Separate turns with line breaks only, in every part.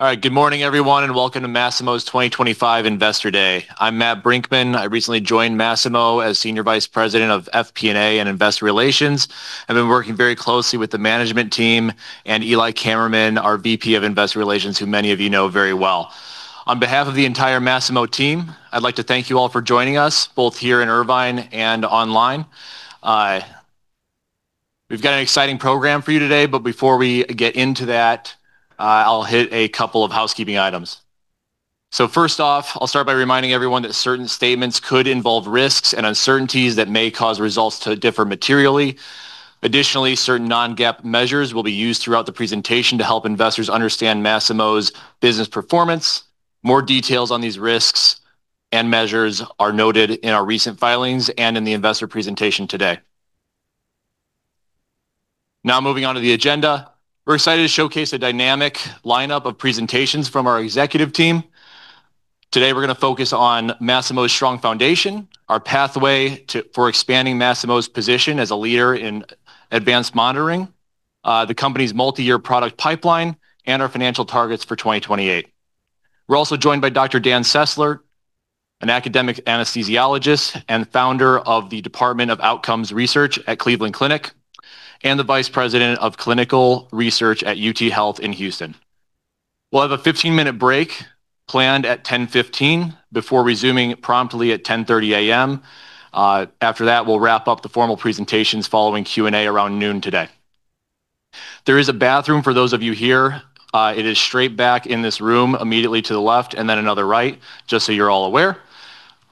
All right, good morning, everyone, and welcome to Masimo's 2025 Investor Day. I'm Matt Brinkmann. I recently joined Masimo as Senior Vice President of FP&A and Investor Relations. I've been working very closely with the management team and Eli Kammerman, our VP of Investor Relations, who many of you know very well. On behalf of the entire Masimo team, I'd like to thank you all for joining us, both here in Irvine and online. We've got an exciting program for you today, but before we get into that, I'll hit a couple of housekeeping items. So first off, I'll start by reminding everyone that certain statements could involve risks and uncertainties that may cause results to differ materially. Additionally, certain Non-GAAP measures will be used throughout the presentation to help investors understand Masimo's business performance. More details on these risks and measures are noted in our recent filings and in the investor presentation today. Now, moving on to the agenda, we're excited to showcase a dynamic lineup of presentations from our executive team. Today, we're going to focus on Masimo's strong foundation, our pathway for expanding Masimo's position as a leader in advanced monitoring, the company's multi-year product pipeline, and our financial targets for 2028. We're also joined by Dr. Dan Sessler, an academic anesthesiologist and founder of the Department of Outcomes Research at Cleveland Clinic, and the Vice President of Clinical Research at UT Health in Houston. We'll have a 15-minute break planned at 10:15 A.M. before resuming promptly at 10:30 A.M. After that, we'll wrap up the formal presentations following Q&A around noon today. There is a bathroom for those of you here. It is straight back in this room, immediately to the left, and then another right, just so you're all aware.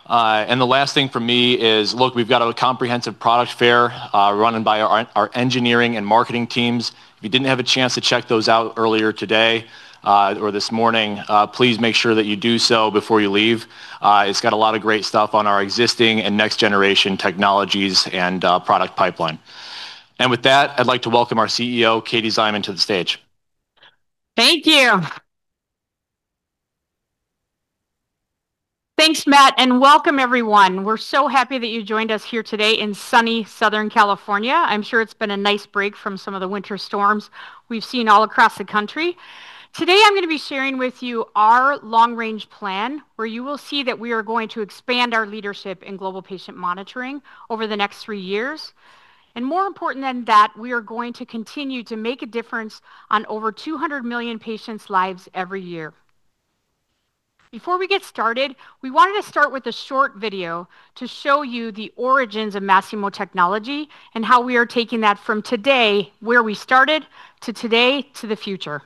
And the last thing from me is, look, we've got a comprehensive product fair run by our engineering and marketing teams. If you didn't have a chance to check those out earlier today or this morning, please make sure that you do so before you leave. It's got a lot of great stuff on our existing and next-generation technologies and product pipeline. And with that, I'd like to welcome our CEO, Katie Szyman, to the stage.
Thank you. Thanks, Matt, and welcome, everyone. We're so happy that you joined us here today in sunny Southern California. I'm sure it's been a nice break from some of the winter storms we've seen all across the country. Today, I'm going to be sharing with you our long-range plan, where you will see that we are going to expand our leadership in global patient monitoring over the next three years, and more important than that, we are going to continue to make a difference on over 200 million patients' lives every year. Before we get started, we wanted to start with a short video to show you the origins of Masimo technology and how we are taking that from today, where we started, to today, to the future.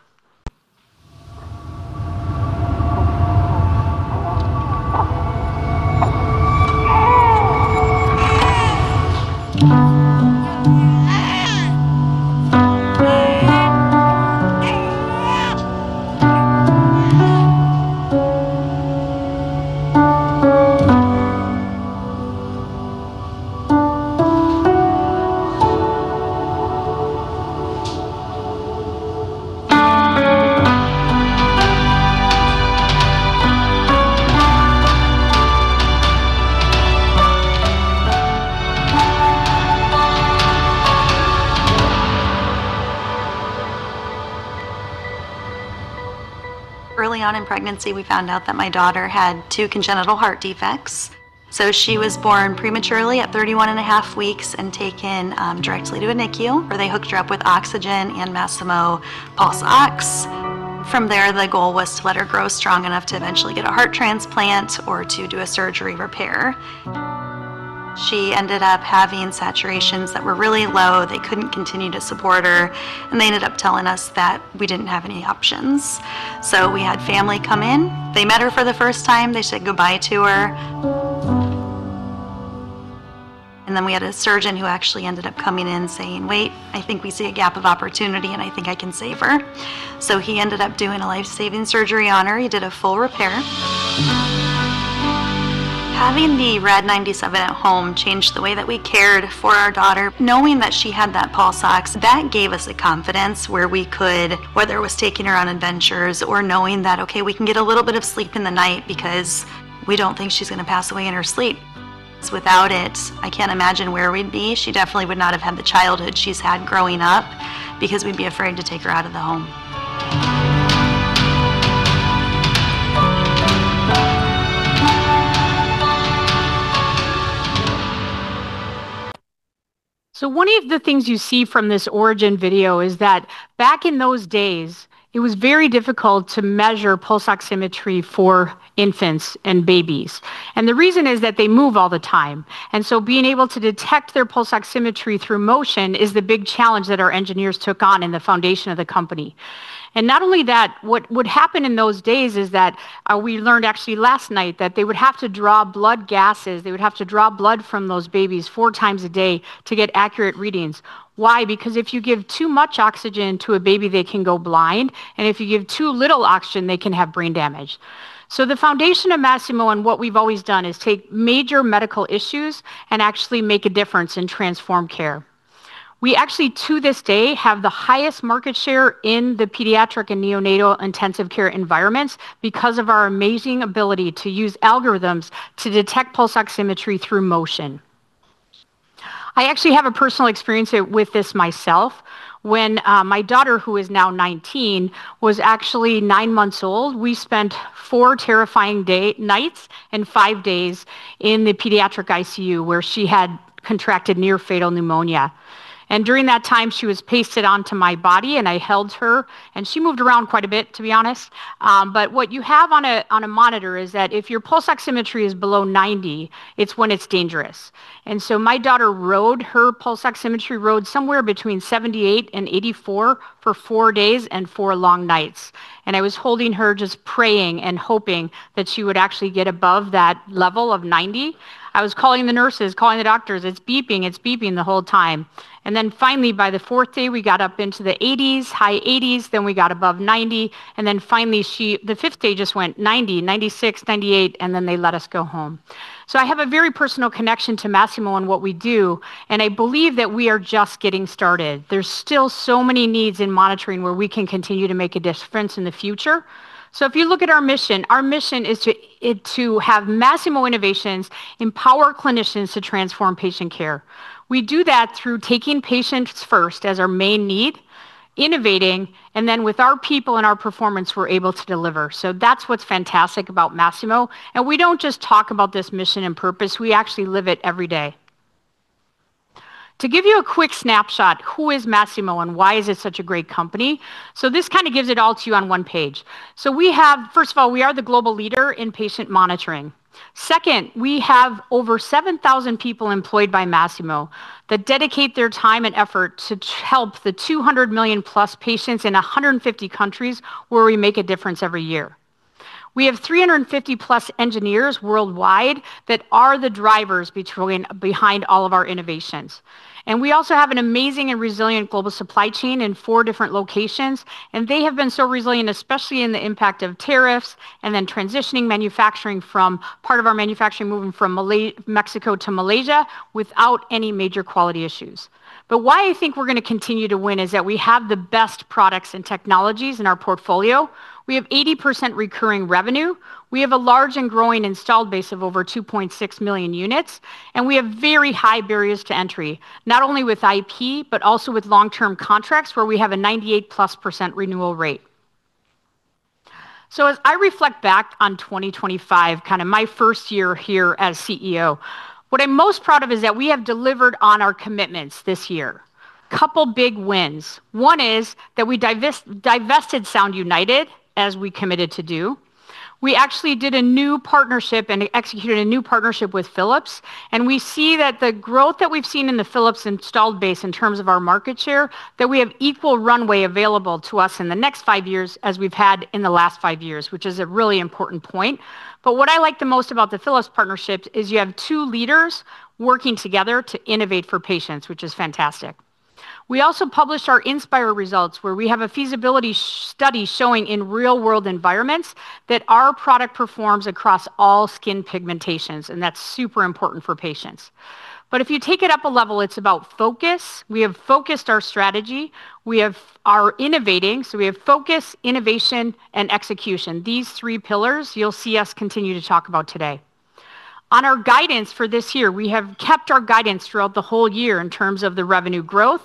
Early on in pregnancy, we found out that my daughter had two congenital heart defects. So she was born prematurely at 31 and a half weeks and taken directly to a NICU, where they hooked her up with oxygen and Masimo Pulse Ox. From there, the goal was to let her grow strong enough to eventually get a heart transplant or to do a surgery repair. She ended up having saturations that were really low. They couldn't continue to support her, and they ended up telling us that we didn't have any options. So we had family come in. They met her for the first time. They said goodbye to her. And then we had a surgeon who actually ended up coming in saying, "Wait, I think we see a gap of opportunity, and I think I can save her." So he ended up doing a life-saving surgery on her. He did a full repair. Having the Rad-97 at home changed the way that we cared for our daughter. Knowing that she had that Pulse Ox, that gave us the confidence where we could, whether it was taking her on adventures or knowing that, okay, we can get a little bit of sleep in the night because we don't think she's going to pass away in her sleep. Without it, I can't imagine where we'd be. She definitely would not have had the childhood she's had growing up because we'd be afraid to take her out of the home. One of the things you see from this origin video is that back in those days, it was very difficult to measure pulse oximetry for infants and babies. The reason is that they move all the time. Being able to detect their pulse oximetry through motion is the big challenge that our engineers took on in the foundation of the company. Not only that, what would happen in those days is that we learned actually last night that they would have to draw blood gases. They would have to draw blood from those babies four times a day to get accurate readings. Why? Because if you give too much oxygen to a baby, they can go blind. If you give too little oxygen, they can have brain damage. The foundation of Masimo and what we've always done is take major medical issues and actually make a difference and transform care. We actually, to this day, have the highest market share in the pediatric and neonatal intensive care environments because of our amazing ability to use algorithms to detect pulse oximetry through motion. I actually have a personal experience with this myself. When my daughter, who is now 19, was actually nine months old, we spent four terrifying nights and five days in the pediatric ICU where she had contracted near-fatal pneumonia. And during that time, she was pasted onto my body, and I held her, and she moved around quite a bit, to be honest. But what you have on a monitor is that if your pulse oximetry is below 90, it's when it's dangerous. So my daughter's pulse oximetry read somewhere between 78-84 for four days and four long nights. I was holding her, just praying and hoping that she would actually get above that level of 90. I was calling the nurses, calling the doctors, "It's beeping, it's beeping the whole time." Then finally, by the fourth day, we got up into the 80s, high 80s. Then we got above 90. Then finally, the fifth day just went 90, 96, 98, and then they let us go home. So I have a very personal connection to Masimo and what we do, and I believe that we are just getting started. There's still so many needs in monitoring where we can continue to make a difference in the future. So if you look at our mission, our mission is to have Masimo Innovations empower clinicians to transform patient care. We do that through taking patients first as our main need, innovating, and then with our people and our performance, we're able to deliver. So that's what's fantastic about Masimo. And we don't just talk about this mission and purpose. We actually live it every day. To give you a quick snapshot, who is Masimo and why is it such a great company? So this kind of gives it all to you on one page. So we have, first of all, we are the global leader in patient monitoring. Second, we have over 7,000 people employed by Masimo that dedicate their time and effort to help the 200+ million patients in 150 countries where we make a difference every year. We have 350+ engineers worldwide that are the drivers behind all of our innovations. And we also have an amazing and resilient global supply chain in four different locations. And they have been so resilient, especially in the impact of tariffs and then transitioning manufacturing from part of our manufacturing moving from Mexico to Malaysia without any major quality issues. But why I think we're going to continue to win is that we have the best products and technologies in our portfolio. We have 80% recurring revenue. We have a large and growing installed base of over 2.6 million units. And we have very high barriers to entry, not only with IP, but also with long-term contracts where we have a 98%+ renewal rate. So as I reflect back on 2025, kind of my first year here as CEO, what I'm most proud of is that we have delivered on our commitments this year. A couple of big wins. One is that we divested Sound United, as we committed to do. We actually did a new partnership and executed a new partnership with Philips. And we see that the growth that we've seen in the Philips installed base in terms of our market share, that we have equal runway available to us in the next five years as we've had in the last five years, which is a really important point. But what I like the most about the Philips partnership is you have two leaders working together to innovate for patients, which is fantastic. We also published our Inspire results, where we have a feasibility study showing in real-world environments that our product performs across all skin pigmentations, and that's super important for patients. But if you take it up a level, it's about focus. We have focused our strategy. We are innovating, so we have focus, innovation, and execution. These three pillars you'll see us continue to talk about today. On our guidance for this year, we have kept our guidance throughout the whole year in terms of the revenue growth.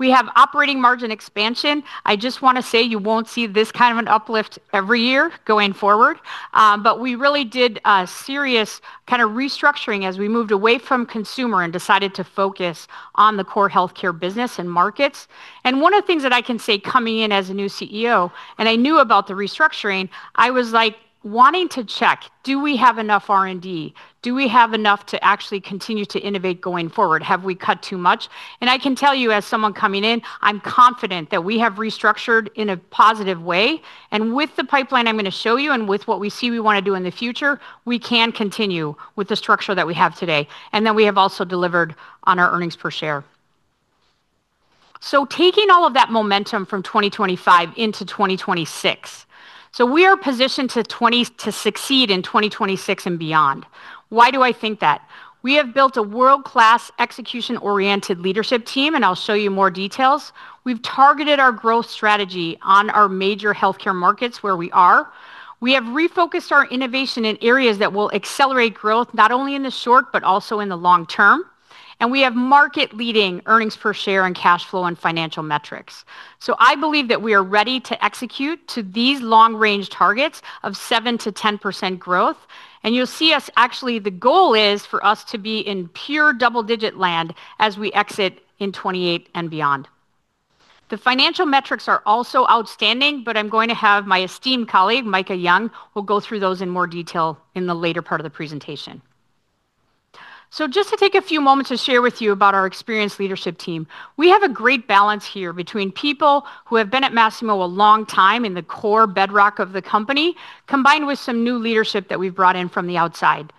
We have operating margin expansion. I just want to say you won't see this kind of an uplift every year going forward, but we really did a serious kind of restructuring as we moved away from consumer and decided to focus on the core healthcare business and markets. And one of the things that I can say coming in as a new CEO, and I knew about the restructuring, I was like wanting to check, do we have enough R&D? Do we have enough to actually continue to innovate going forward? Have we cut too much? And I can tell you, as someone coming in, I'm confident that we have restructured in a positive way. And with the pipeline I'm going to show you and with what we see we want to do in the future, we can continue with the structure that we have today. And then we have also delivered on our earnings per share. So taking all of that momentum from 2025 into 2026, so we are positioned to succeed in 2026 and beyond. Why do I think that? We have built a world-class execution-oriented leadership team, and I'll show you more details. We've targeted our growth strategy on our major healthcare markets where we are. We have refocused our innovation in areas that will accelerate growth not only in the short, but also in the long term. And we have market-leading earnings per share and cash flow and financial metrics. So I believe that we are ready to execute to these long-range targets of 7%-10% growth. And you'll see us actually, the goal is for us to be in pure double-digit land as we exit in 2028 and beyond. The financial metrics are also outstanding, but I'm going to have my esteemed colleague, Micah Young, who will go through those in more detail in the later part of the presentation. Just to take a few moments to share with you about our experienced leadership team, we have a great balance here between people who have been at Masimo a long time in the core bedrock of the company, combined with some new leadership that we've brought in from the outside.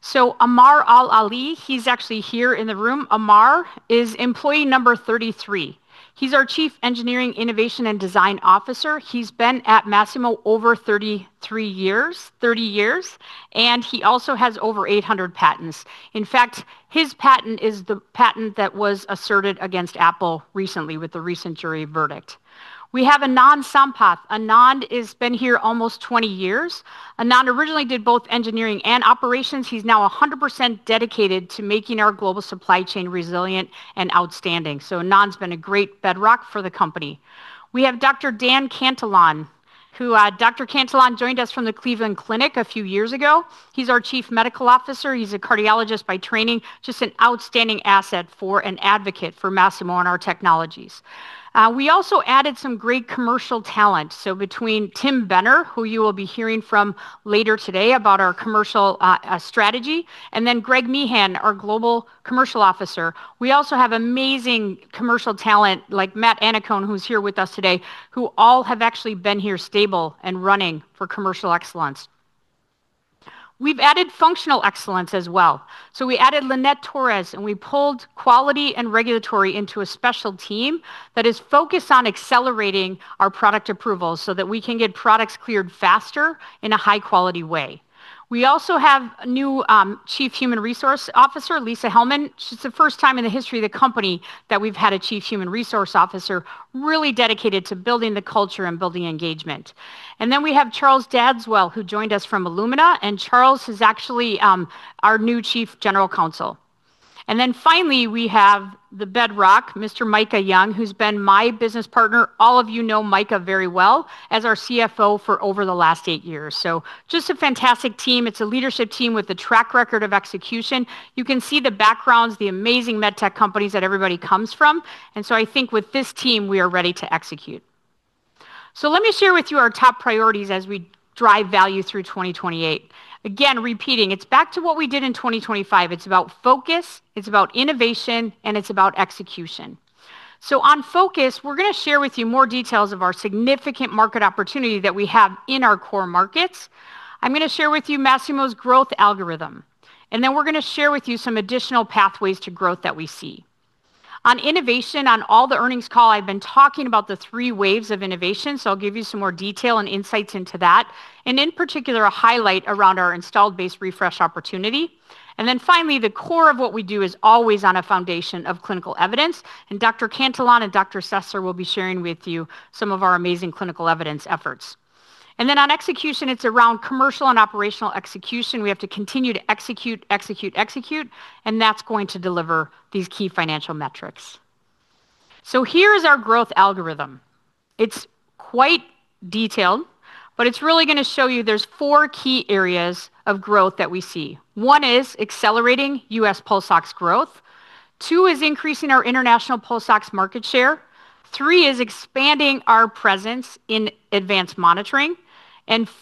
So Ammar Al-Ali, he's actually here in the room. Amar is employee number 33. He's our Chief Engineering, Innovation, and Design Officer. He's been at Masimo over 33 years, 30 years, and he also has over 800 patents. In fact, his patent is the patent that was asserted against Apple recently with the recent jury verdict. We have Anand Sampath. Anand has been here almost 20 years. Anand originally did both engineering and operations. He's now 100% dedicated to making our global supply chain resilient and outstanding. So Anand's been a great bedrock for the company. We have Dr. Dan Cantillon, who joined us from the Cleveland Clinic a few years ago. He's our Chief Medical Officer. He's a cardiologist by training, just an outstanding asset and advocate for Masimo and our technologies. We also added some great commercial talent. So between Tim Benner, who you will be hearing from later today about our commercial strategy, and then Greg Meehan, our Global Commercial Officer, we also have amazing commercial talent like Matt Annacone, who's here with us today, who all have actually been here stable and running for commercial excellence. We've added functional excellence as well. So we added Lynette Torres, and we pulled quality and regulatory into a special team that is focused on accelerating our product approvals so that we can get products cleared faster in a high-quality way. We also have a new Chief Human Resources Officer, Lisa Hellmann. It's the first time in the history of the company that we've had a Chief Human Resource Officer really dedicated to building the culture and building engagement, and then we have Charles Dadswell, who joined us from Illumina, and Charles is actually our new Chief General Counsel, and then finally, we have the bedrock, Mr. Micah Young, who's been my business partner, all of you know Micah very well as our CFO for over the last eight years, so just a fantastic team. It's a leadership team with a track record of execution. You can see the backgrounds, the amazing medtech companies that everybody comes from, and so I think with this team, we are ready to execute, so let me share with you our top priorities as we drive value through 2028. Again, repeating, it's back to what we did in 2025. It's about focus, it's about innovation, and it's about execution. So on focus, we're going to share with you more details of our significant market opportunity that we have in our core markets. I'm going to share with you Masimo's growth algorithm. And then we're going to share with you some additional pathways to growth that we see. On innovation, on all the earnings call, I've been talking about the three waves of innovation. So I'll give you some more detail and insights into that. And in particular, a highlight around our installed base refresh opportunity. And then finally, the core of what we do is always on a foundation of clinical evidence. And Dr. Cantillon and Dr. Sessler will be sharing with you some of our amazing clinical evidence efforts. And then on execution, it's around commercial and operational execution. We have to continue to execute, execute, execute. That's going to deliver these key financial metrics. Here is our growth algorithm. It's quite detailed, but it's really going to show you there's four key areas of growth that we see. One is accelerating U.S. pulse ox growth. Two is increasing our international pulse ox market share. Three is expanding our presence in advanced monitoring.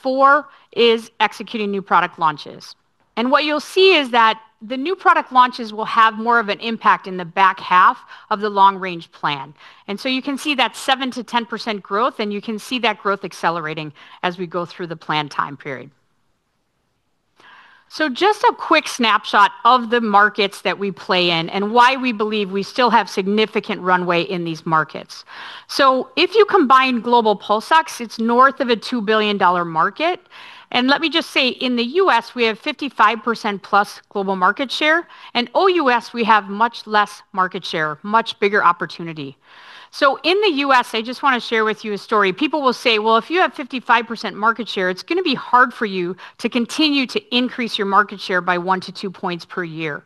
Four is executing new product launches. What you'll see is that the new product launches will have more of an impact in the back half of the long-range plan. You can see that 7%-10% growth, and you can see that growth accelerating as we go through the planned time period. Just a quick snapshot of the markets that we play in and why we believe we still have significant runway in these markets. If you combine global pulse ox, it's north of a $2 billion market. Let me just say, in the U.S., we have 55%+ global market share. OUS, we have much less market share, much bigger opportunity. In the U.S., I just want to share with you a story. People will say, "Well, if you have 55% market share, it's going to be hard for you to continue to increase your market share by one to two points per year."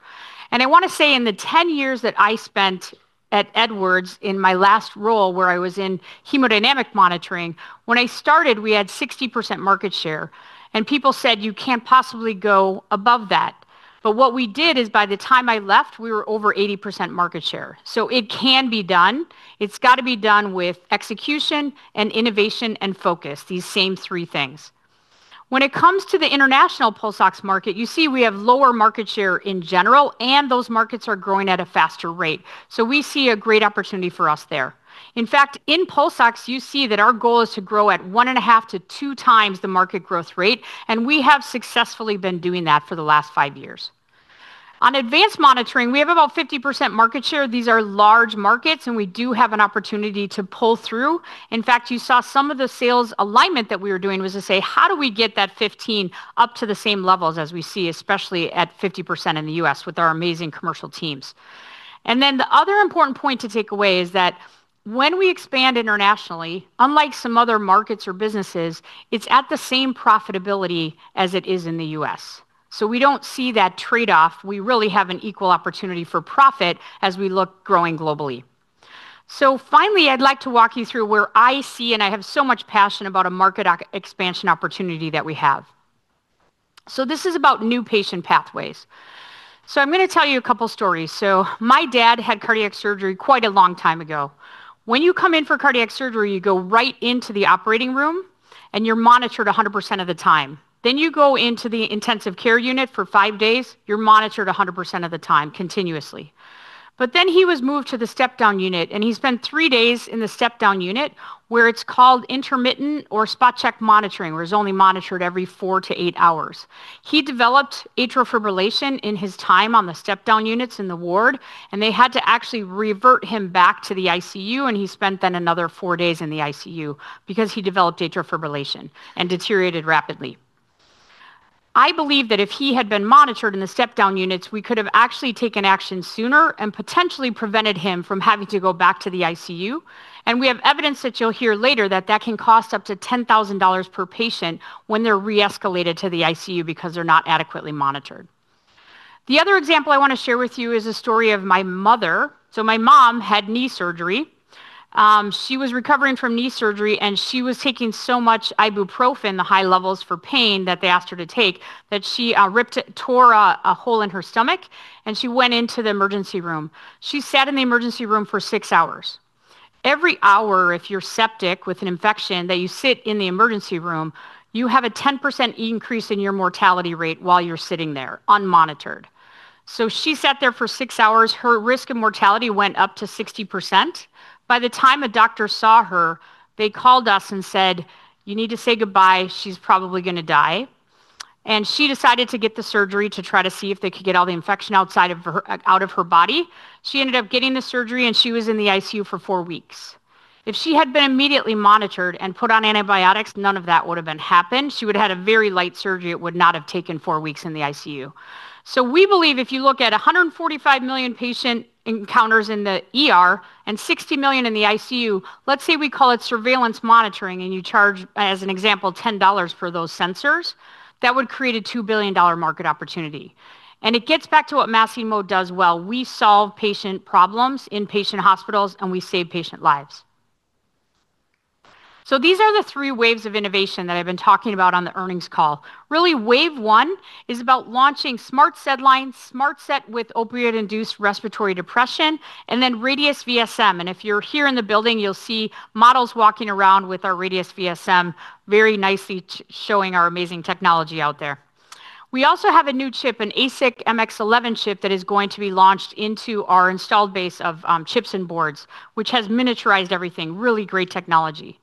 I want to say in the 10 years that I spent at Edwards in my last role where I was in hemodynamic monitoring, when I started, we had 60% market share. People said, "You can't possibly go above that." But what we did is by the time I left, we were over 80% market share. It can be done. It's got to be done with execution and innovation and focus, these same three things. When it comes to the international pulse ox market, you see we have lower market share in general, and those markets are growing at a faster rate. So we see a great opportunity for us there. In fact, in pulse ox, you see that our goal is to grow at one and a half to two times the market growth rate. And we have successfully been doing that for the last five years. On advanced monitoring, we have about 50% market share. These are large markets, and we do have an opportunity to pull through. In fact, you saw some of the sales alignment that we were doing was to say, "How do we get that 15% up to the same levels as we see, especially at 50% in the U.S. with our amazing commercial teams?" And then the other important point to take away is that when we expand internationally, unlike some other markets or businesses, it's at the same profitability as it is in the U.S. So we don't see that trade-off. We really have an equal opportunity for profit as we look growing globally. So finally, I'd like to walk you through where I see, and I have so much passion about a market expansion opportunity that we have. So this is about new patient pathways. So I'm going to tell you a couple of stories. So my dad had cardiac surgery quite a long time ago. When you come in for cardiac surgery, you go right into the operating room, and you're monitored 100% of the time. Then you go into the intensive care unit for five days. You're monitored 100% of the time continuously. But then he was moved to the step-down unit, and he spent three days in the step-down unit where it's called intermittent or spot check monitoring, where he's only monitored every four to eight hours. He developed atrial fibrillation in his time on the step-down units in the ward, and they had to actually revert him back to the ICU. And he spent then another four days in the ICU because he developed atrial fibrillation and deteriorated rapidly. I believe that if he had been monitored in the step-down units, we could have actually taken action sooner and potentially prevented him from having to go back to the ICU. And we have evidence that you'll hear later that that can cost up to $10,000 per patient when they're re-escalated to the ICU because they're not adequately monitored. The other example I want to share with you is a story of my mother so my mom had knee surgery. She was recovering from knee surgery, and she was taking so much ibuprofen, the high levels for pain that they asked her to take, that she ripped it, tore a hole in her stomach, and she went into the emergency room. She sat in the emergency room for six hours. Every hour, if you're septic with an infection, that you sit in the emergency room, you have a 10% increase in your mortality rate while you're sitting there unmonitored so she sat there for six hours. Her risk of mortality went up to 60%. By the time a doctor saw her, they called us and said, "You need to say goodbye. She's probably going to die," and she decided to get the surgery to try to see if they could get all the infection outside of her body. She ended up getting the surgery, and she was in the ICU for four weeks. If she had been immediately monitored and put on antibiotics, none of that would have been happened. She would have had a very light surgery. It would not have taken four weeks in the ICU. So we believe if you look at 145 million patient encounters in the U.S. and 60 million in the ICU, let's say we call it surveillance monitoring, and you charge, as an example, $10 for those sensors, that would create a $2 billion market opportunity. And it gets back to what Masimo does well. We solve patient problems in patient hospitals, and we save patient lives. So these are the three waves of innovation that I've been talking about on the earnings call. Really, wave one is about launching SmartSedLine, SmartSet with opioid-induced respiratory depression, and then Radius VSM. And if you're here in the building, you'll see models walking around with our Radius VSM, very nicely showing our amazing technology out there. We also have a new chip, an ASIC MX-11 chip that is going to be launched into our installed base of chips and boards, which has miniaturized everything. Really great technology.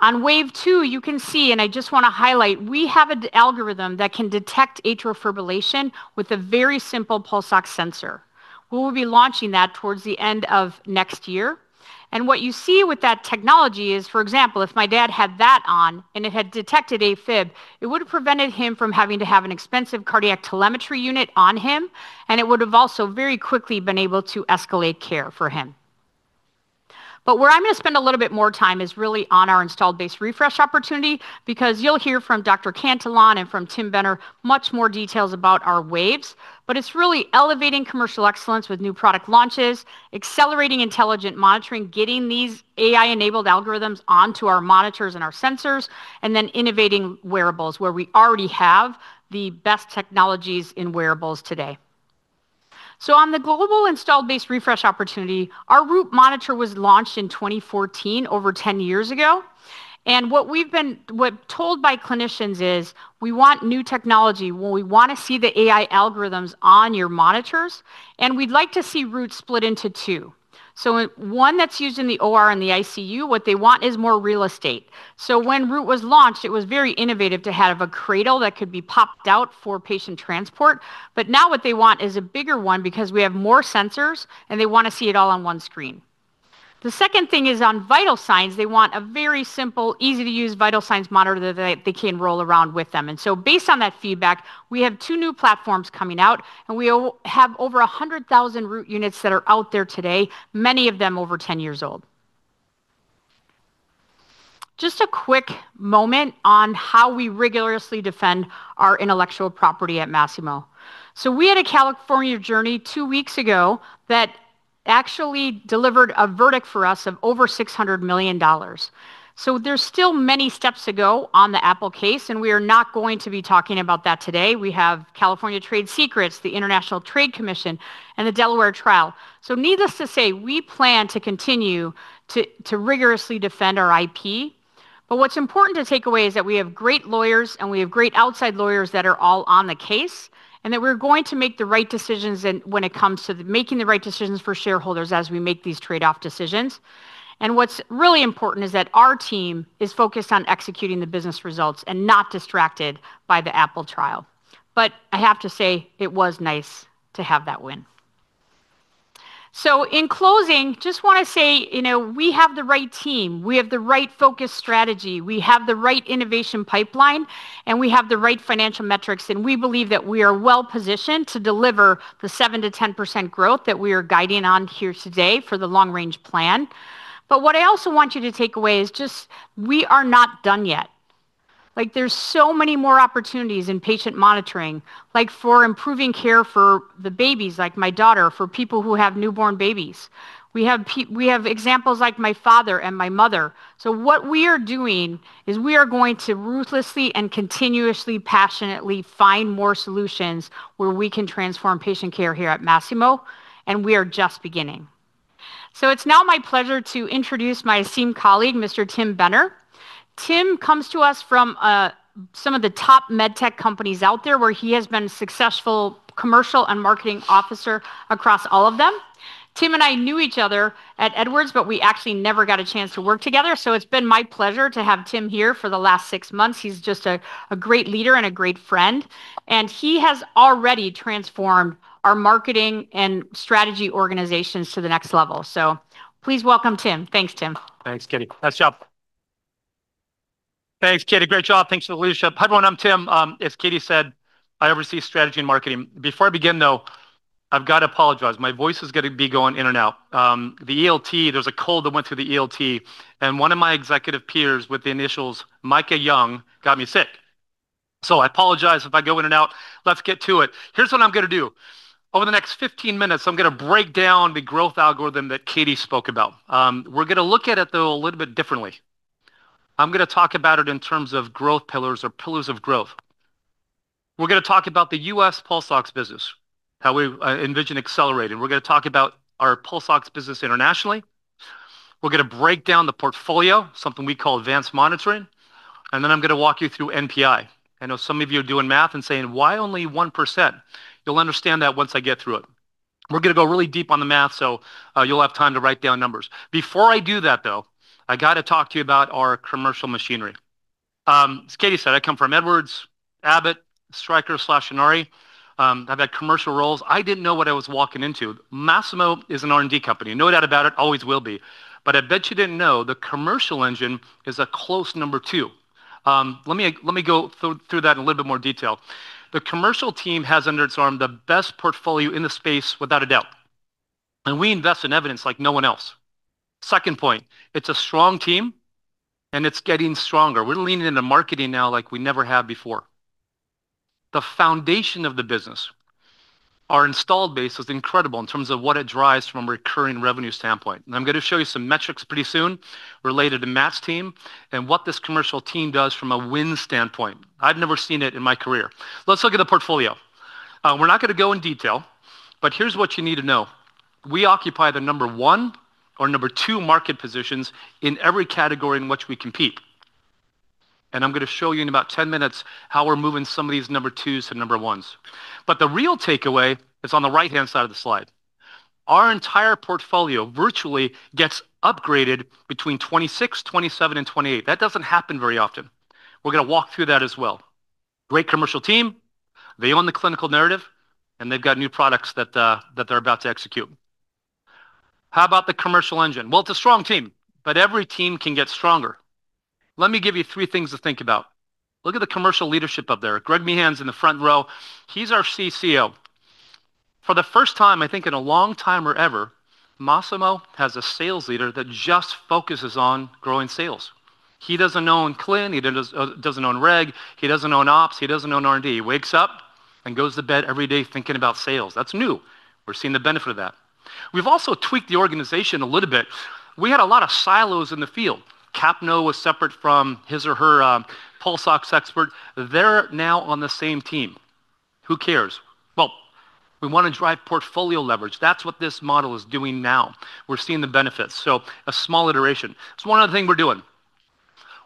On wave two, you can see, and I just want to highlight, we have an algorithm that can detect atrial fibrillation with a very simple pulse ox sensor. We will be launching that towards the end of next year. What you see with that technology is, for example, if my dad had that on and it had detected AFib, it would have prevented him from having to have an expensive cardiac telemetry unit on him, and it would have also very quickly been able to escalate care for him. Where I'm going to spend a little bit more time is really on our installed base refresh opportunity because you'll hear from Dr. Cantillon and from Tim Benner much more details about our ways. It is really elevating commercial excellence with new product launches, accelerating intelligent monitoring, getting these AI-enabled algorithms onto our monitors and our sensors, and then innovating wearables where we already have the best technologies in wearables today. On the global installed base refresh opportunity, our Root monitor was launched in 2014, over 10 years ago. And what we've been told by clinicians is we want new technology. We want to see the AI algorithms on your monitors, and we'd like to see Root split into two. So one that's used in the OR and the ICU, what they want is more real estate. So when Root was launched, it was very innovative to have a cradle that could be popped out for patient transport. But now what they want is a bigger one because we have more sensors, and they want to see it all on one screen. The second thing is on vital signs. They want a very simple, easy-to-use vital signs monitor that they can roll around with them. And so based on that feedback, we have two new platforms coming out, and we have over 100,000 Root units that are out there today, many of them over 10 years old. Just a quick moment on how we rigorously defend our intellectual property at Masimo. So we had a California jury two weeks ago that actually delivered a verdict for us of over $600 million. So there's still many steps to go on the Apple case, and we are not going to be talking about that today. We have California Trade Secrets, the International Trade Commission, and the Delaware trial. So needless to say, we plan to continue to rigorously defend our IP. But what's important to take away is that we have great lawyers, and we have great outside lawyers that are all on the case, and that we're going to make the right decisions when it comes to making the right decisions for shareholders as we make these trade-off decisions. What's really important is that our team is focused on executing the business results and not distracted by the Apple trial. I have to say, it was nice to have that win. In closing, just want to say we have the right team. We have the right focus strategy. We have the right innovation pipeline, and we have the right financial metrics. We believe that we are well positioned to deliver the 7%-10% growth that we are guiding on here today for the long-range plan. What I also want you to take away is just we are not done yet. There's so many more opportunities in patient monitoring, like for improving care for the babies, like my daughter, for people who have newborn babies. We have examples like my father and my mother. So what we are doing is we are going to ruthlessly and continuously, passionately find more solutions where we can transform patient care here at Masimo, and we are just beginning. So it's now my pleasure to introduce my esteemed colleague, Mr. Tim Benner. Tim comes to us from some of the top medtech companies out there where he has been a successful commercial and marketing officer across all of them. Tim and I knew each other at Edwards, but we actually never got a chance to work together. So it's been my pleasure to have Tim here for the last six months. He's just a great leader and a great friend. And he has already transformed our marketing and strategy organizations to the next level. So please welcome Tim. Thanks, Tim.
Thanks, Katie. Nice job. Thanks, Katie. Great job. Thanks for the leadership. Hi everyone. I'm Tim. As Katie said, I oversee strategy and marketing. Before I begin, though, I've got to apologize. My voice is going to be going in and out. The ELT, there's a cold that went through the ELT, and one of my executive peers with the initials, Micah Young, got me sick. So I apologize if I go in and out. Let's get to it. Here's what I'm going to do. Over the next 15 minutes, I'm going to break down the growth algorithm that Katie spoke about. We're going to look at it a little bit differently. I'm going to talk about it in terms of growth pillars or pillars of growth. We're going to talk about the U.S. pulse ox business, how we envision accelerating. We're going to talk about our pulse ox business internationally. We're going to break down the portfolio, something we call advanced monitoring. And then I'm going to walk you through NPI. I know some of you are doing math and saying, "Why only 1%?" You'll understand that once I get through it. We're going to go really deep on the math, so you'll have time to write down numbers. Before I do that, though, I got to talk to you about our commercial machinery. As Katie said, I come from Edwards, Abbott, Stryker, and RE. I've had commercial roles. I didn't know what I was walking into. Masimo is an R&D company, no doubt about it, always will be. But I bet you didn't know the commercial engine is a close number two. Let me go through that in a little bit more detail. The commercial team has under its arm the best portfolio in the space, without a doubt, and we invest in evidence like no one else. Second point, it's a strong team, and it's getting stronger. We're leaning into marketing now like we never have before. The foundation of the business, our installed base, is incredible in terms of what it drives from a recurring revenue standpoint, and I'm going to show you some metrics pretty soon related to Matt's team and what this commercial team does from a win standpoint. I've never seen it in my career. Let's look at the portfolio. We're not going to go in detail, but here's what you need to know. We occupy the number one or number two market positions in every category in which we compete. I'm going to show you in about 10 minutes how we're moving some of these number twos to number ones. The real takeaway is on the right-hand side of the slide. Our entire portfolio virtually gets upgraded between 26, 27, and 28. That doesn't happen very often. We're going to walk through that as well. Great commercial team. They own the clinical narrative, and they've got new products that they're about to execute. How about the commercial engine? It's a strong team, but every team can get stronger. Let me give you three things to think about. Look at the commercial leadership up there. Greg Meehan's in the front row. He's our CCO. For the first time, I think in a long time or ever, Masimo has a sales leader that just focuses on growing sales. He doesn't own Clin. He doesn't own Reg. He doesn't own Ops. He doesn't own R&D. He wakes up and goes to bed every day thinking about sales. That's new. We're seeing the benefit of that. We've also tweaked the organization a little bit. We had a lot of silos in the field. Capno was separate from his or her pulse ox expert. They're now on the same team. Who cares? Well, we want to drive portfolio leverage. That's what this model is doing now. We're seeing the benefits. So a small iteration. It's one other thing we're doing.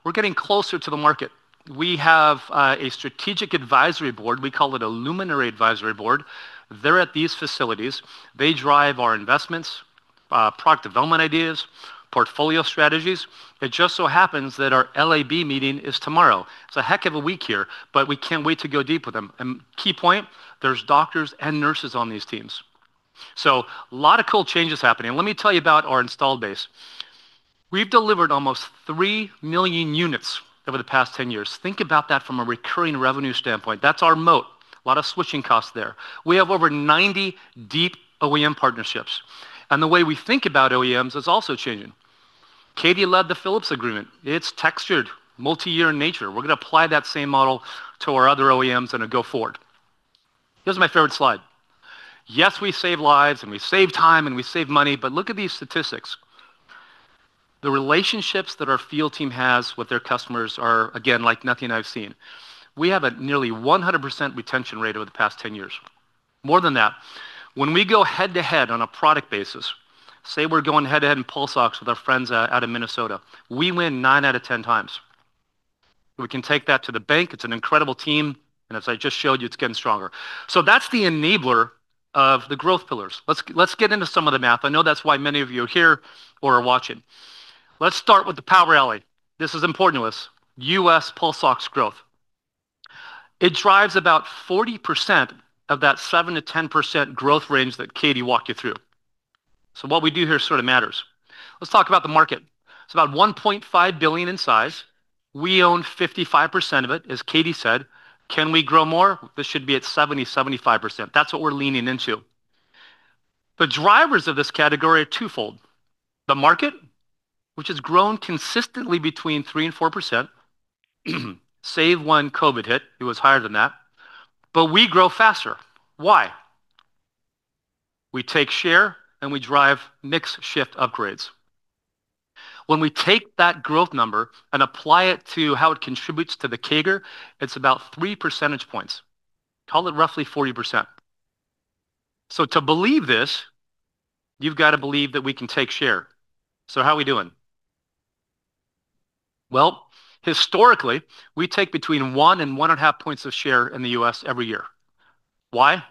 We're getting closer to the market. We have a strategic advisory board. We call it a luminary advisory board. They're at these facilities. They drive our investments, product development ideas, portfolio strategies. It just so happens that our LAB meeting is tomorrow. It's a heck of a week here, but we can't wait to go deep with them. And key point, there's doctors and nurses on these teams. So a lot of cool changes happening. Let me tell you about our installed base. We've delivered almost 3 million units over the past 10 years. Think about that from a recurring revenue standpoint. That's our moat. A lot of switching costs there. We have over 90 deep OEM partnerships. And the way we think about OEMs is also changing. Katie led the Philips agreement. It's textured, multi-year in nature. We're going to apply that same model to our other OEMs and go forward. Here's my favorite slide. Yes, we save lives, and we save time, and we save money, but look at these statistics. The relationships that our field team has with their customers are, again, like nothing I've seen. We have a nearly 100% retention rate over the past 10 years. More than that, when we go head-to-head on a product basis, say we're going head-to-head in pulse ox with our friends out of Minnesota, we win 9 out of 10 times. We can take that to the bank. It's an incredible team, and as I just showed you, it's getting stronger. That's the enabler of the growth pillars. Let's get into some of the math. I know that's why many of you are here or are watching. Let's start with the power alley. This is important to us. U.S. pulse ox growth. It drives about 40% of that 7%-10% growth range that Katie walked you through. So what we do here sort of matters. Let's talk about the market. It's about $1.5 billion in size. We own 55% of it, as Katie said. Can we grow more? This should be at 70%-75%. That's what we're leaning into. The drivers of this category are twofold. The market, which has grown consistently between 3% and 4%, save when COVID hit. It was higher than that. But we grow faster. Why? We take share and we drive mixed shift upgrades. When we take that growth number and apply it to how it contributes to the CAGR, it's about 3 percentage points. Call it roughly 40%. So to believe this, you've got to believe that we can take share. So how are we doing? Well, historically, we take between 1 and 1.5 points of share in the U.S. every year. Why?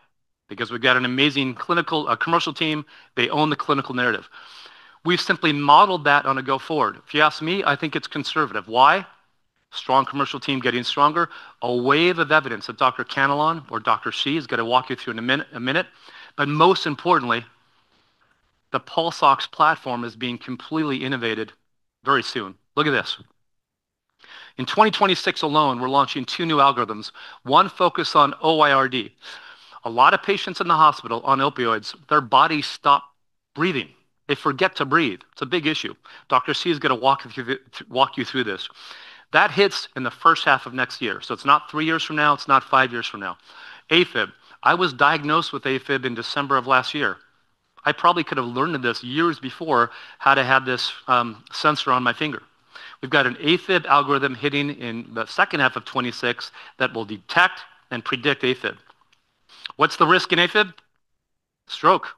Because we've got an amazing commercial team. They own the clinical narrative. We've simply modeled that on a go-forward. If you ask me, I think it's conservative. Why? Strong commercial team getting stronger. A wave of evidence that Dr. Cantillon or Dr. Sheehan is going to walk you through in a minute, but most importantly, the pulse ox platform is being completely innovated very soon. Look at this. In 2026 alone, we're launching two new algorithms, one focused on OIRD. A lot of patients in the hospital on opioids, their bodies stop breathing. They forget to breathe. It's a big issue. Dr. Sessler is going to walk you through this. That hits in the first half of next year, so it's not three years from now. It's not five years from now. AFib. I was diagnosed with AFib in December of last year. I probably could have learned this years before how to have this sensor on my finger. We've got an AFib algorithm hitting in the second half of 2026 that will detect and predict AFib. What's the risk in AFib? Stroke.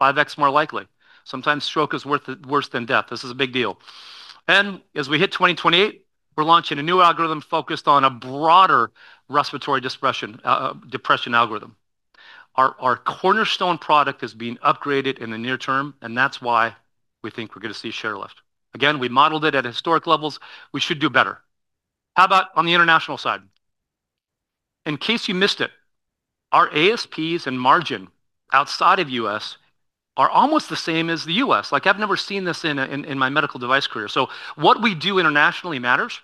5x more likely. Sometimes stroke is worse than death. This is a big deal, and as we hit 2028, we're launching a new algorithm focused on a broader respiratory depression algorithm. Our cornerstone product is being upgraded in the near term, and that's why we think we're going to see share lift. Again, we modeled it at historic levels. We should do better. How about on the international side? In case you missed it, our ASPs and margin outside of the U.S. are almost the same as the U.S. Like I've never seen this in my medical device career, so what we do internationally matters,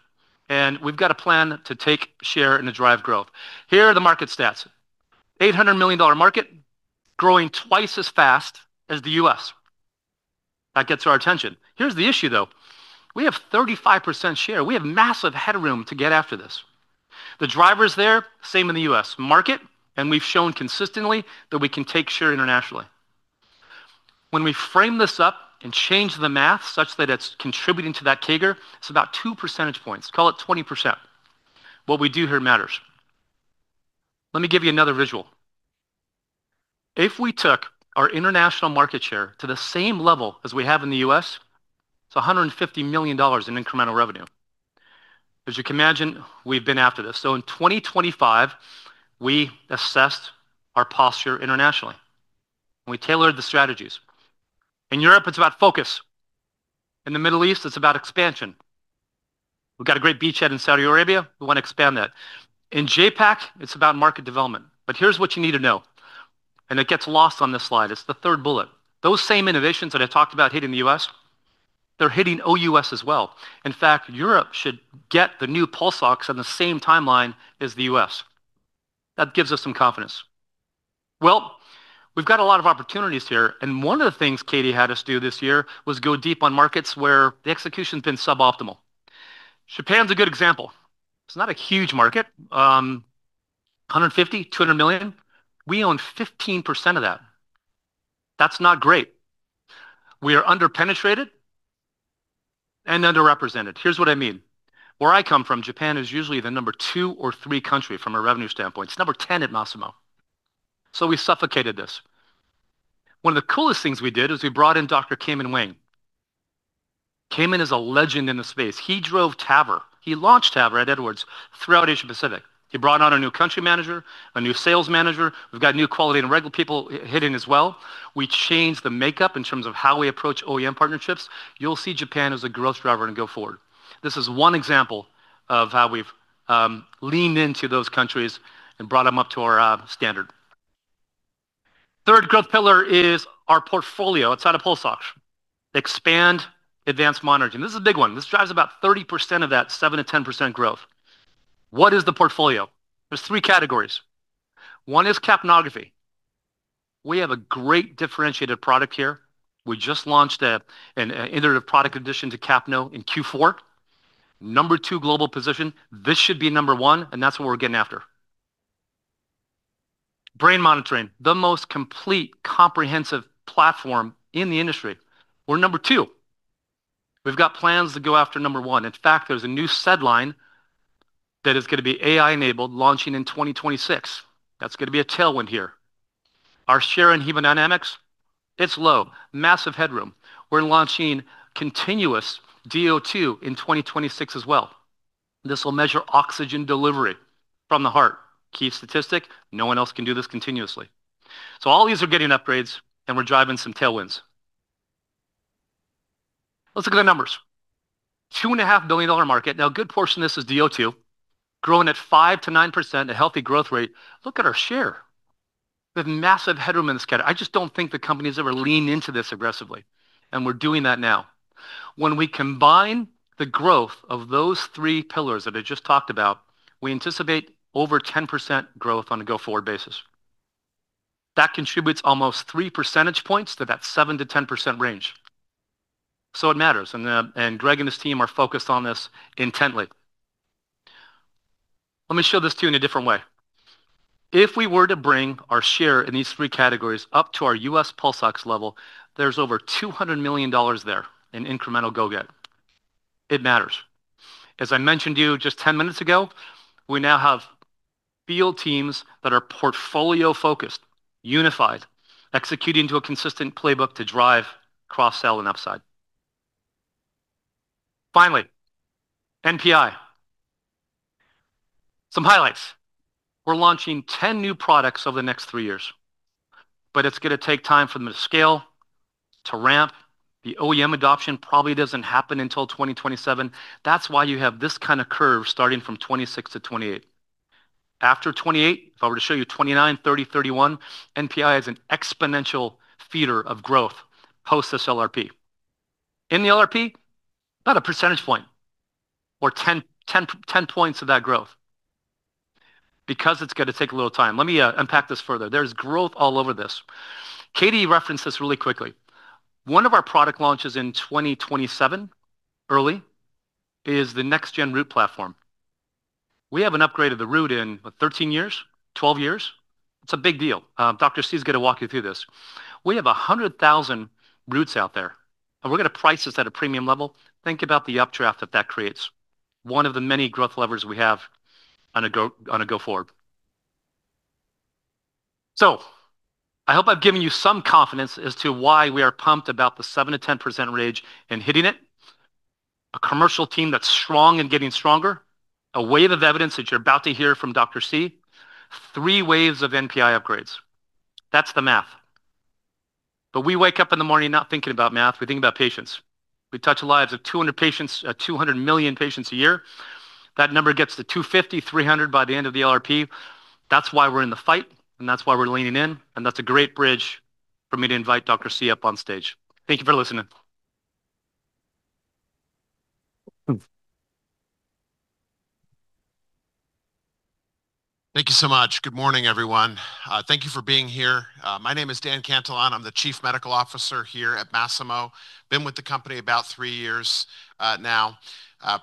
and we've got a plan to take share and to drive growth. Here are the market stats. $800 million market, growing twice as fast as the U.S. That gets our attention. Here's the issue, though. We have 35% share. We have massive headroom to get after this. The driver's there, same in the U.S. Market, and we've shown consistently that we can take share internationally. When we frame this up and change the math such that it's contributing to that CAGR, it's about 2 percentage points. Call it 20%. What we do here matters. Let me give you another visual. If we took our international market share to the same level as we have in the U.S., it's $150 million in incremental revenue. As you can imagine, we've been after this. So in 2025, we assessed our posture internationally. We tailored the strategies. In Europe, it's about focus. In the Middle East, it's about expansion. We've got a great beachhead in Saudi Arabia. We want to expand that. In JPAC, it's about market development. But here's what you need to know, and it gets lost on this slide. It's the third bullet. Those same innovations that I talked about hitting the U.S., they're hitting OUS as well. In fact, Europe should get the new pulse ox on the same timeline as the U.S. That gives us some confidence. We've got a lot of opportunities here. One of the things Katie had us do this year was go deep on markets where the execution has been suboptimal. Japan's a good example. It's not a huge market. $150 million-$200 million. We own 15% of that. That's not great. We are under-penetrated and underrepresented. Here's what I mean. Where I come from, Japan is usually the number two or three country from a revenue standpoint. It's number 10 at Masimo. We suffocated this. One of the coolest things we did is we brought in Dr. Kamen Wang. Kamen is a legend in the space. He drove TAVR. He launched TAVR at Edwards throughout Asia-Pacific. He brought on a new country manager, a new sales manager. We've got new quality and regulatory people hired as well. We changed the makeup in terms of how we approach OEM partnerships. You'll see Japan as a growth driver going forward. This is one example of how we've leaned into those countries and brought them up to our standard. Third growth pillar is our portfolio outside of pulse ox. Expand, advanced monitoring. This is a big one. This drives about 30% of that 7%-10% growth. What is the portfolio? There's three categories. One is capnography. We have a great differentiated product here. We just launched an iterative product addition to Capno in Q4. Number two global position. This should be number one, and that's what we're getting after. Brain monitoring, the most complete, comprehensive platform in the industry. We're number two. We've got plans to go after number one. In fact, there's a new SedLine that is going to be AI-enabled, launching in 2026. That's going to be a tailwind here. Our share in hemodynamics, it's low. Massive headroom. We're launching continuous DO2 in 2026 as well. This will measure oxygen delivery from the heart. Key statistic, no one else can do this continuously, so all these are getting upgrades, and we're driving some tailwinds. Let's look at the numbers. $2.5 billion market. Now, a good portion of this is DO2, growing at 5%-9%, a healthy growth rate. Look at our share. We have massive headroom in this category. I just don't think the company's ever leaned into this aggressively, and we're doing that now. When we combine the growth of those three pillars that I just talked about, we anticipate over 10% growth on a go-forward basis. That contributes almost 3 percentage points to that 7%-10% range. So it matters. And Greg and his team are focused on this intently. Let me show this to you in a different way. If we were to bring our share in these three categories up to our U.S. pulse ox level, there's over $200 million there in incremental go-get. It matters. As I mentioned to you just 10 minutes ago, we now have field teams that are portfolio-focused, unified, executing to a consistent playbook to drive cross-sale and upside. Finally, NPI. Some highlights. We're launching 10 new products over the next three years. But it's going to take time for them to scale, to ramp. The OEM adoption probably doesn't happen until 2027. That's why you have this kind of curve starting from 26 to 28. After 28, if I were to show you 29, 30, 31, NPI is an exponential feeder of growth post this LRP. In the LRP, about a percentage point or 10 points of that growth because it's going to take a little time. Let me unpack this further. There's growth all over this. Katie referenced this really quickly. One of our product launches in 2027, early, is the Next-gen Root platform. We have an upgrade of the Root in 13 years, 12 years. It's a big deal. Dr. Sessler is going to walk you through this. We have 100,000 Roots out there. And we're going to price this at a premium level. Think about the updraft that that creates. One of the many growth levers we have on a go-forward. I hope I've given you some confidence as to why we are pumped about the 7%-10% range and hitting it. A commercial team that's strong and getting stronger. A wave of evidence that you're about to hear from Dr. Cantillon. Three waves of NPI upgrades. That's the math. But we wake up in the morning not thinking about math. We think about patients. We touch lives of 200 patients, 200 million patients a year. That number gets to 250-300 by the end of the LRP. That's why we're in the fight, and that's why we're leaning in. And that's a great bridge for me to invite Dr. Cantillon up on stage. Thank you for listening.
Thank you so much. Good morning, everyone. Thank you for being here. My name is Dan Cantillon. I'm the Chief Medical Officer here at Masimo. been with the company about three years now.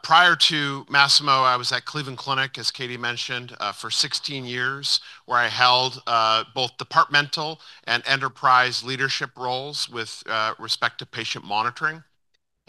Prior to Masimo, I was at Cleveland Clinic, as Katie mentioned, for 16 years, where I held both departmental and enterprise leadership roles with respect to patient monitoring.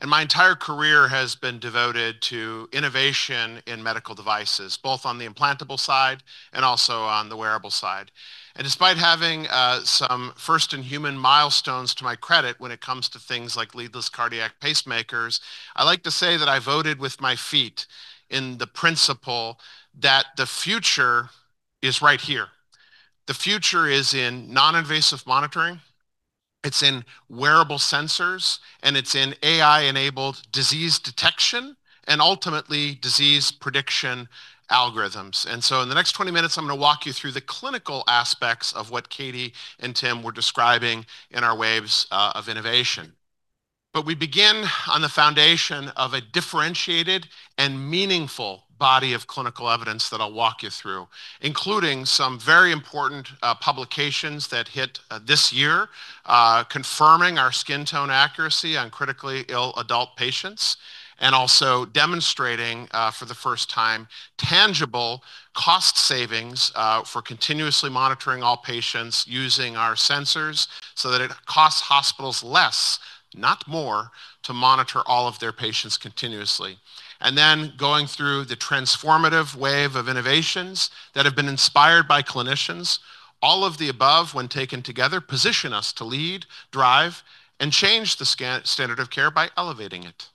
My entire career has been devoted to innovation in medical devices, both on the implantable side and also on the wearable side. Despite having some first-in-human milestones to my credit, when it comes to things like leadless cardiac pacemakers, I like to say that I voted with my feet in the principle that the future is right here. The future is in non-invasive monitoring. It's in wearable sensors, and it's in AI-enabled disease detection and ultimately disease prediction algorithms. In the next 20 minutes, I'm going to walk you through the clinical aspects of what Katie and Tim were describing in our waves of innovation. But we begin on the foundation of a differentiated and meaningful body of clinical evidence that I'll walk you through, including some very important publications that hit this year, confirming our skin tone accuracy on critically ill adult patients and also demonstrating for the first time tangible cost savings for continuously monitoring all patients using our sensors so that it costs hospitals less, not more, to monitor all of their patients continuously. And then going through the transformative wave of innovations that have been inspired by clinicians, all of the above, when taken together, position us to lead, drive, and change the standard of care by elevating it.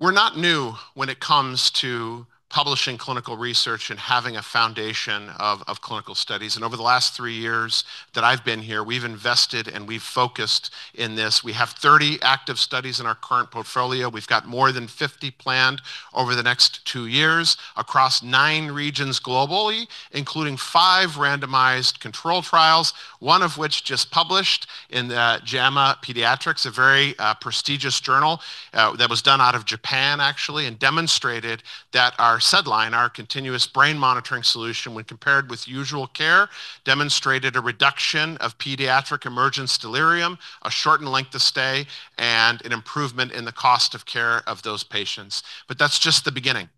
We're not new when it comes to publishing clinical research and having a foundation of clinical studies. And over the last three years that I've been here, we've invested and we've focused in this. We have 30 active studies in our current portfolio. We've got more than 50 planned over the next two years across nine regions globally, including five randomized control trials, one of which just published in JAMA Pediatrics, a very prestigious journal that was done out of Japan, actually, and demonstrated that our SedLine, our continuous brain monitoring solution, when compared with usual care, demonstrated a reduction of pediatric emergence delirium, a shortened length of stay, and an improvement in the cost of care of those patients. But that's just the beginning.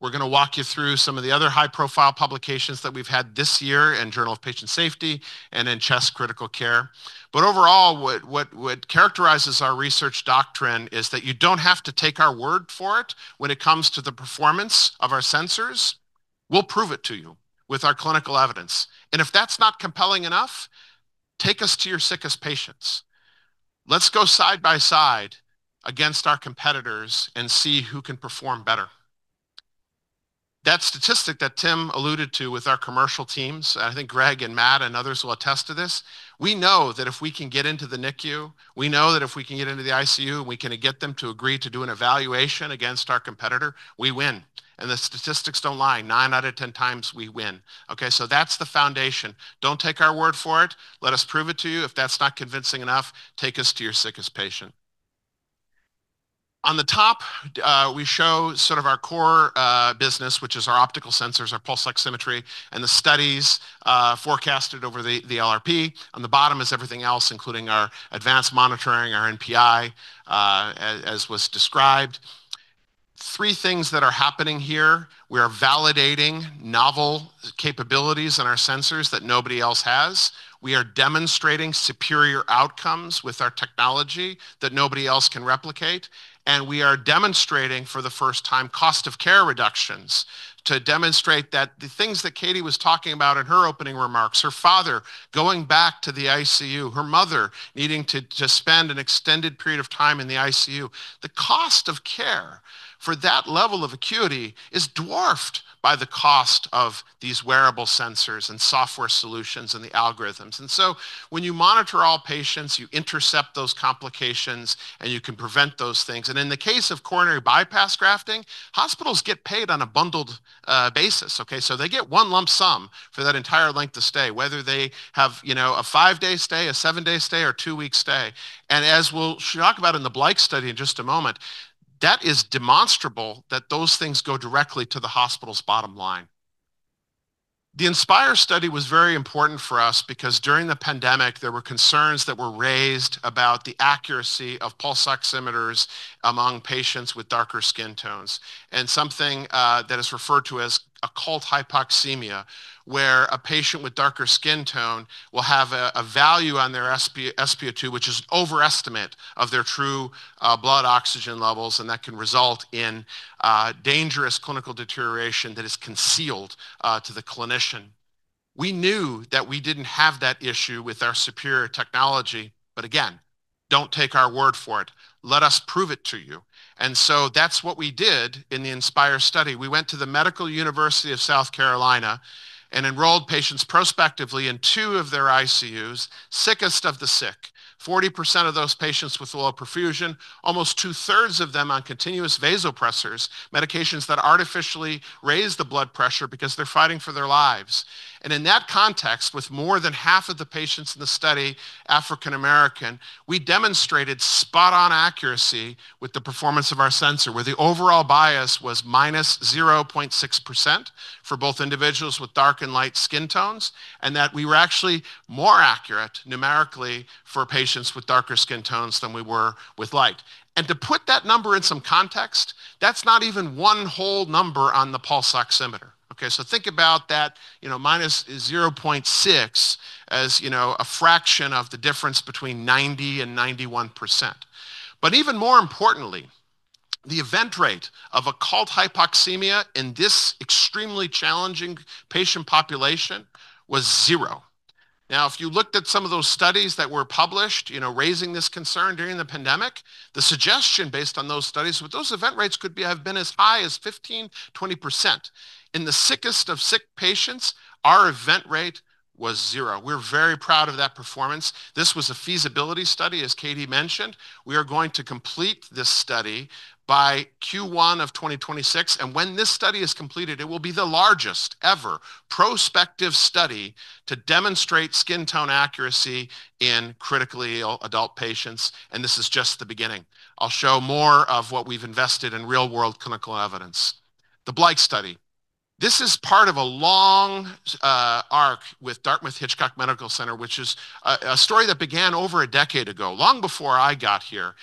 We're going to walk you through some of the other high-profile publications that we've had this year in Journal of Patient Safety and in CHEST Critical Care. But overall, what characterizes our research doctrine is that you don't have to take our word for it when it comes to the performance of our sensors. We'll prove it to you with our clinical evidence. And if that's not compelling enough, take us to your sickest patients. Let's go side by side against our competitors and see who can perform better. That statistic that Tim alluded to with our commercial teams, and I think Greg and Matt and others will attest to this, we know that if we can get into the NICU, we know that if we can get into the ICU and we can get them to agree to do an evaluation against our competitor, we win. And the statistics don't lie. Nine out of ten times, we win. Okay, so that's the foundation. Don't take our word for it. Let us prove it to you. If that's not convincing enough, take us to your sickest patient. On the top, we show sort of our core business, which is our optical sensors, our pulse oximetry, and the studies forecasted over the LRP. On the bottom is everything else, including our advanced monitoring, our NPI, as was described. Three things that are happening here. We are validating novel capabilities in our sensors that nobody else has. We are demonstrating superior outcomes with our technology that nobody else can replicate. And we are demonstrating for the first time cost of care reductions to demonstrate that the things that Katie was talking about in her opening remarks, her father going back to the ICU, her mother needing to spend an extended period of time in the ICU, the cost of care for that level of acuity is dwarfed by the cost of these wearable sensors and software solutions and the algorithms. And so when you monitor all patients, you intercept those complications, and you can prevent those things. And in the case of coronary bypass grafting, hospitals get paid on a bundled basis. Okay, so they get one lump sum for that entire length of stay, whether they have a five-day stay, a seven-day stay, or a two-week stay. And as we'll talk about in the Blike study in just a moment, that is demonstrable that those things go directly to the hospital's bottom line. The Inspire study was very important for us because during the pandemic, there were concerns that were raised about the accuracy of pulse oximeters among patients with darker skin tones and something that is referred to as occult hypoxemia, where a patient with darker skin tone will have a value on their SpO2, which is an overestimate of their true blood oxygen levels, and that can result in dangerous clinical deterioration that is concealed to the clinician. We knew that we didn't have that issue with our superior technology, but again, don't take our word for it. Let us prove it to you, and so that's what we did in the Inspire study. We went to the Medical University of South Carolina and enrolled patients prospectively in two of their ICUs, sickest of the sick, 40% of those patients with low perfusion, almost two-thirds of them on continuous vasopressors, medications that artificially raise the blood pressure because they're fighting for their lives. And in that context, with more than half of the patients in the study African American, we demonstrated spot-on accuracy with the performance of our sensor, where the overall bias was minus 0.6% for both individuals with dark and light skin tones, and that we were actually more accurate numerically for patients with darker skin tones than we were with light. And to put that number in some context, that's not even one whole number on the pulse oximeter. Okay, so think about that minus 0.6 as a fraction of the difference between 90% and 91%. But even more importantly, the event rate of Occult Hypoxemia in this extremely challenging patient population was zero. Now, if you looked at some of those studies that were published raising this concern during the pandemic, the suggestion based on those studies was that those event rates could have been as high as 15%-20%. In the sickest of sick patients, our event rate was zero. We're very proud of that performance. This was a feasibility study, as Katie mentioned. We are going to complete this study by Q1 of 2026. And when this study is completed, it will be the largest ever prospective study to demonstrate skin tone accuracy in critically ill adult patients. And this is just the beginning. I'll show more of what we've invested in real-world clinical evidence. The Blike study. This is part of a long arc with Dartmouth Hitchcock Medical Center, which is a story that began over a decade ago, long before I got here.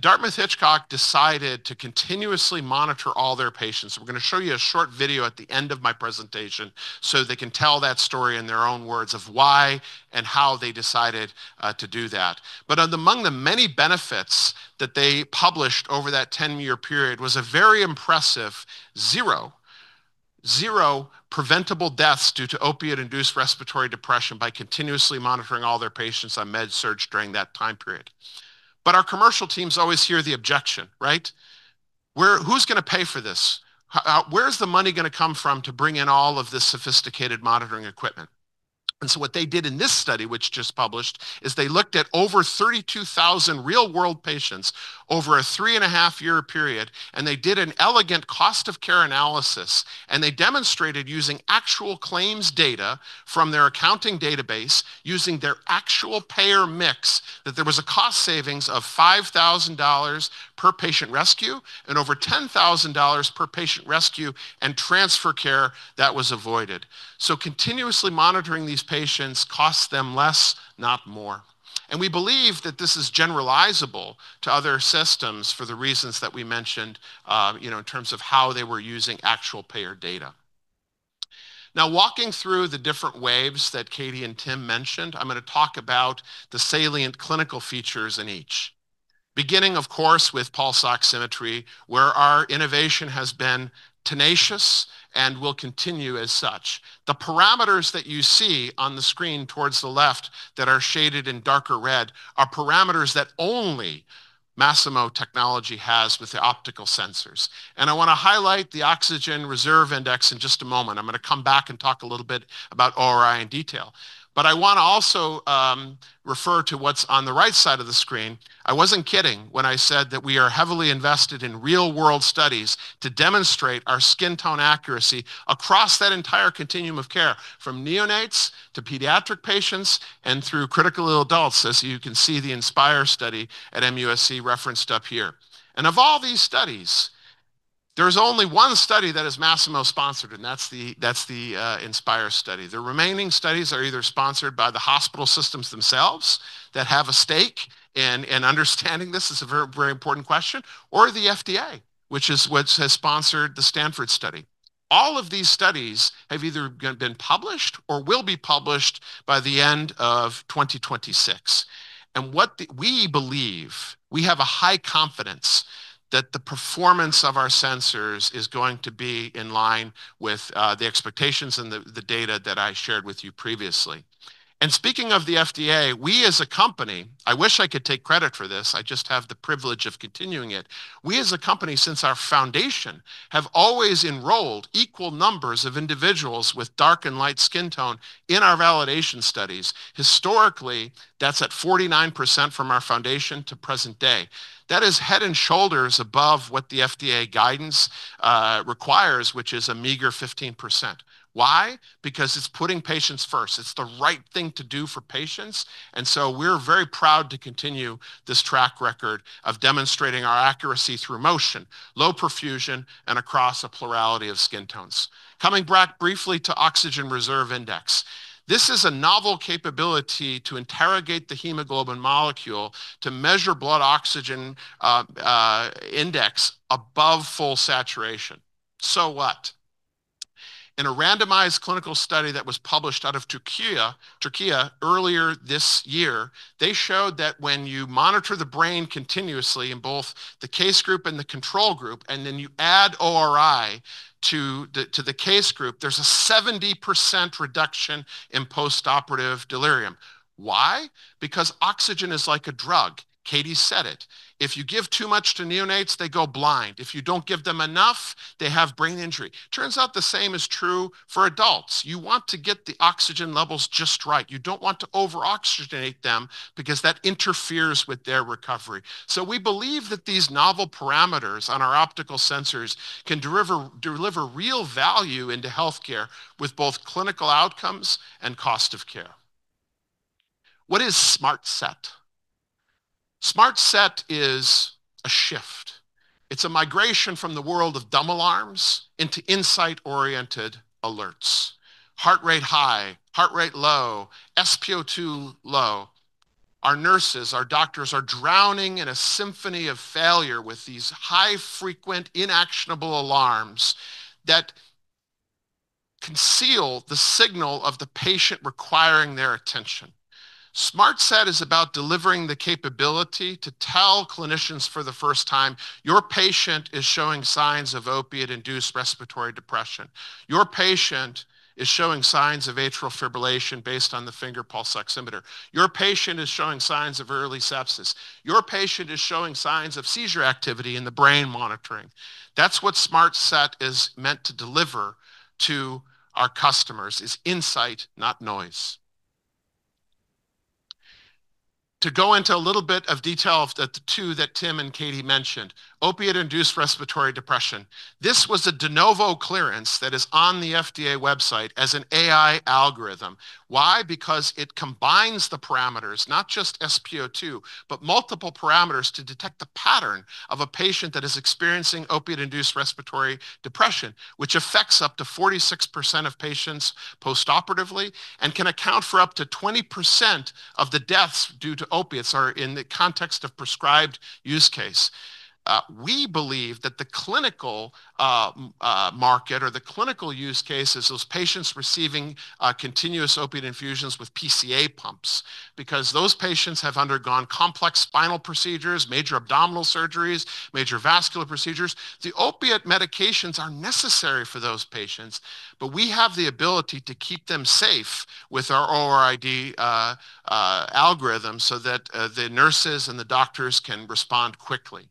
Dartmouth Hitchcock decided to continuously monitor all their patients. We're going to show you a short video at the end of my presentation so they can tell that story in their own words of why and how they decided to do that. Among the many benefits that they published over that 10-year period was a very impressive zero, zero preventable deaths due to opiate-induced respiratory depression by continuously monitoring all their patients on Med-Surg during that time period. Our commercial teams always hear the objection, right? Who's going to pay for this? Where's the money going to come from to bring in all of this sophisticated monitoring equipment? And so what they did in this study, which just published, is they looked at over 32,000 real-world patients over a three-and-a-half-year period, and they did an elegant cost of care analysis. And they demonstrated using actual claims data from their accounting database, using their actual payer mix, that there was a cost savings of $5,000 per patient rescue and over $10,000 per patient rescue and transfer care that was avoided. So continuously monitoring these patients costs them less, not more. And we believe that this is generalizable to other systems for the reasons that we mentioned in terms of how they were using actual payer data. Now, walking through the different waves that Katie and Tim mentioned, I'm going to talk about the salient clinical features in each, beginning, of course, with pulse oximetry, where our innovation has been tenacious and will continue as such. The parameters that you see on the screen towards the left that are shaded in darker red are parameters that only Masimo technology has with the optical sensors. And I want to highlight the Oxygen Reserve Index in just a moment. I'm going to come back and talk a little bit about ORI in detail. But I want to also refer to what's on the right side of the screen. I wasn't kidding when I said that we are heavily invested in real-world studies to demonstrate our skin tone accuracy across that entire continuum of care, from neonates to pediatric patients and through critically ill adults, as you can see, the Inspire study at MUSC referenced up here. And of all these studies, there is only one study that is Masimo-sponsored, and that's the Inspire study. The remaining studies are either sponsored by the hospital systems themselves that have a stake in understanding this. It's a very important question, or the FDA, which is what has sponsored the Stanford study. All of these studies have either been published or will be published by the end of 2026. And we believe we have a high confidence that the performance of our sensors is going to be in line with the expectations and the data that I shared with you previously. And speaking of the FDA, we as a company, I wish I could take credit for this. I just have the privilege of continuing it, we as a company, since our foundation, have always enrolled equal numbers of individuals with dark and light skin tone in our validation studies. Historically, that's at 49% from our foundation to present day. That is head and shoulders above what the FDA guidance requires, which is a meager 15%. Why? Because it's putting patients first. It's the right thing to do for patients, and so we're very proud to continue this track record of demonstrating our accuracy through motion, low perfusion, and across a plurality of skin tones. Coming back briefly to oxygen reserve index, this is a novel capability to interrogate the hemoglobin molecule to measure blood oxygen index above full saturation. So what? In a randomized clinical study that was published out of Türkiye earlier this year, they showed that when you monitor the brain continuously in both the case group and the control group, and then you add ORI to the case group, there's a 70% reduction in post-operative delirium. Why? Because oxygen is like a drug. Katie said it. If you give too much to neonates, they go blind. If you don't give them enough, they have brain injury. Turns out the same is true for adults. You want to get the oxygen levels just right. You don't want to over-oxygenate them because that interferes with their recovery. So we believe that these novel parameters on our optical sensors can deliver real value into healthcare with both clinical outcomes and cost of care. What is SmartSet? SmartSet is a shift. It's a migration from the world of dumb alarms into insight-oriented alerts. Heart rate high, heart rate low, SpO2 low. Our nurses, our doctors are drowning in a symphony of failure with these high-frequency, inactionable alarms that conceal the signal of the patient requiring their attention. SmartSet is about delivering the capability to tell clinicians for the first time, "Your patient is showing signs of opiate-induced respiratory depression. Your patient is showing signs of atrial fibrillation based on the finger pulse oximeter. Your patient is showing signs of early sepsis. Your patient is showing signs of seizure activity in the brain monitoring." That's what SmartSet is meant to deliver to our customers: insight, not noise. To go into a little bit of detail of the two that Tim and Katie mentioned, opiate-induced respiratory depression, this was a de novo clearance that is on the FDA website as an AI algorithm. Why? Because it combines the parameters, not just SpO2, but multiple parameters to detect the pattern of a patient that is experiencing opiate-induced respiratory depression, which affects up to 46% of patients post-operatively and can account for up to 20% of the deaths due to opiates in the context of prescribed use case. We believe that the clinical market or the clinical use case is those patients receiving continuous opiate infusions with PCA pumps because those patients have undergone complex spinal procedures, major abdominal surgeries, major vascular procedures. The opiate medications are necessary for those patients, but we have the ability to keep them safe with our OIRD algorithm so that the nurses and the doctors can respond quickly.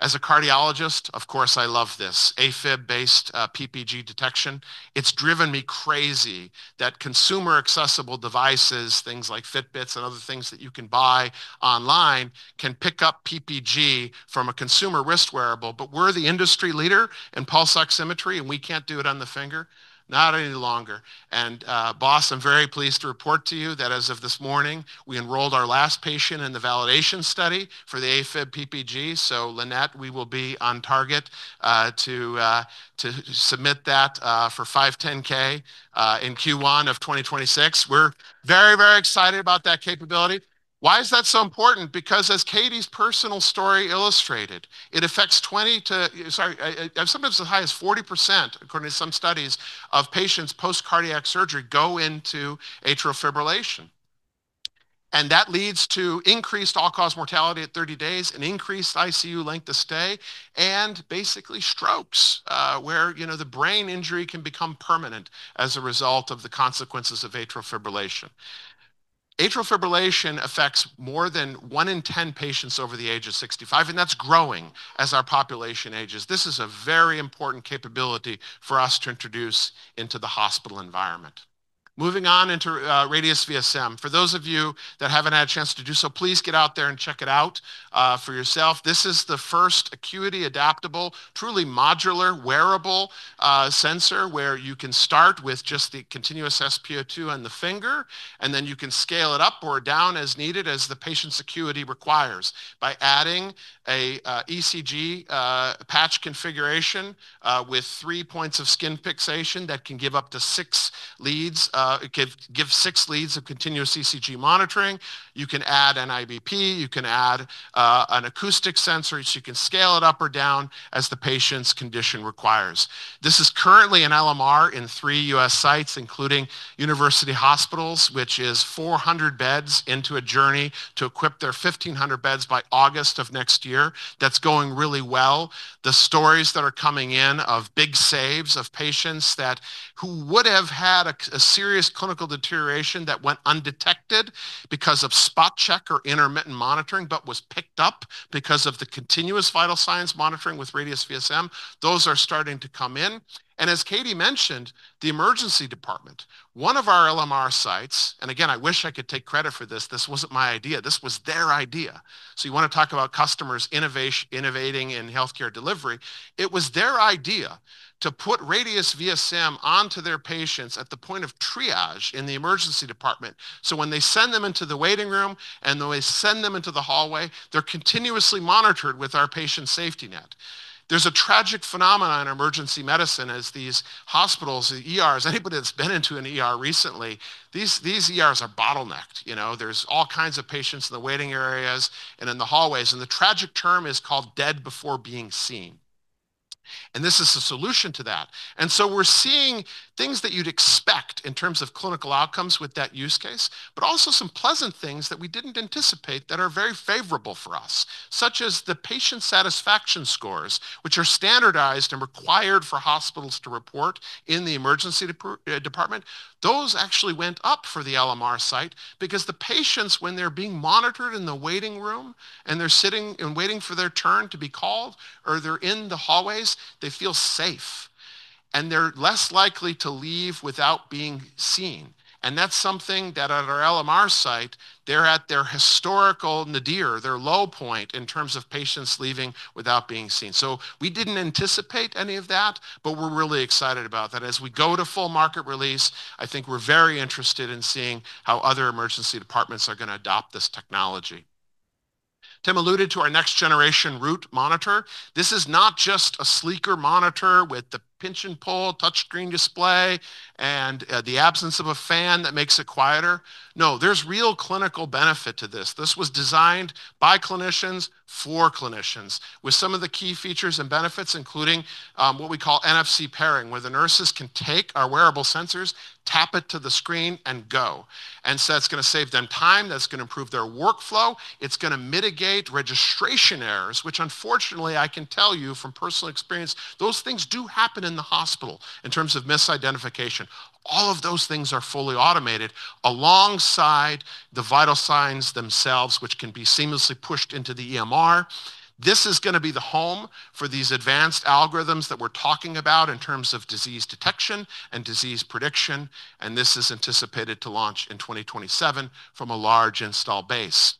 As a cardiologist, of course, I love this: AFib-based PPG detection. It's driven me crazy that consumer-accessible devices, things like Fitbits and other things that you can buy online, can pick up PPG from a consumer wrist wearable. But we're the industry leader in pulse oximetry, and we can't do it on the finger? Not any longer, and boss, I'm very pleased to report to you that as of this morning, we enrolled our last patient in the validation study for the AFib PPG. Lynette, we will be on target to submit that for 510(k) in Q1 of 2026. We're very, very excited about that capability. Why is that so important? Because as Katie's personal story illustrated, it affects 20% to—sorry, sometimes as high as 40%, according to some studies, of patients post-cardiac surgery go into atrial fibrillation, and that leads to increased all-cause mortality at 30 days, an increased ICU length of stay, and basically strokes where the brain injury can become permanent as a result of the consequences of atrial fibrillation. Atrial fibrillation affects more than one in 10 patients over the age of 65, and that's growing as our population ages. This is a very important capability for us to introduce into the hospital environment. Moving on into Radius VSM. For those of you that haven't had a chance to do so, please get out there and check it out for yourself. This is the first acuity-adaptable, truly modular, wearable sensor where you can start with just the continuous SpO2 on the finger, and then you can scale it up or down as needed as the patient's acuity requires by adding an ECG patch configuration with three points of skin fixation that can give up to six leads of continuous ECG monitoring. You can add an IBP. You can add an acoustic sensor, so you can scale it up or down as the patient's condition requires. This is currently an LMR in three U.S. sites, including University Hospitals, which is 400 beds into a journey to equip their 1,500 beds by August of next year. That's going really well. The stories that are coming in of big saves of patients who would have had a serious clinical deterioration that went undetected because of spot check or intermittent monitoring but was picked up because of the continuous vital signs monitoring with Radius VSM. Those are starting to come in, and as Katie mentioned, the emergency department, one of our LMR sites, and again, I wish I could take credit for this. This wasn't my idea. This was their idea. You want to talk about customers innovating in healthcare delivery. It was their idea to put Radius VSM onto their patients at the point of triage in the emergency department. When they send them into the waiting room and they send them into the hallway, they're continuously monitored with our Patient SafetyNet. There's a tragic phenomenon in emergency medicine at these hospitals, the ERs, anybody that's been in one recently. These ERs are bottlenecked. There's all kinds of patients in the waiting areas and in the hallways. And the tragic term is called dead before being seen. And this is a solution to that. And so we're seeing things that you'd expect in terms of clinical outcomes with that use case, but also some pleasant things that we didn't anticipate that are very favorable for us, such as the patient satisfaction scores, which are standardized and required for hospitals to report in the emergency department. Those actually went up for the LMR site because the patients, when they're being monitored in the waiting room and they're sitting and waiting for their turn to be called or they're in the hallways, they feel safe, and they're less likely to leave without being seen. That's something that at our LMR site, they're at their historical nadir, their low point in terms of patients leaving without being seen. So we didn't anticipate any of that, but we're really excited about that. As we go to full market release, I think we're very interested in seeing how other emergency departments are going to adopt this technology. Tim alluded to our next-generation Root monitor. This is not just a sleeker monitor with the pinch-and-pull touchscreen display and the absence of a fan that makes it quieter. No, there's real clinical benefit to this. This was designed by clinicians for clinicians with some of the key features and benefits, including what we call NFC pairing, where the nurses can take our wearable sensors, tap it to the screen, and go. And so that's going to save them time. That's going to improve their workflow. It's going to mitigate registration errors, which unfortunately, I can tell you from personal experience, those things do happen in the hospital in terms of misidentification. All of those things are fully automated alongside the vital signs themselves, which can be seamlessly pushed into the EMR. This is going to be the home for these advanced algorithms that we're talking about in terms of disease detection and disease prediction, and this is anticipated to launch in 2027 from a large install base.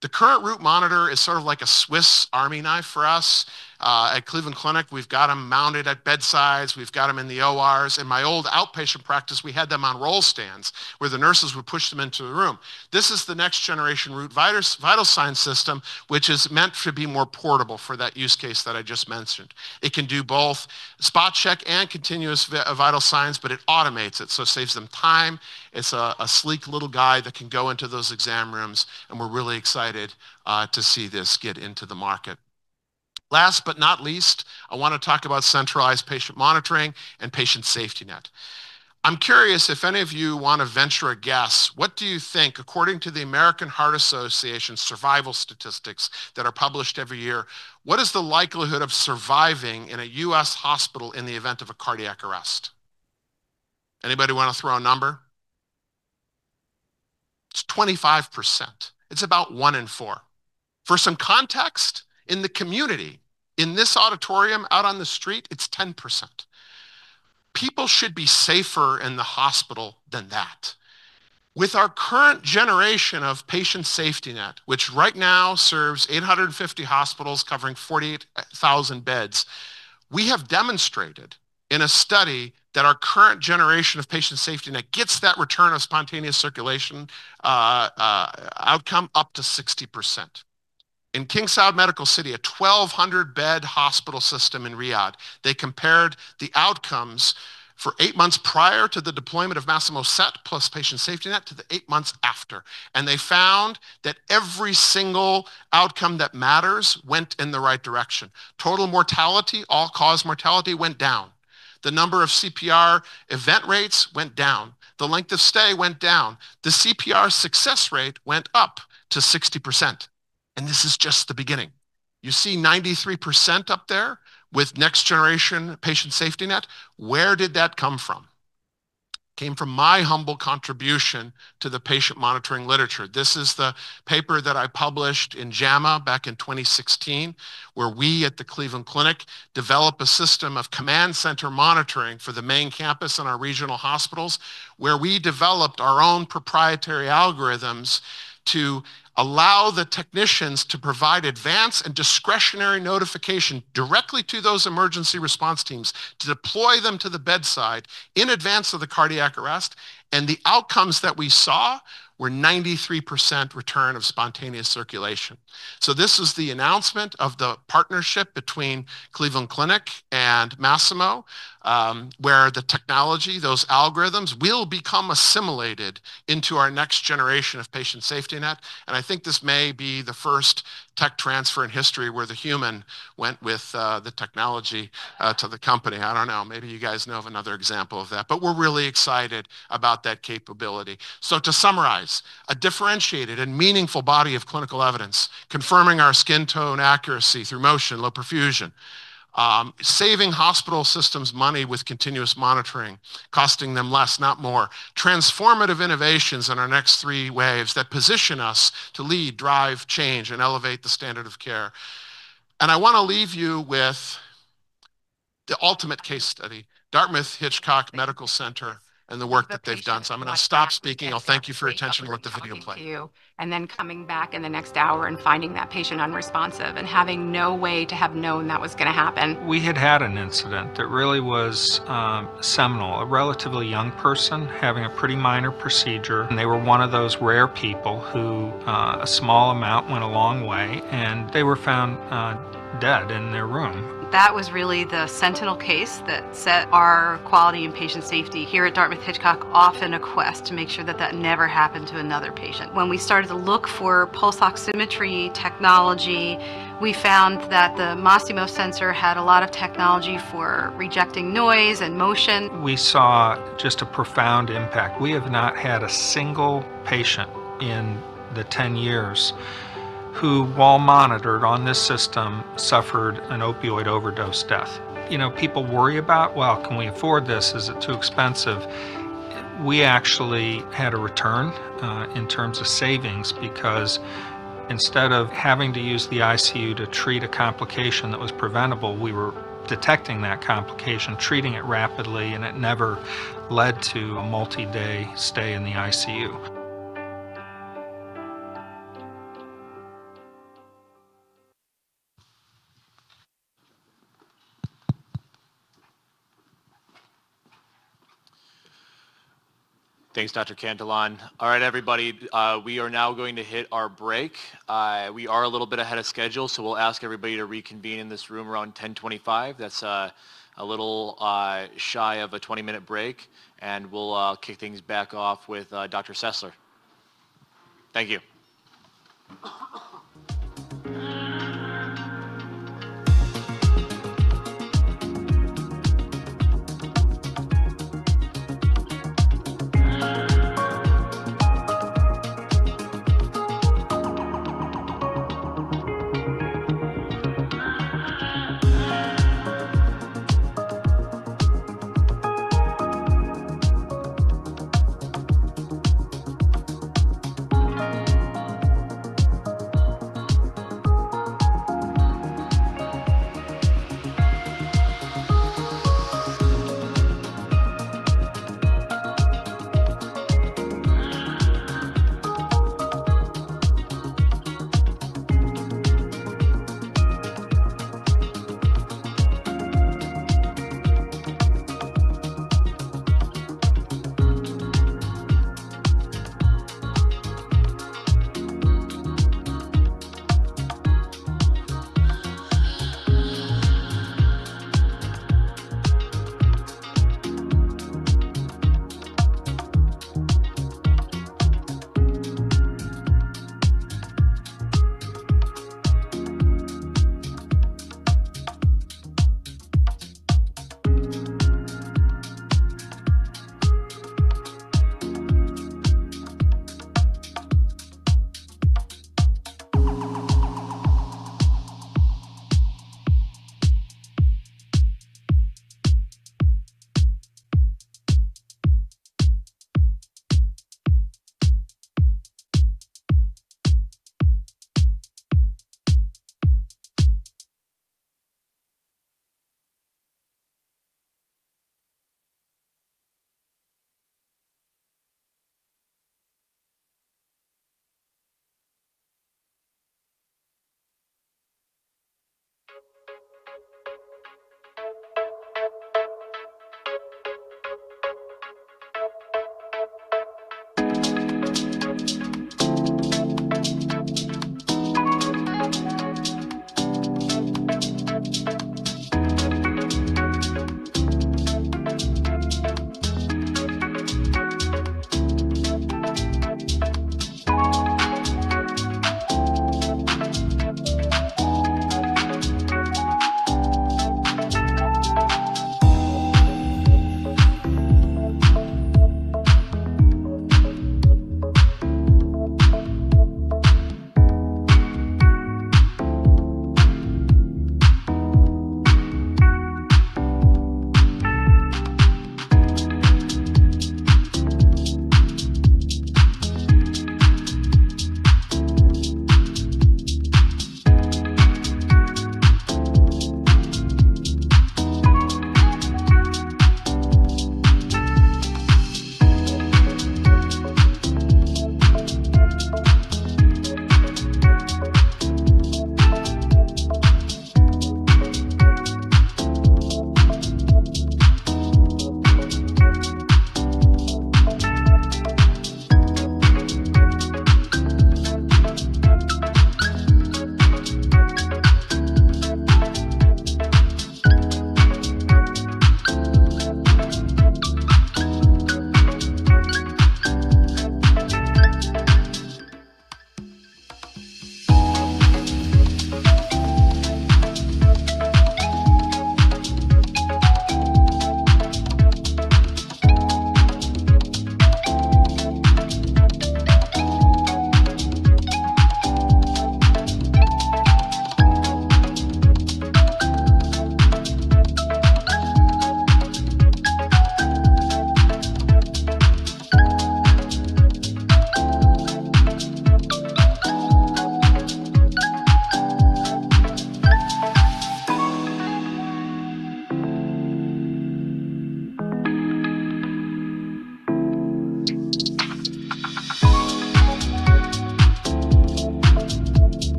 The current Root monitor is sort of like a Swiss army knife for us. At Cleveland Clinic, we've got them mounted at bedsides. We've got them in the ORs. In my old outpatient practice, we had them on roll stands where the nurses would push them into the room. This is the next-generation Root vital sign system, which is meant to be more portable for that use case that I just mentioned. It can do both spot check and continuous vital signs, but it automates it, so it saves them time. It's a sleek little guy that can go into those exam rooms, and we're really excited to see this get into the market. Last but not least, I want to talk about centralized patient monitoring and Patient SafetyNet. I'm curious if any of you want to venture a guess. What do you think, according to the American Heart Association survival statistics that are published every year, what is the likelihood of surviving in a U.S. hospital in the event of a cardiac arrest? Anybody want to throw a number? It's 25%. It's about one in four. For some context, in the community, in this auditorium out on the street, it's 10%. People should be safer in the hospital than that. With our current generation of Patient SafetyNet, which right now serves 850 hospitals covering 40,000 beds, we have demonstrated in a study that our current generation of Patient SafetyNet gets that return of spontaneous circulation outcome up to 60%. In King Saud Medical City, a 1,200-bed hospital system in Riyadh, they compared the outcomes for eight months prior to the deployment of Masimo SET plus Patient SafetyNet to the eight months after, and they found that every single outcome that matters went in the right direction. Total mortality, all-cause mortality, went down. The number of CPR event rates went down. The length of stay went down. The CPR success rate went up to 60%, and this is just the beginning. You see 93% up there with next-generation Patient SafetyNet. Where did that come from? It came from my humble contribution to the patient monitoring literature. This is the paper that I published in JAMA back in 2016, where we at the Cleveland Clinic developed a system of command center monitoring for the main campus and our regional hospitals, where we developed our own proprietary algorithms to allow the technicians to provide advance and discretionary notification directly to those emergency response teams to deploy them to the bedside in advance of the cardiac arrest, and the outcomes that we saw were 93% return of spontaneous circulation. This is the announcement of the partnership between Cleveland Clinic and Masimo, where the technology, those algorithms will become assimilated into our next generation of Patient SafetyNet. And I think this may be the first tech transfer in history where the human went with the technology to the company. I don't know. Maybe you guys know of another example of that, but we're really excited about that capability. So to summarize, a differentiated and meaningful body of clinical evidence confirming our skin tone accuracy through motion, low perfusion, saving hospital systems money with continuous monitoring, costing them less, not more, transformative innovations in our next three waves that position us to lead, drive, change, and elevate the standard of care. And I want to leave you with the ultimate case study, Dartmouth Hitchcock Medical Center and the work that they've done. So I'm going to stop speaking. I'll thank you for your attention and let the video play. Thank you. And then coming back in the next hour and finding that patient unresponsive and having no way to have known that was going to happen. We had had an incident that really was seminal, a relatively young person having a pretty minor procedure. And they were one of those rare people who a small amount went a long way, and they were found dead in their room. That was really the sentinel case that set our quality and patient safety here at Dartmouth Hitchcock off in a quest to make sure that that never happened to another patient. When we started to look for pulse oximetry technology, we found that the Masimo sensor had a lot of technology for rejecting noise and motion. We saw just a profound impact. We have not had a single patient in the 10 years who, while monitored on this system, suffered an opioid overdose death. You know, people worry about, "Well, can we afford this? Is it too expensive?" We actually had a return in terms of savings because instead of having to use the ICU to treat a complication that was preventable, we were detecting that complication, treating it rapidly, and it never led to a multi-day stay in the ICU.
Thanks, Dr. Cantillon. All right, everybody, we are now going to hit our break. We are a little bit ahead of schedule, so we'll ask everybody to reconvene in this room around 10:25 A.M. That's a little shy of a 20-minute break. And we'll kick things back off with Dr. Sessler. Thank you.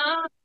Pardon me,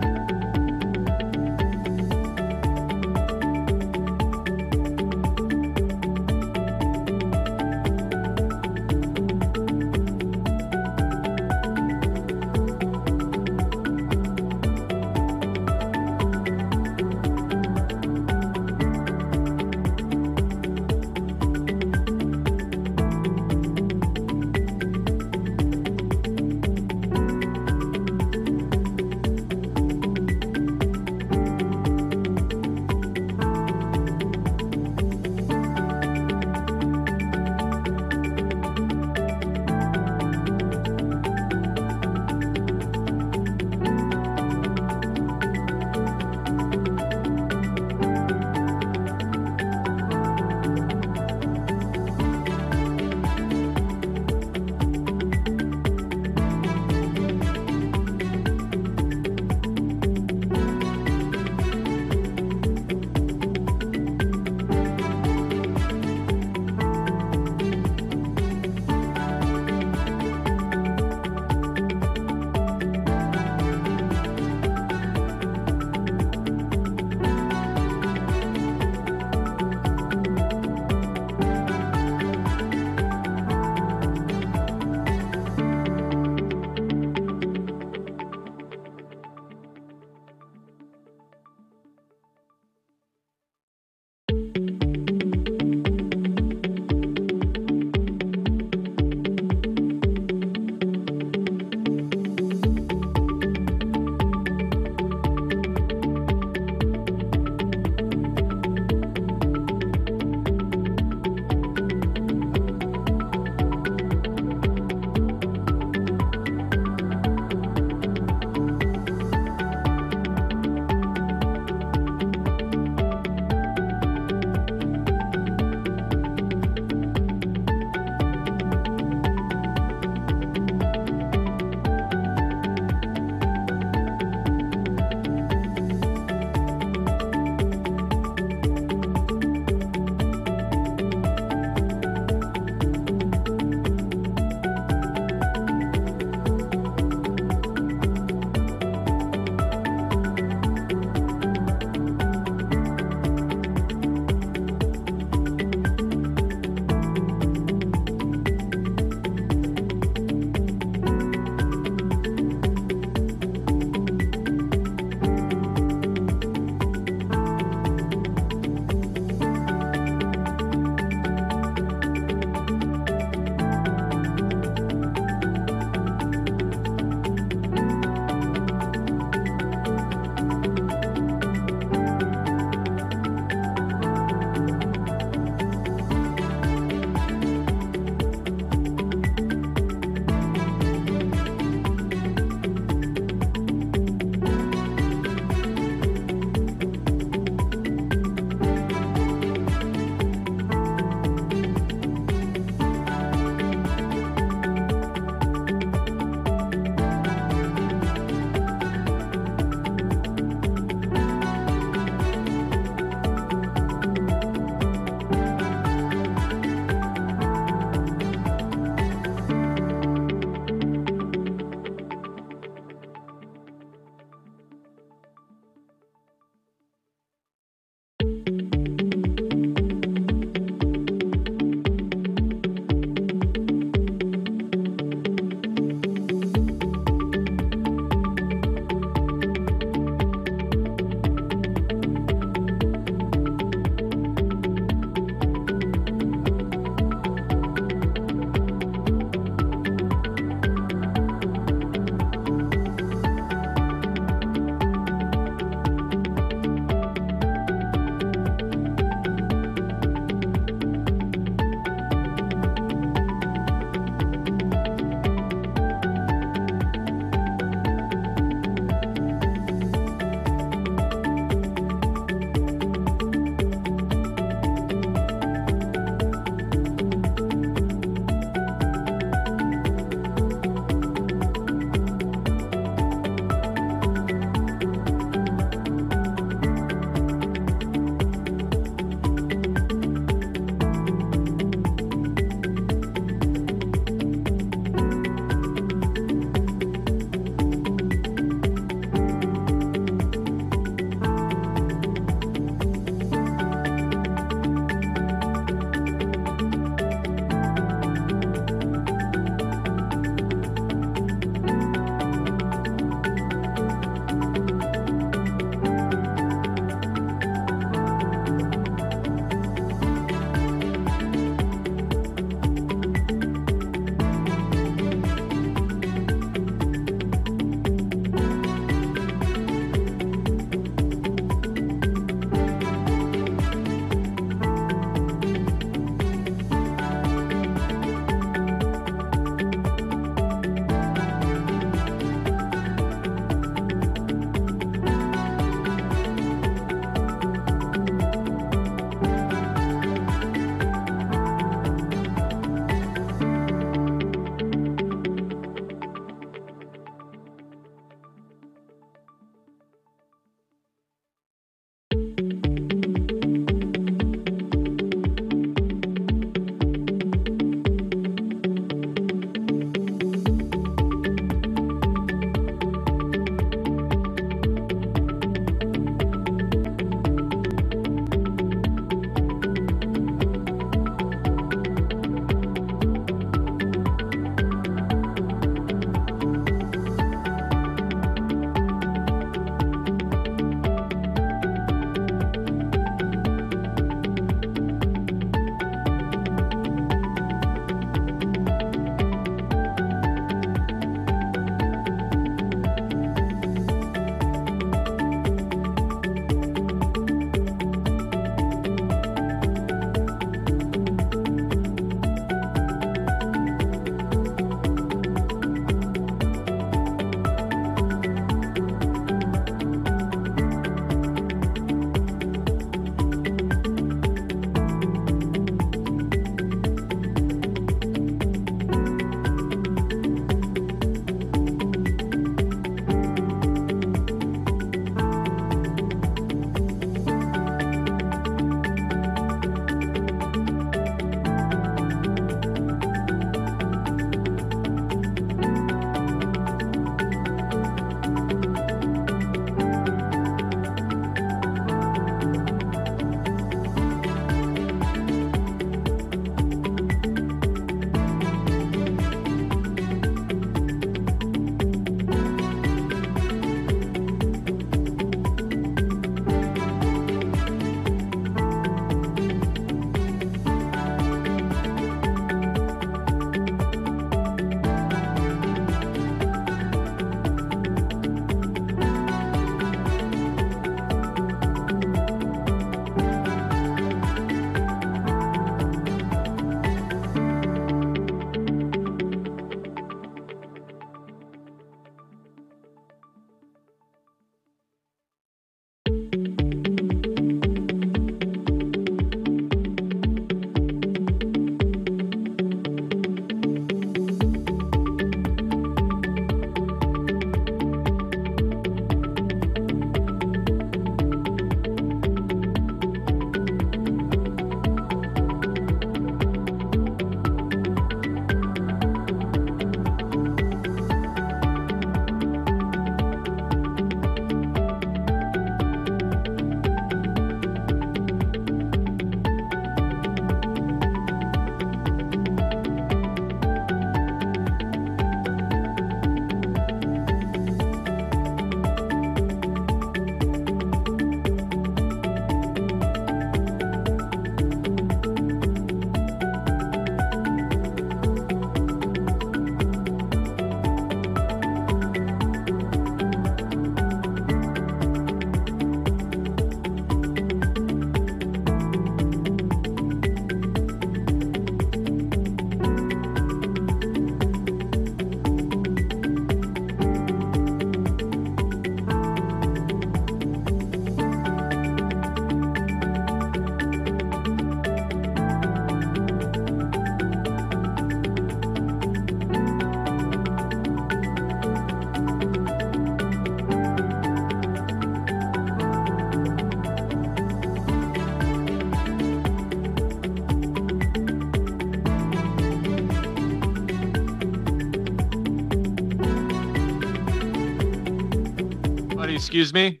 excuse me.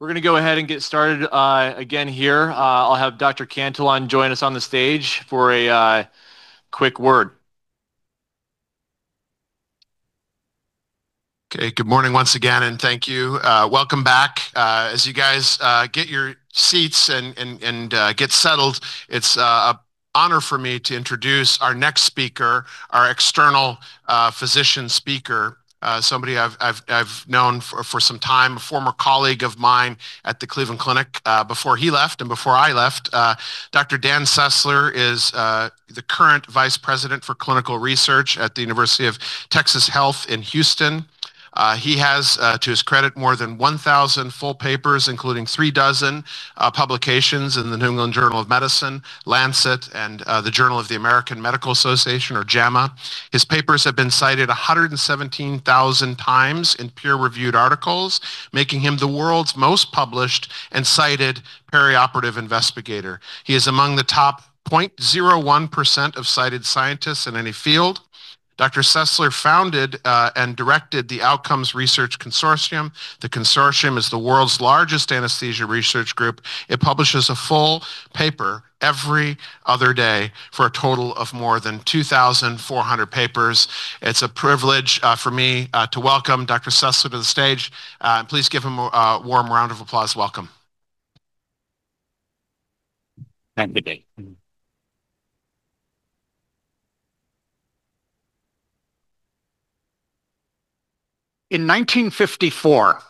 We're going to go ahead and get started again here. I'll have Dr. Cantillon, join us on the stage for a quick word.
Okay, good morning once again, and thank you. Welcome back. As you guys get your seats and get settled, it's an honor for me to introduce our next speaker, our external physician speaker, somebody I've known for some time, a former colleague of mine at the Cleveland Clinic before he left and before I left. Dr. Dan Sessler is the current Vice President for Clinical Research at UTHealth Houston. He has, to his credit, more than 1,000 full papers, including three dozen publications in the New England Journal of Medicine, Lancet, and the Journal of the American Medical Association, or JAMA. His papers have been cited 117,000 times in peer-reviewed articles, making him the world's most published and cited perioperative investigator. He is among the top 0.01% of cited scientists in any field. Dr. Sessler founded and directed the Outcomes Research Consortium. The consortium is the world's largest anesthesia research group. It publishes a full paper every other day for a total of more than 2,400 papers. It's a privilege for me to welcome Dr. Sessler to the stage. Please give him a warm round of applause. Welcome.
Thank you, Danny. In 1954,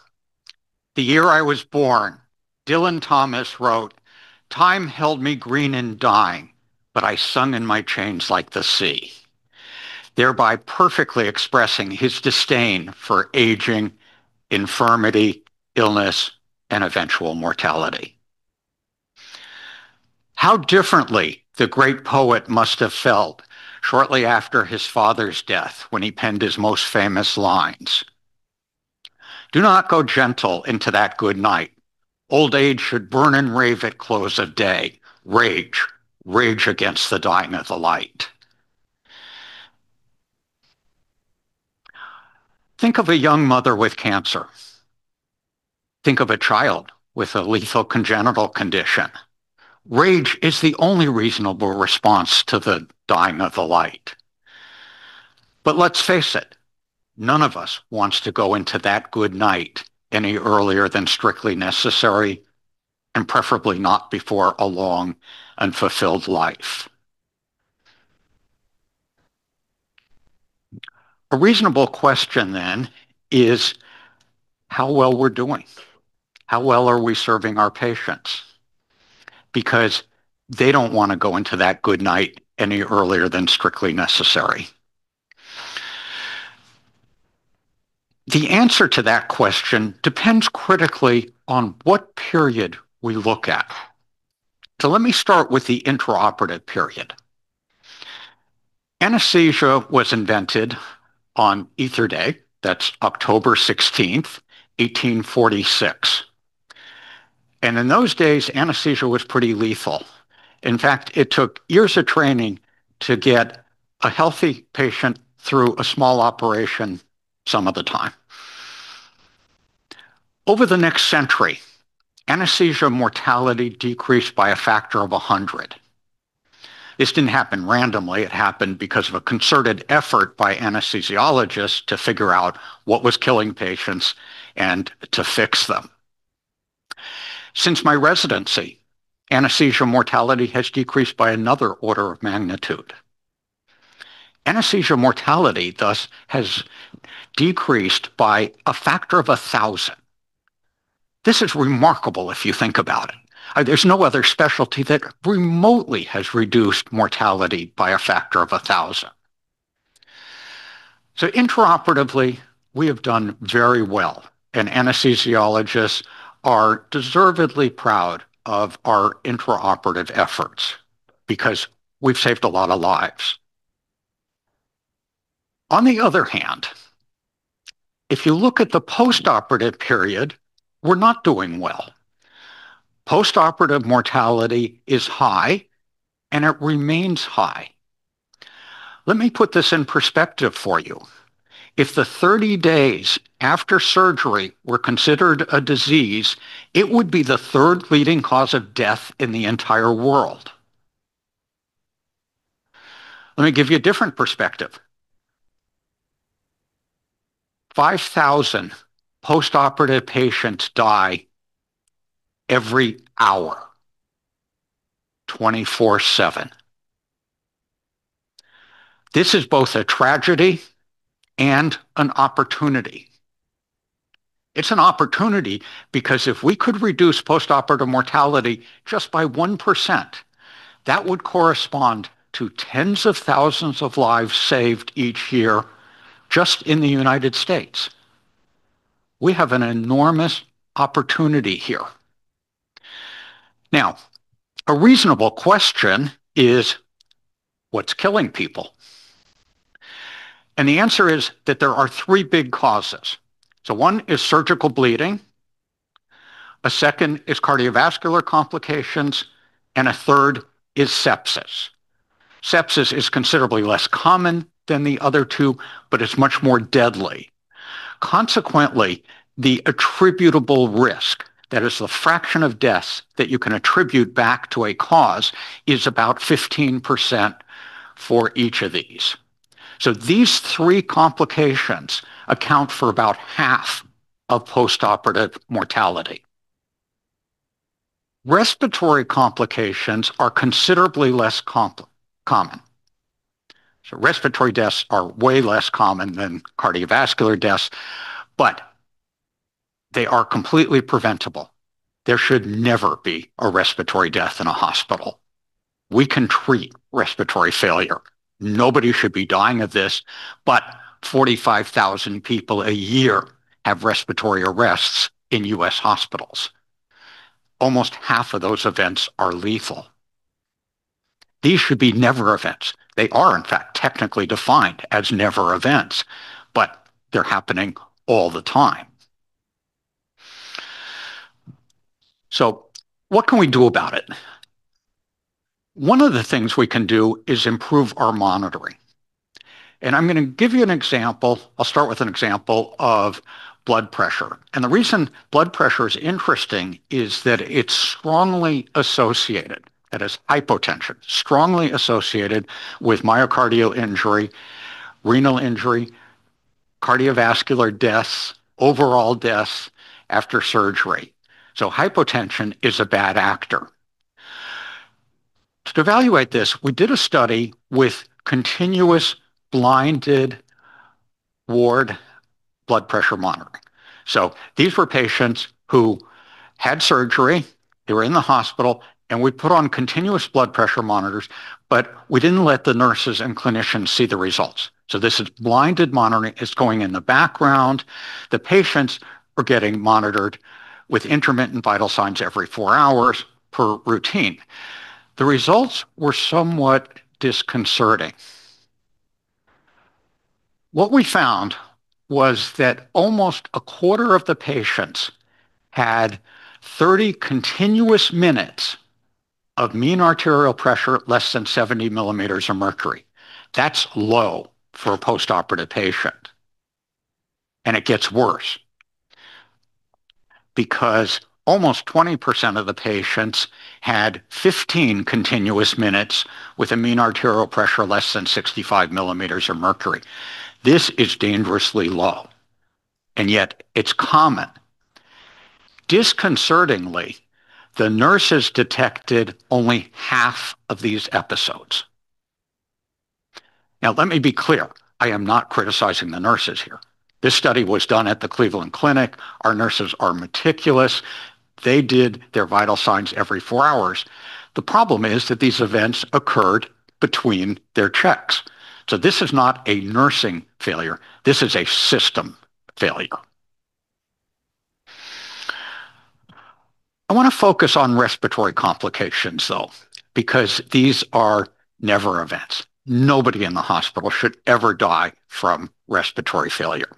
the year I was born, Dylan Thomas wrote, "Time held me green and dying, but I sung in my chains like the sea," thereby perfectly expressing his disdain for aging, infirmity, illness, and eventual mortality. How differently the great poet must have felt shortly after his father's death when he penned his most famous lines. "Do not go gentle into that good night. Old age should burn and rave at close of day. Rage, rage against the dying of the light." Think of a young mother with cancer. Think of a child with a lethal congenital condition. Rage is the only reasonable response to the dying of the light. But let's face it, none of us wants to go into that good night any earlier than strictly necessary, and preferably not before a long and fulfilled life. A reasonable question then is, how well we're doing? How well are we serving our patients? Because they don't want to go into that good night any earlier than strictly necessary. The answer to that question depends critically on what period we look at. So let me start with the intraoperative period. Anesthesia was invented on Easter Day. That's October 16th, 1846, and in those days, anesthesia was pretty lethal. In fact, it took years of training to get a healthy patient through a small operation some of the time. Over the next century, anesthesia mortality decreased by a factor of 100. This didn't happen randomly. It happened because of a concerted effort by anesthesiologists to figure out what was killing patients and to fix them. Since my residency, anesthesia mortality has decreased by another order of magnitude. Anesthesia mortality, thus, has decreased by a factor of 1,000. This is remarkable if you think about it. There's no other specialty that remotely has reduced mortality by a factor of 1,000. So intraoperatively, we have done very well, and anesthesiologists are deservedly proud of our intraoperative efforts because we've saved a lot of lives. On the other hand, if you look at the postoperative period, we're not doing well. Postoperative mortality is high, and it remains high. Let me put this in perspective for you. If the 30 days after surgery were considered a disease, it would be the third leading cause of death in the entire world. Let me give you a different perspective. 5,000 postoperative patients die every hour, 24/7. This is both a tragedy and an opportunity. It's an opportunity because if we could reduce postoperative mortality just by 1%, that would correspond to tens of thousands of lives saved each year just in the United States. We have an enormous opportunity here. Now, a reasonable question is, what's killing people? And the answer is that there are three big causes. So one is surgical bleeding, a second is cardiovascular complications, and a third is sepsis. Sepsis is considerably less common than the other two, but it's much more deadly. Consequently, the attributable risk, that is, the fraction of deaths that you can attribute back to a cause, is about 15% for each of these. So these three complications account for about half of postoperative mortality. Respiratory complications are considerably less common. So respiratory deaths are way less common than cardiovascular deaths, but they are completely preventable. There should never be a respiratory death in a hospital. We can treat respiratory failure. Nobody should be dying of this, but 45,000 people a year have respiratory arrests in U.S. hospitals. Almost half of those events are lethal. These should be never events. They are, in fact, technically defined as never events, but they're happening all the time. So what can we do about it? One of the things we can do is improve our monitoring, and I'm going to give you an example. I'll start with an example of blood pressure. The reason blood pressure is interesting is that it's strongly associated, that is, hypotension, strongly associated with myocardial injury, renal injury, cardiovascular deaths, overall deaths after surgery. Hypotension is a bad actor. To evaluate this, we did a study with continuous blinded ward blood pressure monitoring. These were patients who had surgery. They were in the hospital, and we put on continuous blood pressure monitors, but we didn't let the nurses and clinicians see the results. This is blinded monitoring. It's going in the background. The patients are getting monitored with intermittent vital signs every four hours per routine. The results were somewhat disconcerting. What we found was that almost a quarter of the patients had 30 continuous minutes of mean arterial pressure less than 70 ml of mercury. That's low for a postoperative patient. And it gets worse because almost 20% of the patients had 15 continuous minutes with a mean arterial pressure less than 65 ml of mercury. This is dangerously low, and yet it's common. Disconcertingly, the nurses detected only half of these episodes. Now, let me be clear. I am not criticizing the nurses here. This study was done at the Cleveland Clinic. Our nurses are meticulous. They did their vital signs every four hours. The problem is that these events occurred between their checks. So this is not a nursing failure. This is a system failure. I want to focus on respiratory complications, though, because these are never events. Nobody in the hospital should ever die from respiratory failure.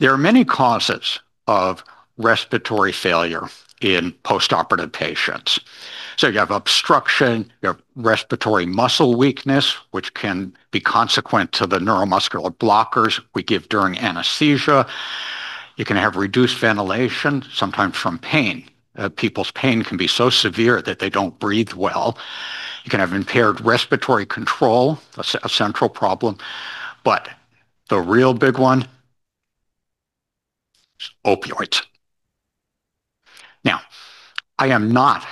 There are many causes of respiratory failure in postoperative patients. So you have obstruction. You have respiratory muscle weakness, which can be consequent to the neuromuscular blockers we give during anesthesia. You can have reduced ventilation, sometimes from pain. People's pain can be so severe that they don't breathe well. You can have impaired respiratory control, a central problem. But the real big one is opioids. Now, I am not,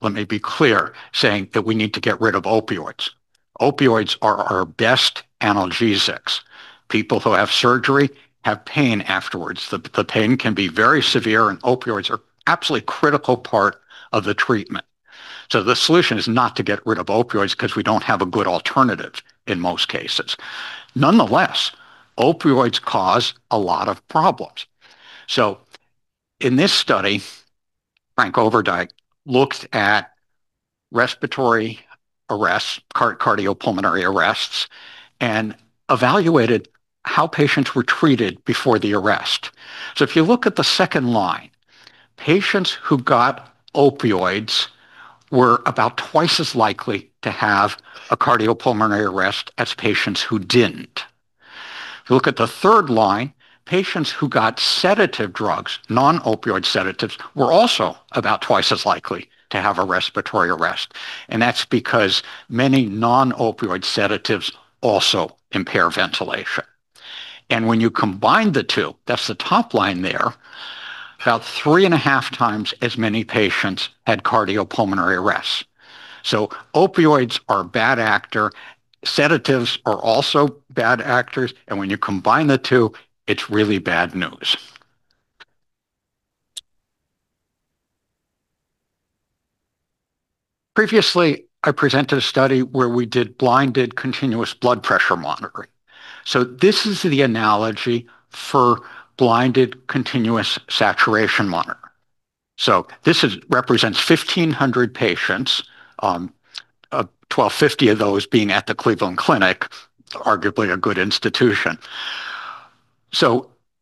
let me be clear, saying that we need to get rid of opioids. Opioids are our best analgesics. People who have surgery have pain afterwards. The pain can be very severe, and opioids are an absolutely critical part of the treatment. So the solution is not to get rid of opioids because we don't have a good alternative in most cases. Nonetheless, opioids cause a lot of problems. So in this study, Frank Overdyk looked at respiratory arrests, cardiopulmonary arrests, and evaluated how patients were treated before the arrest. So if you look at the second line, patients who got opioids were about twice as likely to have a cardiopulmonary arrest as patients who didn't. If you look at the third line, patients who got sedative drugs, non-opioid sedatives, were also about twice as likely to have a respiratory arrest. And that's because many non-opioid sedatives also impair ventilation. And when you combine the two, that's the top line there, about three and a half times as many patients had cardiopulmonary arrests. So opioids are a bad actor. Sedatives are also bad actors. And when you combine the two, it's really bad news. Previously, I presented a study where we did blinded continuous blood pressure monitoring. So this is the analogy for blinded continuous saturation monitoring. So this represents 1,500 patients, 1,250 of those being at the Cleveland Clinic, arguably a good institution.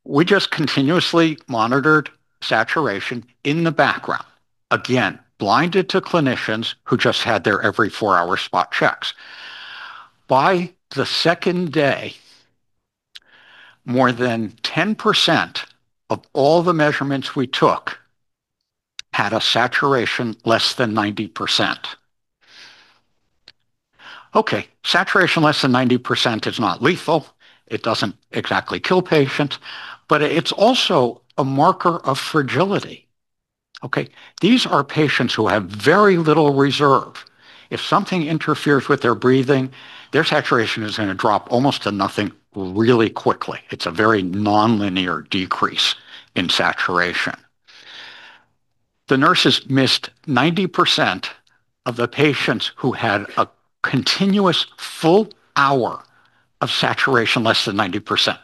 We just continuously monitored saturation in the background, again, blinded to clinicians who just had their every four-hour spot checks. By the second day, more than 10% of all the measurements we took had a saturation less than 90%. Okay, saturation less than 90% is not lethal. It doesn't exactly kill patients, but it's also a marker of fragility. Okay, these are patients who have very little reserve. If something interferes with their breathing, their saturation is going to drop almost to nothing really quickly. It's a very non-linear decrease in saturation. The nurses missed 90% of the patients who had a continuous full hour of saturation less than 90%.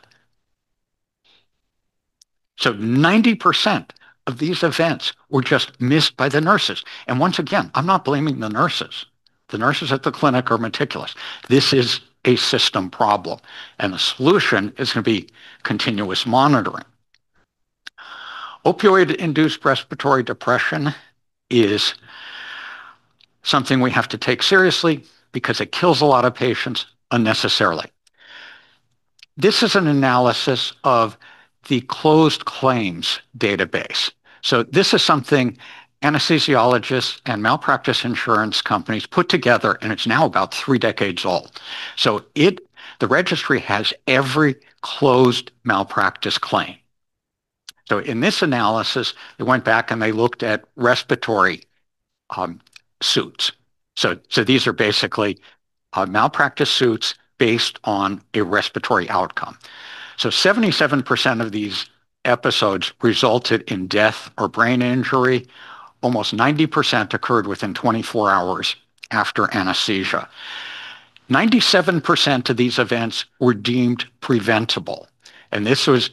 90% of these events were just missed by the nurses. Once again, I'm not blaming the nurses. The nurses at the clinic are meticulous. This is a system problem. The solution is going to be continuous monitoring. Opioid-induced respiratory depression is something we have to take seriously because it kills a lot of patients unnecessarily. This is an analysis of the closed claims database. This is something anesthesiologists and malpractice insurance companies put together, and it's now about three decades old. The registry has every closed malpractice claim. In this analysis, they went back and they looked at respiratory suits. These are basically malpractice suits based on a respiratory outcome. 77% of these episodes resulted in death or brain injury. Almost 90% occurred within 24 hours after anesthesia. 97% of these events were deemed preventable. This was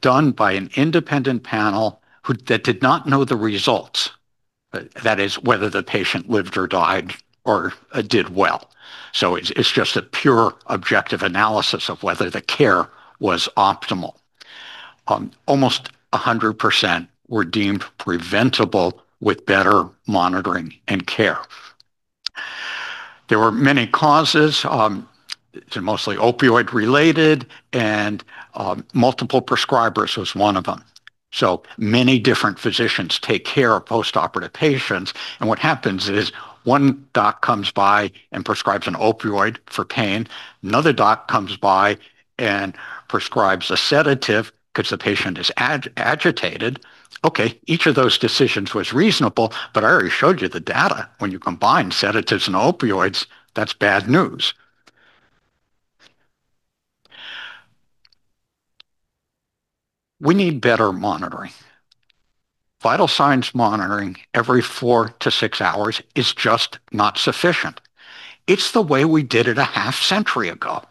done by an independent panel that did not know the results, that is, whether the patient lived or died or did well. It's just a pure objective analysis of whether the care was optimal. Almost 100% were deemed preventable with better monitoring and care. There were many causes. It's mostly opioid-related, and multiple prescribers was one of them. So many different physicians take care of postoperative patients. And what happens is one doc comes by and prescribes an opioid for pain. Another doc comes by and prescribes a sedative because the patient is agitated. Okay, each of those decisions was reasonable, but I already showed you the data. When you combine sedatives and opioids, that's bad news. We need better monitoring. Vital signs monitoring every four to six hours is just not sufficient. It's the way we did it a half century ago.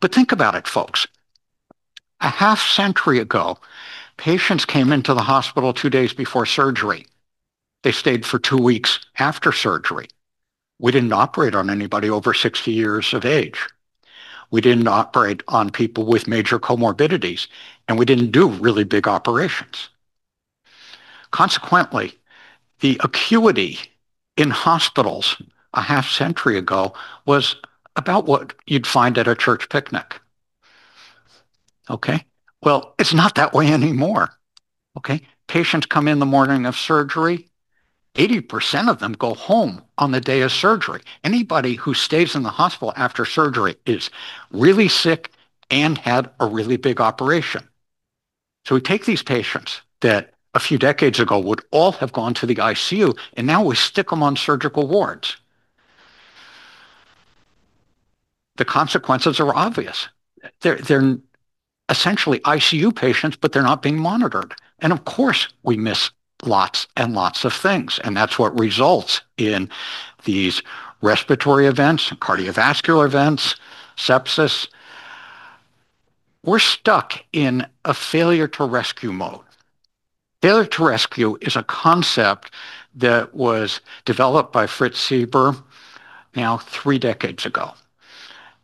But think about it, folks. A half century ago, patients came into the hospital two days before surgery. They stayed for two weeks after surgery. We didn't operate on anybody over 60 years of age. We didn't operate on people with major comorbidities, and we didn't do really big operations. Consequently, the acuity in hospitals a half century ago was about what you'd find at a church picnic. Okay, well, it's not that way anymore. Okay, patients come in the morning of surgery. 80% of them go home on the day of surgery. Anybody who stays in the hospital after surgery is really sick and had a really big operation. So we take these patients that a few decades ago would all have gone to the ICU, and now we stick them on surgical wards. The consequences are obvious. They're essentially ICU patients, but they're not being monitored. And of course, we miss lots and lots of things. And that's what results in these respiratory events, cardiovascular events, sepsis. We're stuck in a failure to rescue mode. Failure to rescue is a concept that was developed by Jeffrey Silber now three decades ago,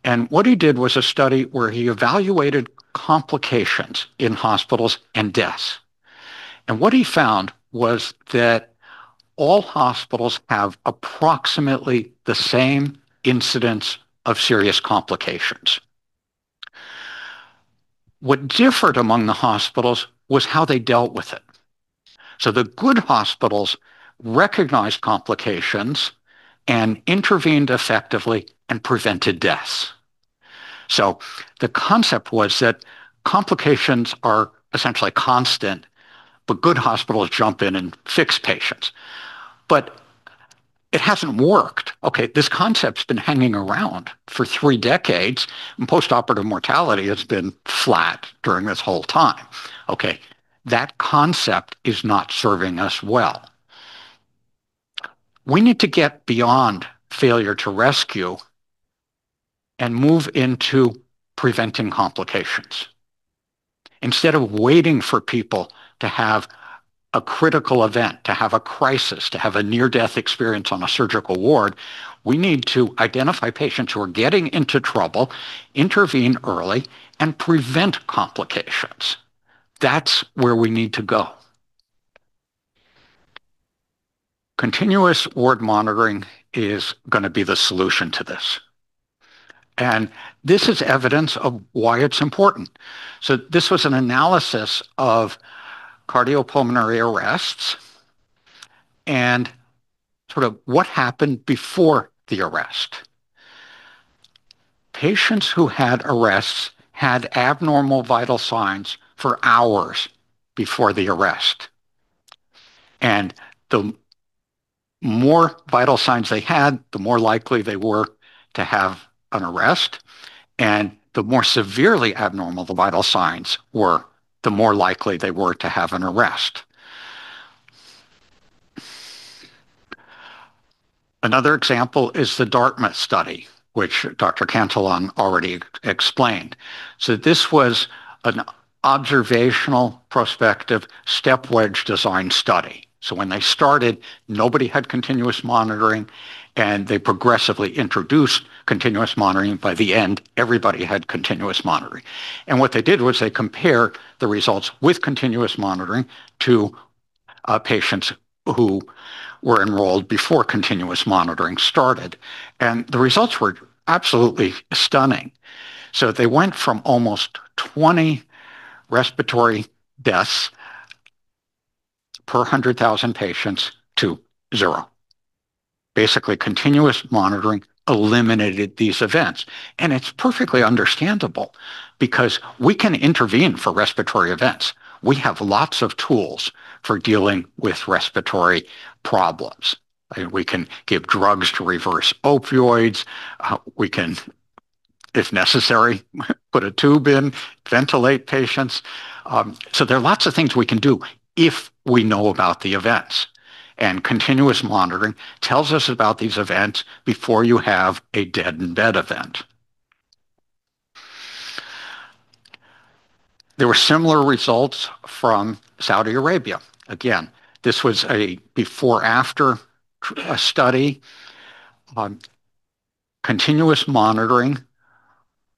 and what he did was a study where he evaluated complications in hospitals and deaths, and what he found was that all hospitals have approximately the same incidence of serious complications. What differed among the hospitals was how they dealt with it, so the good hospitals recognized complications and intervened effectively and prevented deaths, so the concept was that complications are essentially constant, but good hospitals jump in and fix patients, but it hasn't worked. Okay, this concept's been hanging around for three decades, and postoperative mortality has been flat during this whole time. Okay, that concept is not serving us well. We need to get beyond failure to rescue and move into preventing complications. Instead of waiting for people to have a critical event, to have a crisis, to have a near-death experience on a surgical ward, we need to identify patients who are getting into trouble, intervene early, and prevent complications. That's where we need to go. Continuous ward monitoring is going to be the solution to this. And this is evidence of why it's important. So this was an analysis of cardiopulmonary arrests and sort of what happened before the arrest. Patients who had arrests had abnormal vital signs for hours before the arrest. And the more vital signs they had, the more likely they were to have an arrest. And the more severely abnormal the vital signs were, the more likely they were to have an arrest. Another example is the Dartmouth study, which Dr. Cantillon already explained. So this was an observational prospective stepped-wedge design study. So when they started, nobody had continuous monitoring, and they progressively introduced continuous monitoring. By the end, everybody had continuous monitoring. And what they did was they compared the results with continuous monitoring to patients who were enrolled before continuous monitoring started. And the results were absolutely stunning. So they went from almost 20 respiratory deaths per 100,000 patients to zero. Basically, continuous monitoring eliminated these events. And it's perfectly understandable because we can intervene for respiratory events. We have lots of tools for dealing with respiratory problems. We can give drugs to reverse opioids. We can, if necessary, put a tube in, ventilate patients. So there are lots of things we can do if we know about the events. And continuous monitoring tells us about these events before you have a dead-in-bed event. There were similar results from Saudi Arabia. Again, this was a before-and-after study. Continuous monitoring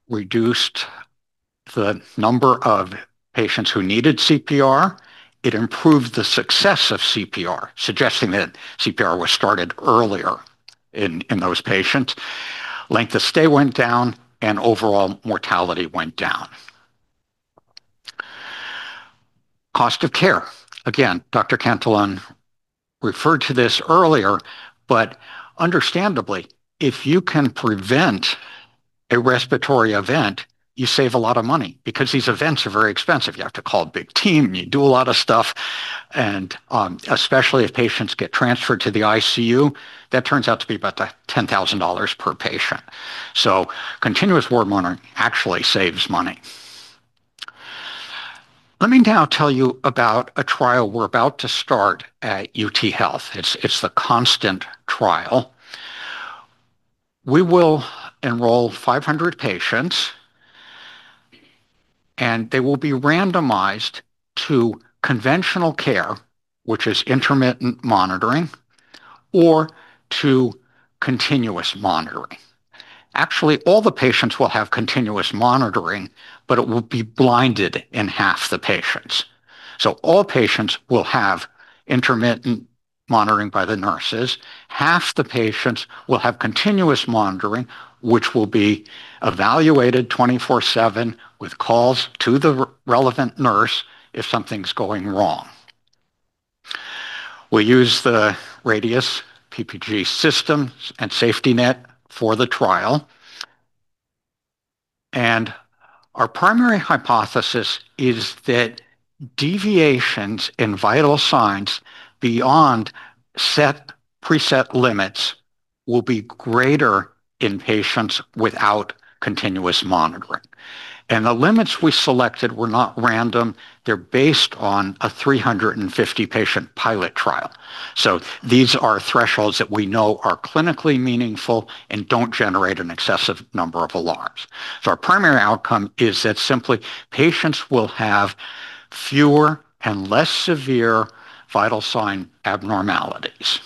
reduced the number of patients who needed CPR. It improved the success of CPR, suggesting that CPR was started earlier in those patients. Length of stay went down, and overall mortality went down. Cost of care. Again, Dr. Cantillon referred to this earlier, but understandably, if you can prevent a respiratory event, you save a lot of money because these events are very expensive. You have to call a big team. You do a lot of stuff, and especially if patients get transferred to the ICU, that turns out to be about $10,000 per patient. So continuous ward monitoring actually saves money. Let me now tell you about a trial we're about to start at UT Health. It's the Constant Trial. We will enroll 500 patients, and they will be randomized to conventional care, which is intermittent monitoring, or to continuous monitoring. Actually, all the patients will have continuous monitoring, but it will be blinded in half the patients. So all patients will have intermittent monitoring by the nurses. Half the patients will have continuous monitoring, which will be evaluated 24/7 with calls to the relevant nurse if something's going wrong. We use the Radius PPG system and SafetyNet for the trial. And our primary hypothesis is that deviations in vital signs beyond set preset limits will be greater in patients without continuous monitoring. And the limits we selected were not random. They're based on a 350-patient pilot trial. So these are thresholds that we know are clinically meaningful and don't generate an excessive number of alarms. So our primary outcome is that simply patients will have fewer and less severe vital sign abnormalities.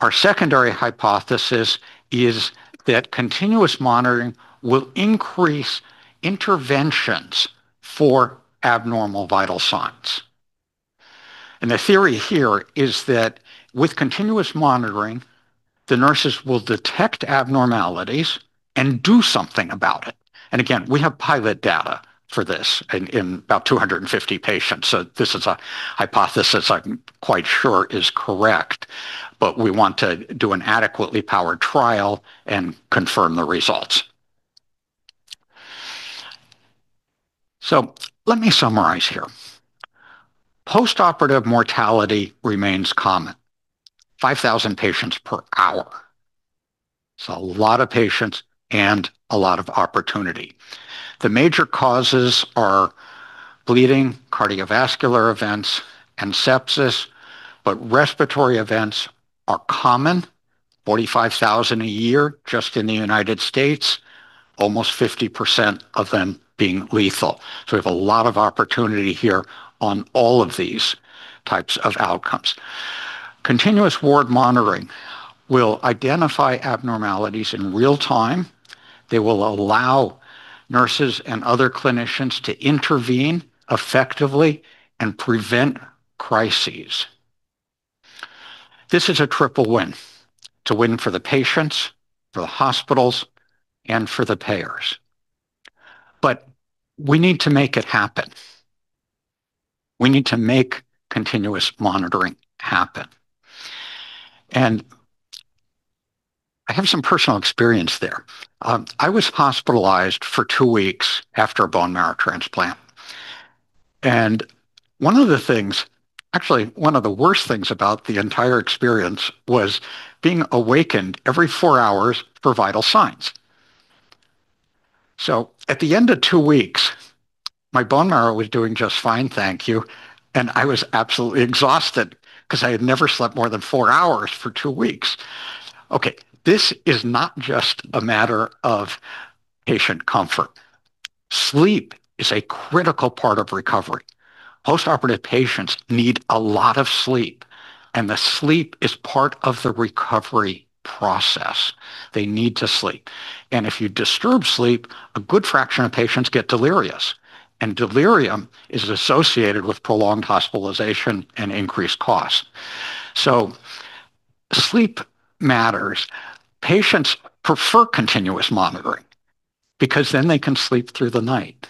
Our secondary hypothesis is that continuous monitoring will increase interventions for abnormal vital signs. The theory here is that with continuous monitoring, the nurses will detect abnormalities and do something about it. And again, we have pilot data for this in about 250 patients. This is a hypothesis I'm quite sure is correct, but we want to do an adequately powered trial and confirm the results. Let me summarize here. Postoperative mortality remains common, 5,000 patients per hour. It's a lot of patients and a lot of opportunity. The major causes are bleeding, cardiovascular events, and sepsis, but respiratory events are common, 45,000 a year just in the United States, almost 50% of them being lethal. We have a lot of opportunity here on all of these types of outcomes. Continuous ward monitoring will identify abnormalities in real time. They will allow nurses and other clinicians to intervene effectively and prevent crises. This is a triple win to win for the patients, for the hospitals, and for the payers, but we need to make it happen. We need to make continuous monitoring happen, and I have some personal experience there. I was hospitalized for two weeks after a bone marrow transplant, and one of the things, actually one of the worst things about the entire experience was being awakened every four hours for vital signs. So at the end of two weeks, my bone marrow was doing just fine, thank you, and I was absolutely exhausted because I had never slept more than four hours for two weeks. Okay, this is not just a matter of patient comfort. Sleep is a critical part of recovery. Postoperative patients need a lot of sleep, and the sleep is part of the recovery process. They need to sleep. If you disturb sleep, a good fraction of patients get delirious. Delirium is associated with prolonged hospitalization and increased costs. Sleep matters. Patients prefer continuous monitoring because then they can sleep through the night.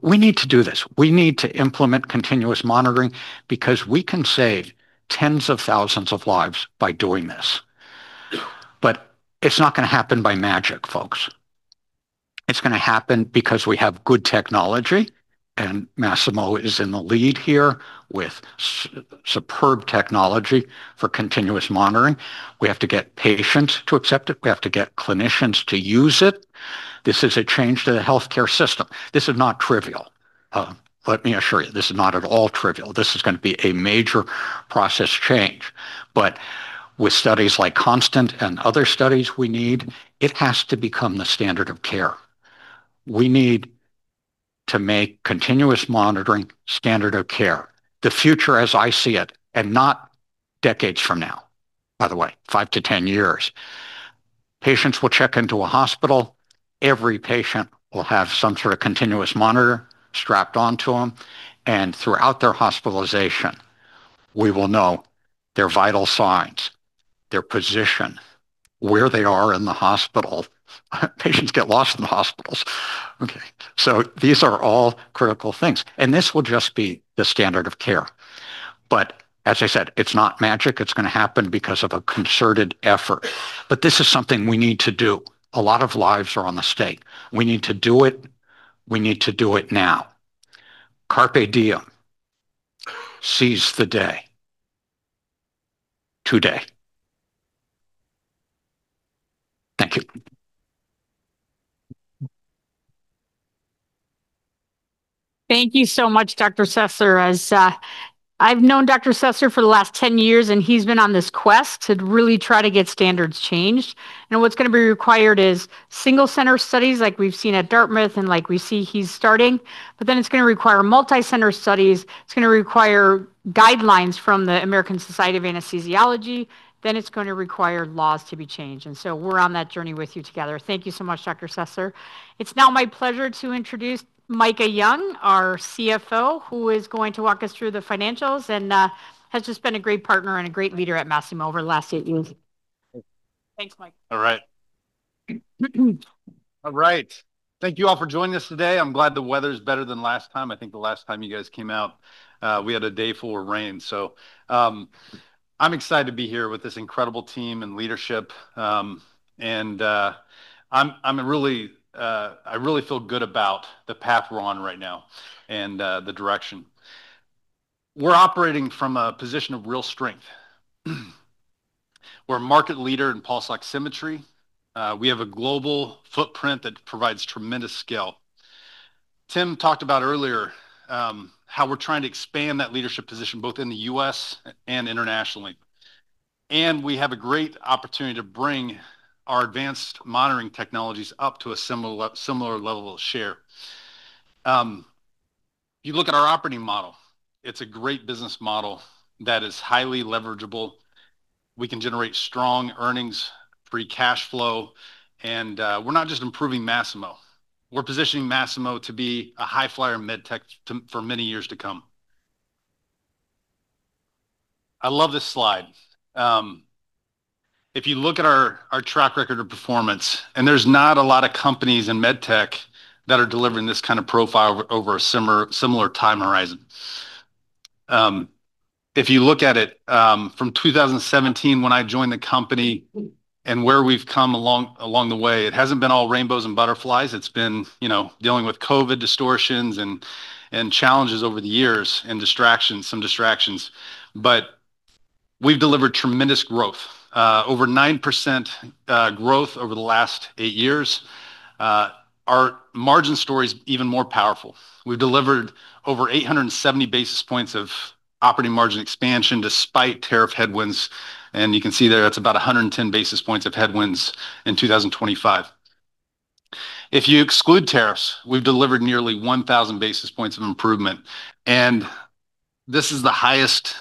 We need to do this. We need to implement continuous monitoring because we can save tens of thousands of lives by doing this. It's not going to happen by magic, folks. It's going to happen because we have good technology, and Masimo is in the lead here with superb technology for continuous monitoring. We have to get patients to accept it. We have to get clinicians to use it. This is a change to the healthcare system. This is not trivial. Let me assure you, this is not at all trivial. This is going to be a major process change. But with studies like Constant and other studies we need, it has to become the standard of care. We need to make continuous monitoring standard of care. The future, as I see it, and not decades from now, by the way, five to 10 years. Patients will check into a hospital. Every patient will have some sort of continuous monitor strapped onto them. And throughout their hospitalization, we will know their vital signs, their position, where they are in the hospital. Patients get lost in the hospitals. Okay, so these are all critical things. And this will just be the standard of care. But as I said, it's not magic. It's going to happen because of a concerted effort. But this is something we need to do. A lot of lives are at stake. We need to do it. We need to do it now. Carpe diem. Seize the day. Today. Thank you.
Thank you so much, Dr. Sessler. I've known Dr. Sessler for the last 10 years, and he's been on this quest to really try to get standards changed, and what's going to be required is single-center studies like we've seen at Dartmouth and like we see he's starting, but then it's going to require multi-center studies. It's going to require guidelines from the American Society of Anesthesiologists, then it's going to require laws to be changed, and so we're on that journey with you together. Thank you so much, Dr. Sessler. It's now my pleasure to introduce Micah Young, our CFO, who is going to walk us through the financials and has just been a great partner and a great leader at Masimo over the last eight years. Thanks, Micah.
All right. All right. Thank you all for joining us today. I'm glad the weather's better than last time. I think the last time you guys came out, we had a day full of rain. So I'm excited to be here with this incredible team and leadership. And I really feel good about the path we're on right now and the direction. We're operating from a position of real strength. We're a market leader in pulse oximetry. We have a global footprint that provides tremendous scale. Tim talked about earlier how we're trying to expand that leadership position both in the U.S. and internationally. And we have a great opportunity to bring our advanced monitoring technologies up to a similar level of share. You look at our operating model. It's a great business model that is highly leverageable. We can generate strong earnings, free cash flow. And we're not just improving Masimo. We're positioning Masimo to be a high-flyer medtech for many years to come. I love this slide. If you look at our track record of performance, and there's not a lot of companies in medtech that are delivering this kind of profile over a similar time horizon. If you look at it from 2017 when I joined the company and where we've come along the way, it hasn't been all rainbows and butterflies. It's been dealing with COVID distortions and challenges over the years and distractions, some distractions, but we've delivered tremendous growth, over 9% growth over the last eight years. Our margin story is even more powerful. We've delivered over 870 basis points of operating margin expansion despite tariff headwinds, and you can see there that's about 110 basis points of headwinds in 2025. If you exclude tariffs, we've delivered nearly 1,000 basis points of improvement. And this is the highest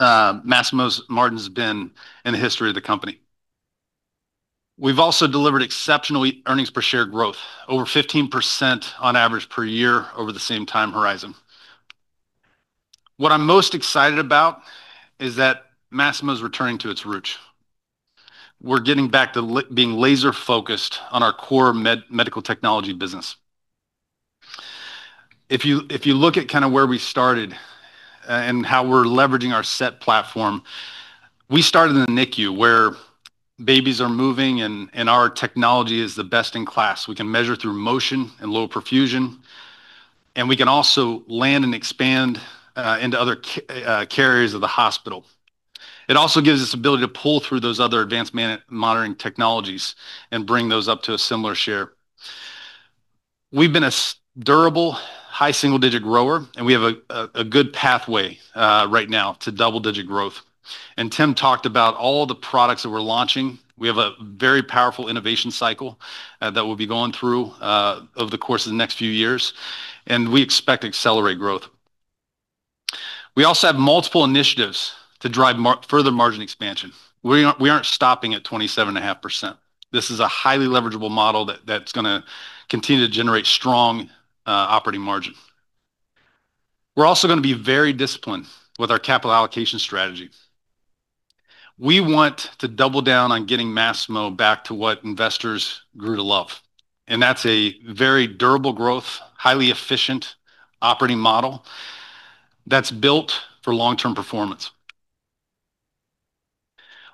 Masimo's margin has been in the history of the company. We've also delivered exceptional earnings per share growth, over 15% on average per year over the same time horizon. What I'm most excited about is that Masimo's returning to its roots. We're getting back to being laser-focused on our core medical technology business. If you look at kind of where we started and how we're leveraging our SET platform, we started in the NICU where babies are moving and our technology is the best in class. We can measure through motion and low perfusion. And we can also land and expand into other care areas of the hospital. It also gives us the ability to pull through those other advanced monitoring technologies and bring those up to a similar share. We've been a durable, high single-digit grower, and we have a good pathway right now to double-digit growth. Tim talked about all the products that we're launching. We have a very powerful innovation cycle that we'll be going through over the course of the next few years. We expect to accelerate growth. We also have multiple initiatives to drive further margin expansion. We aren't stopping at 27.5%. This is a highly leverageable model that's going to continue to generate strong operating margin. We're also going to be very disciplined with our capital allocation strategy. We want to double down on getting Masimo back to what investors grew to love. That's a very durable growth, highly efficient operating model that's built for long-term performance.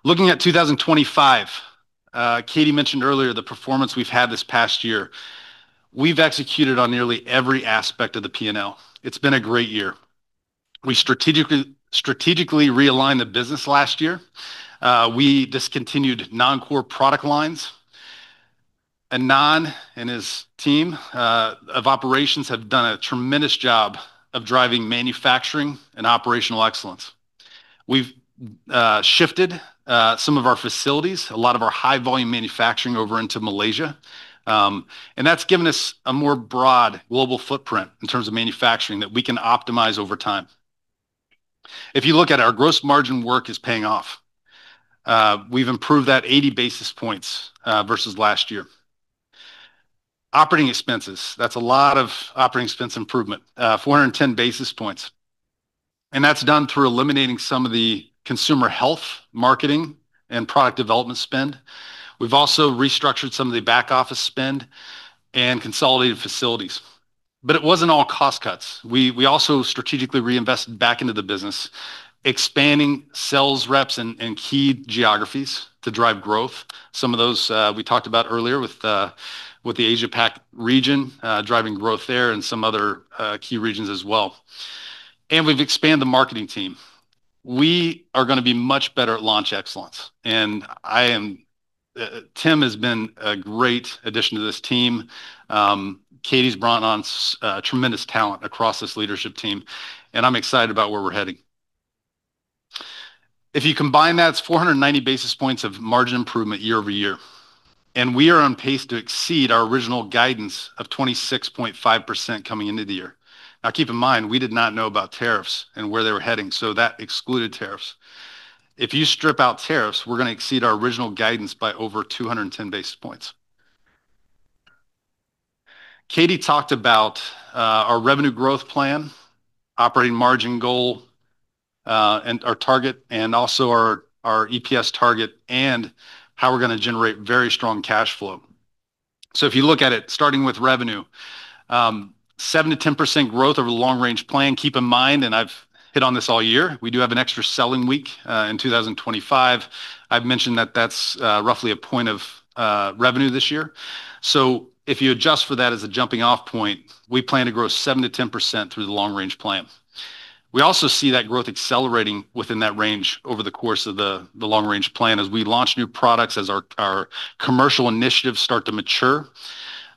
Looking at 2025, Katie mentioned earlier the performance we've had this past year. We've executed on nearly every aspect of the P&L. It's been a great year. We strategically realigned the business last year. We discontinued non-core product lines, and Anand and his team of operations have done a tremendous job of driving manufacturing and operational excellence. We've shifted some of our facilities, a lot of our high-volume manufacturing over into Malaysia, and that's given us a more broad global footprint in terms of manufacturing that we can optimize over time. If you look at our gross margin work, it's paying off. We've improved that 80 basis points versus last year. Operating expenses, that's a lot of operating expense improvement, 410 basis points, and that's done through eliminating some of the consumer health marketing and product development spend. We've also restructured some of the back office spend and consolidated facilities, but it wasn't all cost cuts. We also strategically reinvested back into the business, expanding sales reps and key geographies to drive growth. Some of those we talked about earlier with the Asia-Pacific region, driving growth there and some other key regions as well, and we've expanded the marketing team. We are going to be much better at launch excellence, and Tim has been a great addition to this team. Katie's brought on tremendous talent across this leadership team, and I'm excited about where we're heading. If you combine that, it's 490 basis points of margin improvement year-over-year, and we are on pace to exceed our original guidance of 26.5% coming into the year. Now, keep in mind, we did not know about tariffs and where they were heading, so that excluded tariffs. If you strip out tariffs, we're going to exceed our original guidance by over 210 basis points. Katie talked about our revenue growth plan, operating margin goal, and our target, and also our EPS target, and how we're going to generate very strong cash flow. So if you look at it, starting with revenue, 7%-10% growth over the long-range plan. Keep in mind, and I've hit on this all year, we do have an extra selling week in 2025. I've mentioned that that's roughly a point of revenue this year. So if you adjust for that as a jumping-off point, we plan to grow 7%-10% through the long-range plan. We also see that growth accelerating within that range over the course of the long-range plan as we launch new products, as our commercial initiatives start to mature.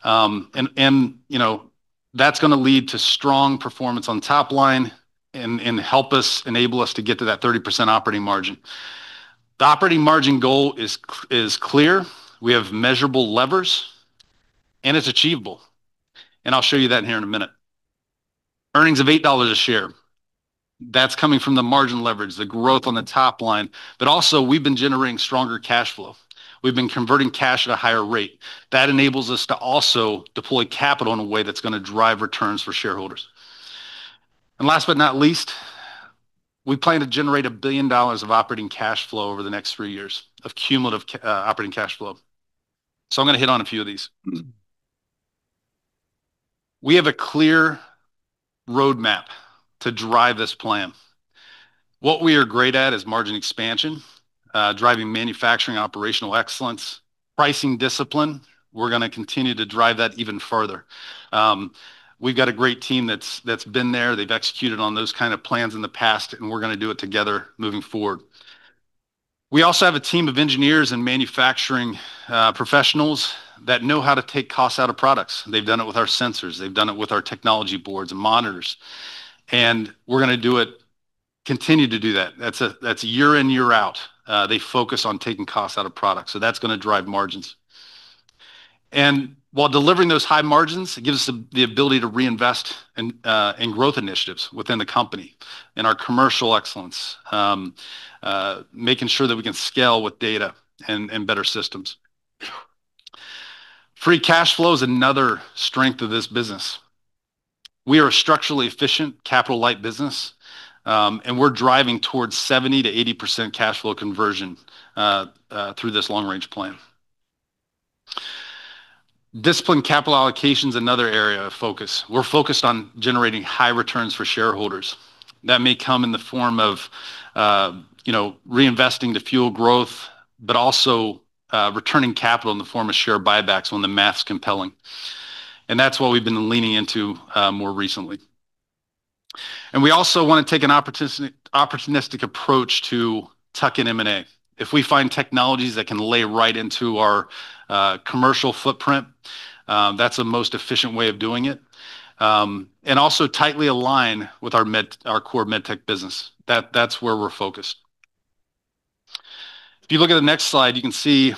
And that's going to lead to strong performance on top line and help us, enable us to get to that 30% operating margin. The operating margin goal is clear. We have measurable levers, and it's achievable, and I'll show you that here in a minute. Earnings of $8 a share. That's coming from the margin leverage, the growth on the top line, but also, we've been generating stronger cash flow. We've been converting cash at a higher rate. That enables us to also deploy capital in a way that's going to drive returns for shareholders, and last but not least, we plan to generate $1 billion of operating cash flow over the next three years of cumulative operating cash flow. I'm going to hit on a few of these. We have a clear roadmap to drive this plan. What we are great at is margin expansion, driving manufacturing operational excellence, pricing discipline. We're going to continue to drive that even further. We've got a great team that's been there. They've executed on those kinds of plans in the past, and we're going to do it together moving forward. We also have a team of engineers and manufacturing professionals that know how to take costs out of products. They've done it with our sensors. They've done it with our technology boards and monitors. And we're going to continue to do that. That's year in, year out. They focus on taking costs out of product. So that's going to drive margins. And while delivering those high margins, it gives us the ability to reinvest in growth initiatives within the company and our commercial excellence, making sure that we can scale with data and better systems. Free cash flow is another strength of this business. We are a structurally efficient, capital-light business, and we're driving towards 70%-80% cash flow conversion through this long-range plan. Disciplined capital allocation is another area of focus. We're focused on generating high returns for shareholders. That may come in the form of reinvesting to fuel growth, but also returning capital in the form of share buybacks when the math's compelling, and that's what we've been leaning into more recently, and we also want to take an opportunistic approach to tuck in M&A. If we find technologies that can lay right into our commercial footprint, that's the most efficient way of doing it and also tightly align with our core medtech business. That's where we're focused. If you look at the next slide, you can see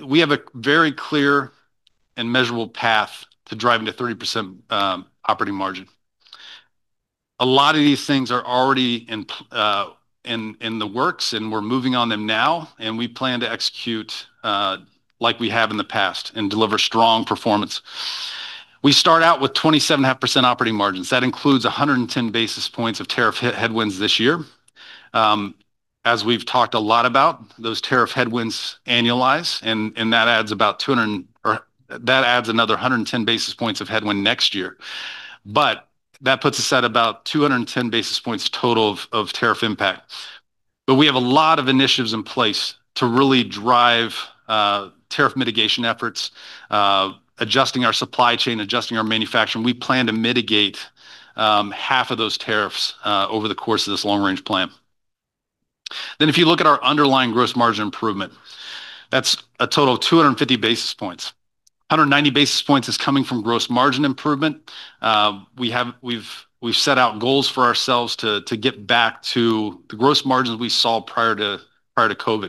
we have a very clear and measurable path to driving to 30% operating margin. A lot of these things are already in the works, and we're moving on them now. We plan to execute like we have in the past and deliver strong performance. We start out with 27.5% operating margins. That includes 110 basis points of tariff headwinds this year. As we've talked a lot about, those tariff headwinds annualize, and that adds about 200, another 110 basis points of headwind next year. That puts us at about 210 basis points total of tariff impact. We have a lot of initiatives in place to really drive tariff mitigation efforts, adjusting our supply chain, adjusting our manufacturing. We plan to mitigate half of those tariffs over the course of this long-range plan. If you look at our underlying gross margin improvement, that's a total of 250 basis points. 190 basis points is coming from gross margin improvement. We've set out goals for ourselves to get back to the gross margins we saw prior to COVID.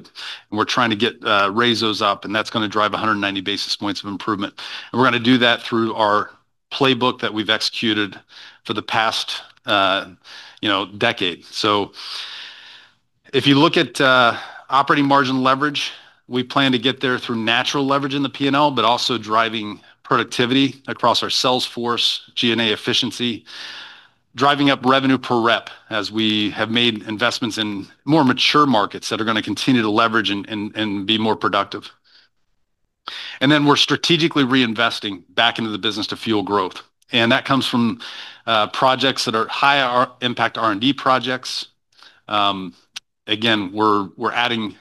And we're trying to raise those up, and that's going to drive 190 basis points of improvement. And we're going to do that through our playbook that we've executed for the past decade. So if you look at operating margin leverage, we plan to get there through natural leverage in the P&L, but also driving productivity across our sales force, G&A efficiency, driving up revenue per rep as we have made investments in more mature markets that are going to continue to leverage and be more productive. And then we're strategically reinvesting back into the business to fuel growth. And that comes from projects that are high impact R&D projects. Again, we're adding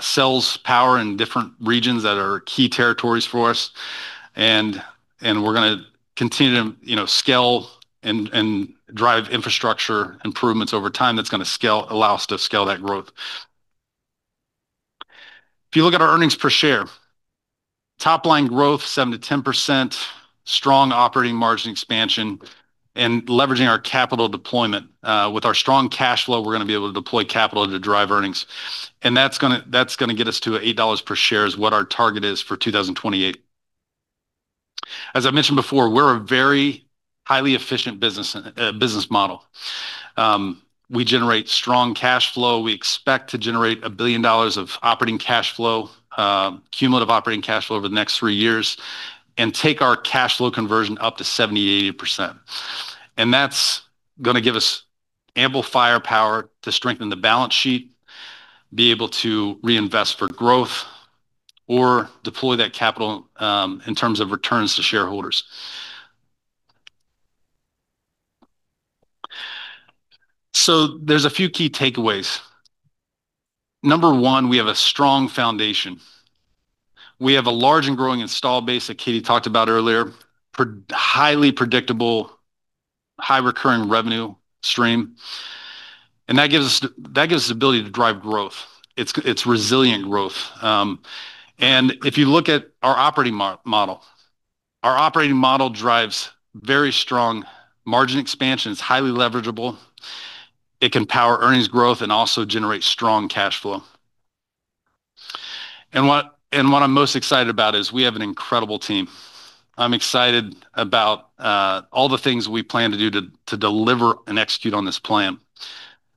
sales power in different regions that are key territories for us. And we're going to continue to scale and drive infrastructure improvements over time that's going to allow us to scale that growth. If you look at our earnings per share, top line growth, 7%-10%, strong operating margin expansion, and leveraging our capital deployment. With our strong cash flow, we're going to be able to deploy capital to drive earnings. And that's going to get us to $8 per share is what our target is for 2028. As I mentioned before, we're a very highly efficient business model. We generate strong cash flow. We expect to generate $1 billion of operating cash flow, cumulative operating cash flow over the next three years, and take our cash flow conversion up to 70-80%. And that's going to give us amplified power to strengthen the balance sheet, be able to reinvest for growth, or deploy that capital in terms of returns to shareholders, so there's a few key takeaways. Number one, we have a strong foundation. We have a large and growing installed base that Katie talked about earlier, highly predictable, high recurring revenue stream. And that gives us the ability to drive growth. It's resilient growth. And if you look at our operating model, our operating model drives very strong margin expansion. It's highly leverageable. It can power earnings growth and also generate strong cash flow. And what I'm most excited about is we have an incredible team. I'm excited about all the things we plan to do to deliver and execute on this plan.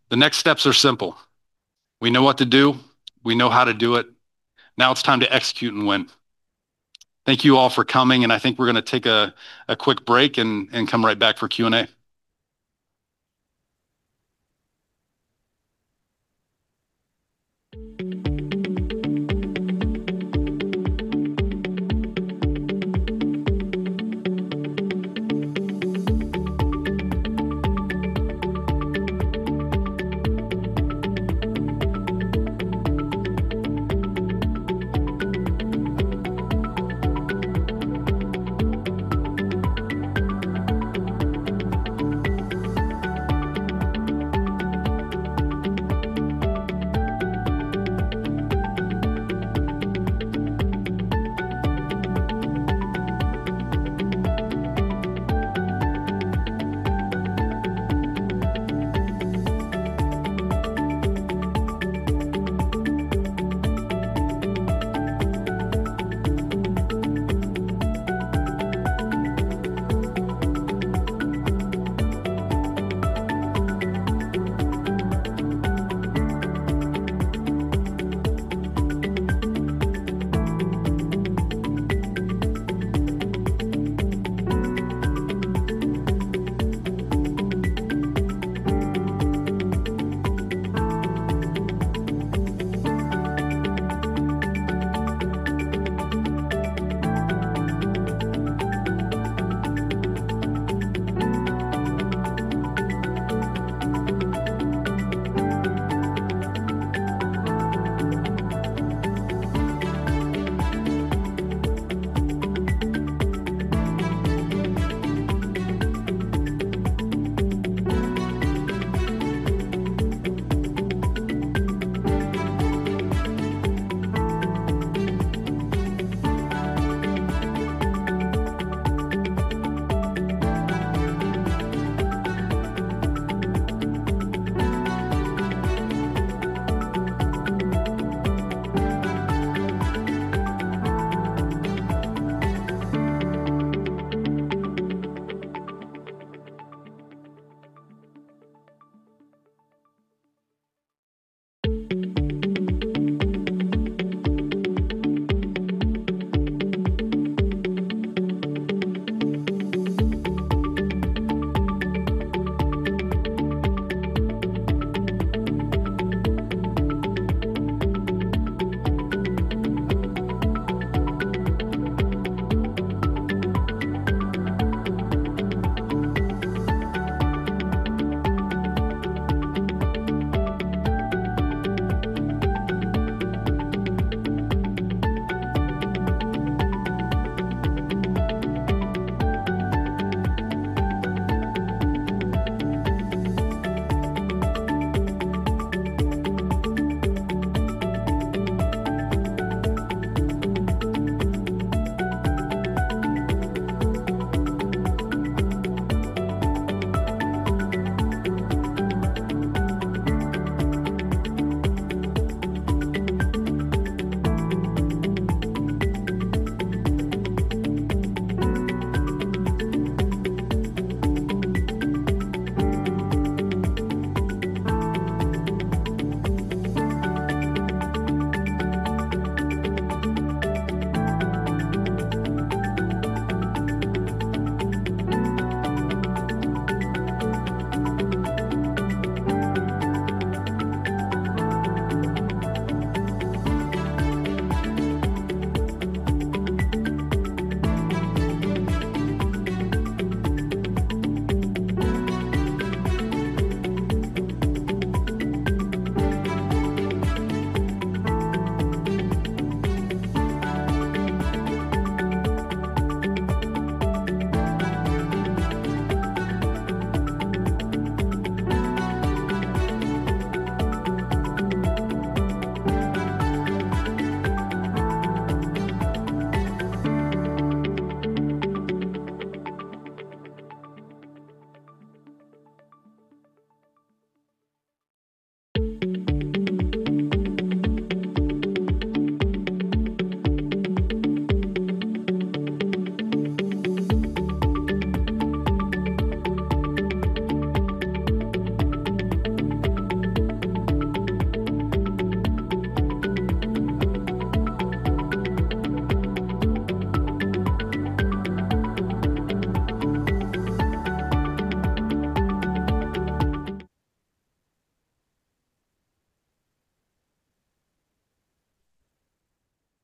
The next steps are simple. We know what to do. We know how to do it. Now it's time to execute and win. Thank you all for coming, and I think we're going to take a quick break and come right back for Q&A.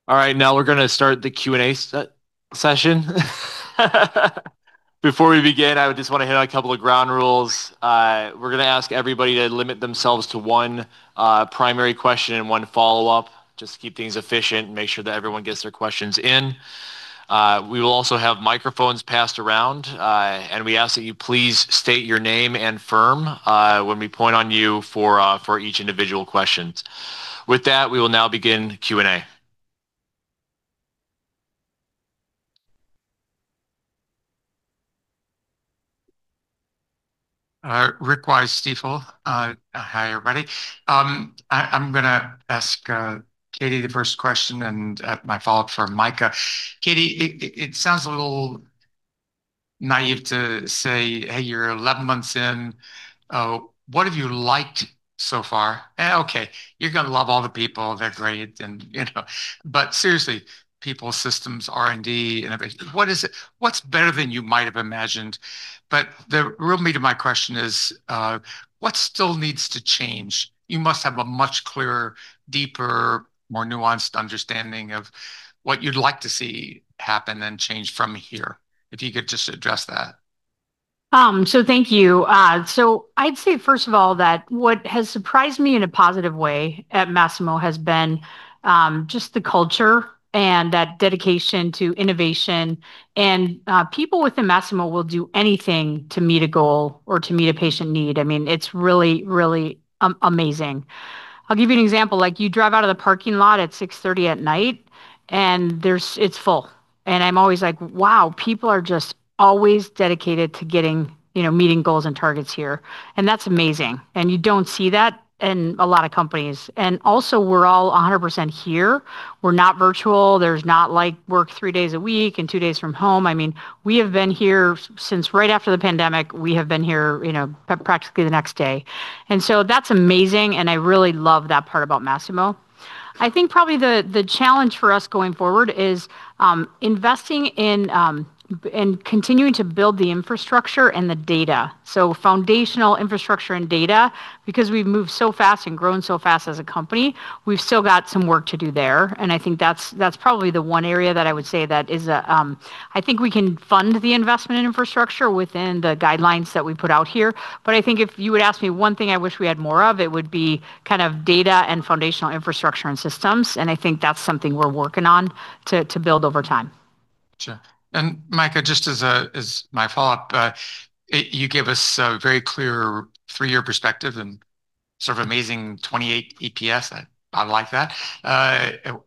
All right. Now we're going to start the Q&A session. Before we begin, I would just want to hit on a couple of ground rules. We're going to ask everybody to limit themselves to one primary question and one follow-up just to keep things efficient and make sure that everyone gets their questions in. We will also have microphones passed around, and we ask that you please state your name and firm when we point on you for each individual question. With that, we will now begin Q&A.
Rick Wise, Stifel. Hi, everybody. I'm going to ask Katie the first question and my follow-up for Micah. Katie, it sounds a little naive to say, "Hey, you're 11 months in. What have you liked so far?" Okay. You're going to love all the people. They're great. But seriously, people, systems, R&D, innovation, what's better than you might have imagined? But the real meat of my question is, what still needs to change? You must have a much clearer, deeper, more nuanced understanding of what you'd like to see happen and change from here. If you could just address that.
So thank you. So I'd say, first of all, that what has surprised me in a positive way at Masimo has been just the culture and that dedication to innovation. And people within Masimo will do anything to meet a goal or to meet a patient need. I mean, it's really, really amazing. I'll give you an example. You drive out of the parking lot at 6:30 P.M., and it's full. I'm always like, "Wow, people are just always dedicated to meeting goals and targets here." That's amazing. You don't see that in a lot of companies. Also, we're all 100% here. We're not virtual. There's not work three days a week and two days from home. I mean, we have been here since right after the pandemic. We have been here practically the next day. That's amazing. I really love that part about Masimo. I think probably the challenge for us going forward is investing in continuing to build the infrastructure and the data. Foundational infrastructure and data, because we've moved so fast and grown so fast as a company, we've still got some work to do there. I think that's probably the one area that I would say that is—I think we can fund the investment in infrastructure within the guidelines that we put out here. I think if you would ask me one thing I wish we had more of, it would be kind of data and foundational infrastructure and systems. I think that's something we're working on to build over time.
Sure. Micah, just as my follow-up, you gave us a very clear three-year perspective and sort of amazing 28 EPS. I like that.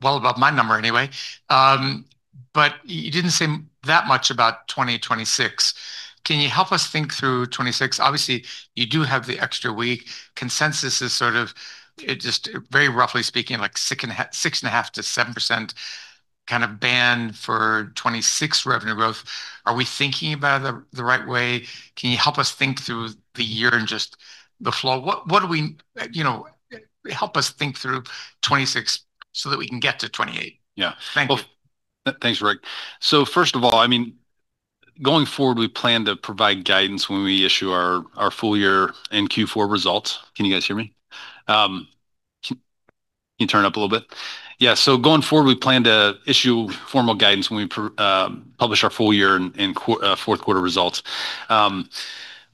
Well above my number anyway. You didn't say that much about 2026. Can you help us think through 26? Obviously, you do have the extra week. Consensus is sort of, just very roughly speaking, like 6.5%-7% kind of band for 2026 revenue growth. Are we thinking about it the right way? Can you help us think through the year and just the flow, help us think through 2026 so that we can get to 2028? Yeah.
Thank you. Thanks, Rick. So first of all, I mean, going forward, we plan to provide guidance when we issue our full year and Q4 results. Can you guys hear me? Can you turn it up a little bit? Yeah. So going forward, we plan to issue formal guidance when we publish our full year and fourth quarter results.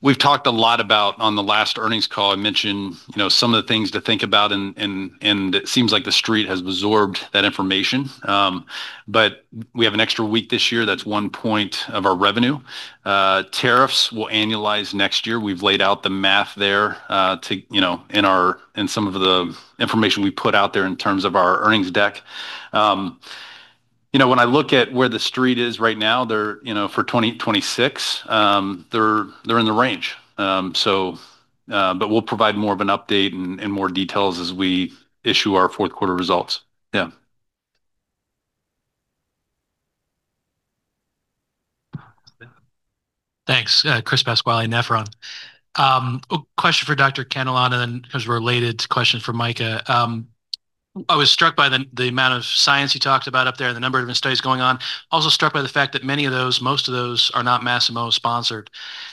We've talked a lot about on the last earnings call. I mentioned some of the things to think about, and it seems like the street has absorbed that information. But we have an extra week this year. That's one point of our revenue. Tariffs will annualize next year. We've laid out the math there in some of the information we put out there in terms of our earnings deck. When I look at where the street is right now for 2026, they're in the range. But we'll provide more of an update and more details as we issue our fourth quarter results. Yeah.
Thanks, Chris Pasquale and Nephron. Question for Dr. Cantillon and then because we're related to question for Micah. I was struck by the amount of science you talked about up there and the number of studies going on. Also struck by the fact that many of those, most of those are not Masimo sponsored.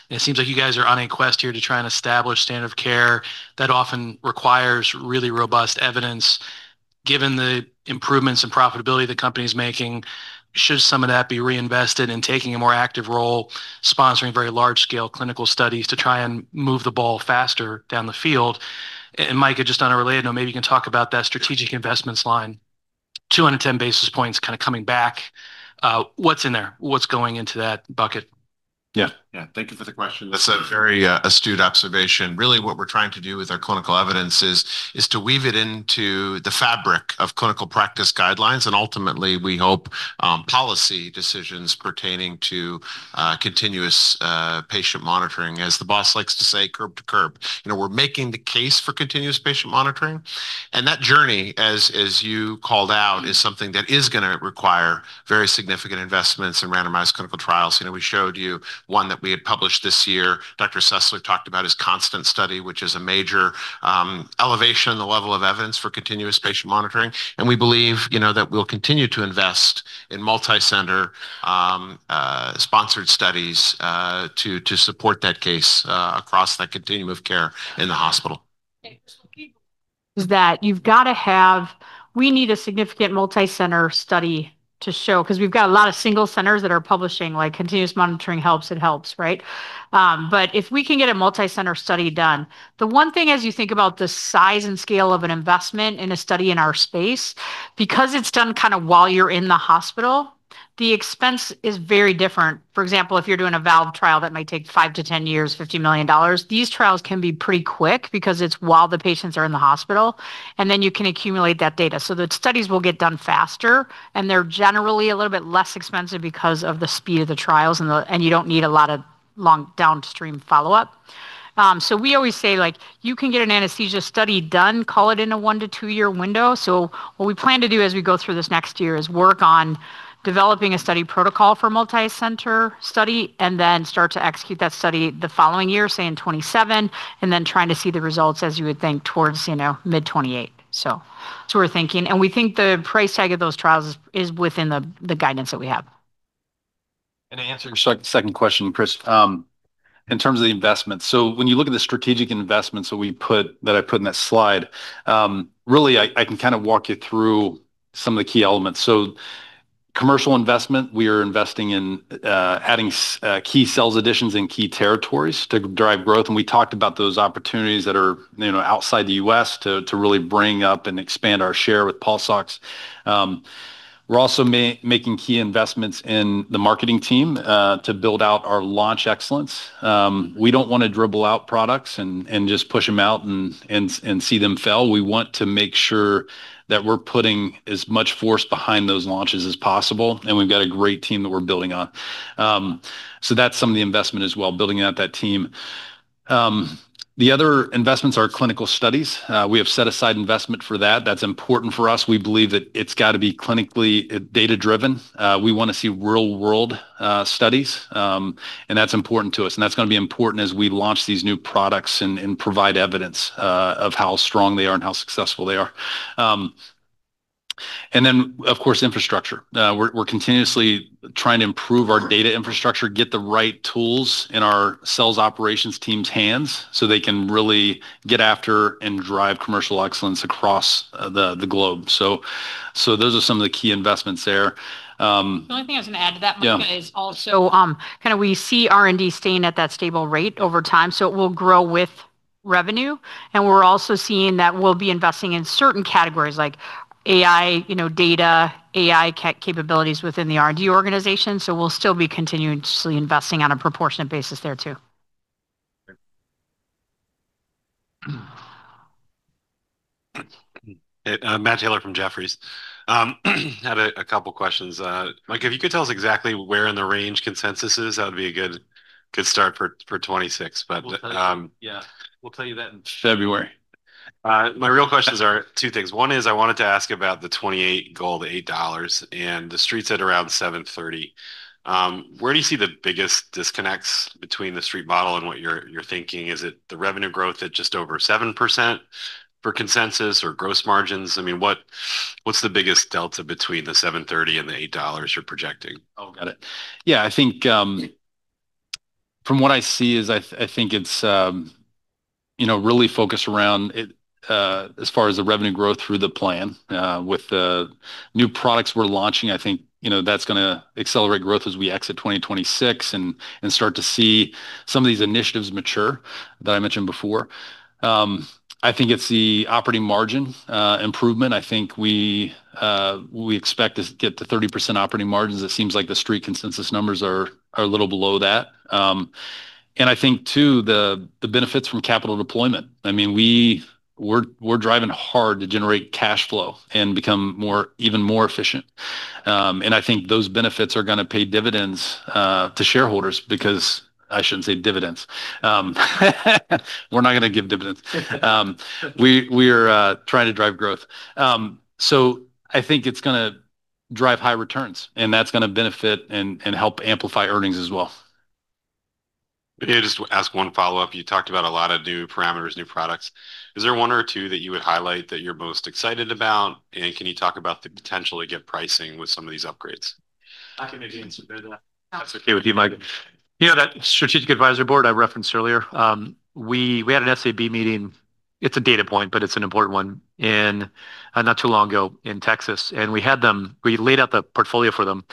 It seems like you guys are on a quest here to try and establish standard of care that often requires really robust evidence. Given the improvements in profitability that companies are making, should some of that be reinvested in taking a more active role, sponsoring very large-scale clinical studies to try and move the ball faster down the field? And Micah, just on a related note, maybe you can talk about that strategic investments line. 210 basis points kind of coming back. What's in there? What's going into that bucket?
Yeah. Yeah. Thank you for the question. That's a very astute observation. Really, what we're trying to do with our clinical evidence is to weave it into the fabric of clinical practice guidelines. And ultimately, we hope policy decisions pertaining to continuous patient monitoring, as the boss likes to say, curb to curb. We're making the case for continuous patient monitoring. And that journey, as you called out, is something that is going to require very significant investments and randomized clinical trials. We showed you one that we had published this year. Dr. Sessler talked about his CONSTANT study, which is a major elevation in the level of evidence for continuous patient monitoring, and we believe that we'll continue to invest in multi-center sponsored studies to support that case across that continuum of care in the hospital.
Is that you've got to have, we need a significant multi-center study to show because we've got a lot of single centers that are publishing continuous monitoring helps and helps, right? But if we can get a multi-center study done, the one thing as you think about the size and scale of an investment in a study in our space, because it's done kind of while you're in the hospital, the expense is very different. For example, if you're doing a valve trial that might take five to 10 years, $50 million, these trials can be pretty quick because it's while the patients are in the hospital, and then you can accumulate that data. So the studies will get done faster, and they're generally a little bit less expensive because of the speed of the trials, and you don't need a lot of long downstream follow-up. So we always say, you can get an anesthesia study done, call it in a one to two-year window. So what we plan to do as we go through this next year is work on developing a study protocol for multi-center study and then start to execute that study the following year, say in 2027, and then trying to see the results as you would think towards mid-2028. So we're thinking, and we think the price tag of those trials is within the guidance that we have.
And to answer your second question, Chris, in terms of the investment, so when you look at the strategic investments that I put in that slide, really, I can kind of walk you through some of the key elements. So commercial investment, we are investing in adding key sales additions and key territories to drive growth. And we talked about those opportunities that are outside the U.S. to really bring up and expand our share with pulse ox. We're also making key investments in the marketing team to build out our launch excellence. We don't want to dribble out products and just push them out and see them fail. We want to make sure that we're putting as much force behind those launches as possible. And we've got a great team that we're building on. So that's some of the investment as well, building out that team. The other investments are clinical studies. We have set aside investment for that. That's important for us. We believe that it's got to be clinically data-driven. We want to see real-world studies, and that's important to us. And that's going to be important as we launch these new products and provide evidence of how strong they are and how successful they are. And then, of course, infrastructure. We're continuously trying to improve our data infrastructure, get the right tools in our sales operations team's hands so they can really get after and drive commercial excellence across the globe. So those are some of the key investments there.
The only thing I was going to add to that, Micah, is also kind of we see R&D staying at that stable rate over time, so it will grow with revenue. And we're also seeing that we'll be investing in certain categories like AI data, AI capabilities within the R&D organization. So we'll still be continuously investing on a proportionate basis there too.
Matt Taylor from Jefferies had a couple of questions. Micah, if you could tell us exactly where in the range consensus is, that would be a good start for 2026. But yeah,
we'll tell you that in February.
My real questions are two things. One is I wanted to ask about the 2028 goal of $8 and the streets at around 730. Where do you see the biggest disconnects between the street model and what you're thinking? Is it the revenue growth at just over 7% for consensus or gross margins? I mean, what's the biggest delta between the $730 and the $8 you're projecting?
Oh, got it. Yeah. I think from what I see is I think it's really focused around as far as the revenue growth through the plan. With the new products we're launching, I think that's going to accelerate growth as we exit 2026 and start to see some of these initiatives mature that I mentioned before. I think it's the operating margin improvement. I think we expect to get to 30% operating margins. It seems like the street consensus numbers are a little below that. And I think, too, the benefits from capital deployment. I mean, we're driving hard to generate cash flow and become even more efficient. I think those benefits are going to pay dividends to shareholders because I shouldn't say dividends. We're not going to give dividends. We are trying to drive growth. So I think it's going to drive high returns, and that's going to benefit and help amplify earnings as well.
Just to ask one follow-up, you talked about a lot of new parameters, new products. Is there one or two that you would highlight that you're most excited about? And can you talk about the potential to get pricing with some of these upgrades?
I can't answer that. That's okay with you, Micah. You know that strategic advisory board I referenced earlier? We had an SAB meeting. It's a data point, but it's an important one, and not too long ago in Texas, and we laid out the portfolio for them,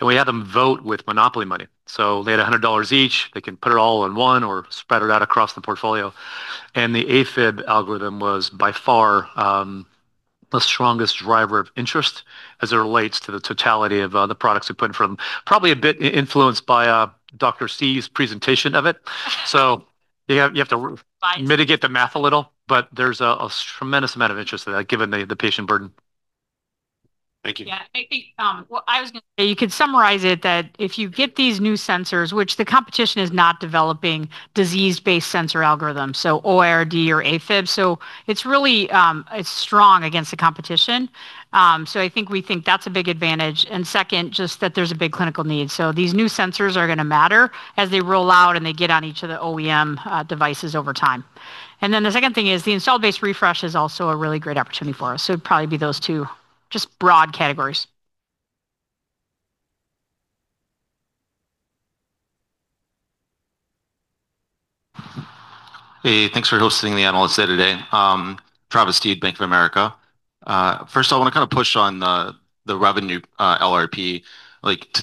and we had them vote with Monopoly money. They had $100 each. They can put it all in one or spread it out across the portfolio. The AFib algorithm was by far the strongest driver of interest as it relates to the totality of the products we put in for them. Probably a bit influenced by Dr. C's presentation of it. You have to mitigate the math a little, but there's a tremendous amount of interest in that given the patient burden.
Thank you.
Yeah. I think what I was going to say, you could summarize it that if you get these new sensors, which the competition is not developing disease-based sensor algorithms, so OIRD or AFib, so it's strong against the competition. I think we think that's a big advantage. Second, just that there's a big clinical need. These new sensors are going to matter as they roll out and they get on each of the OEM devices over time. And then the second thing is the installed-base refresh is also a really great opportunity for us. So it'd probably be those two just broad categories.
Hey, thanks for hosting the Analyst Day today. Travis Steed, Bank of America. First, I want to kind of push on the revenue LRP.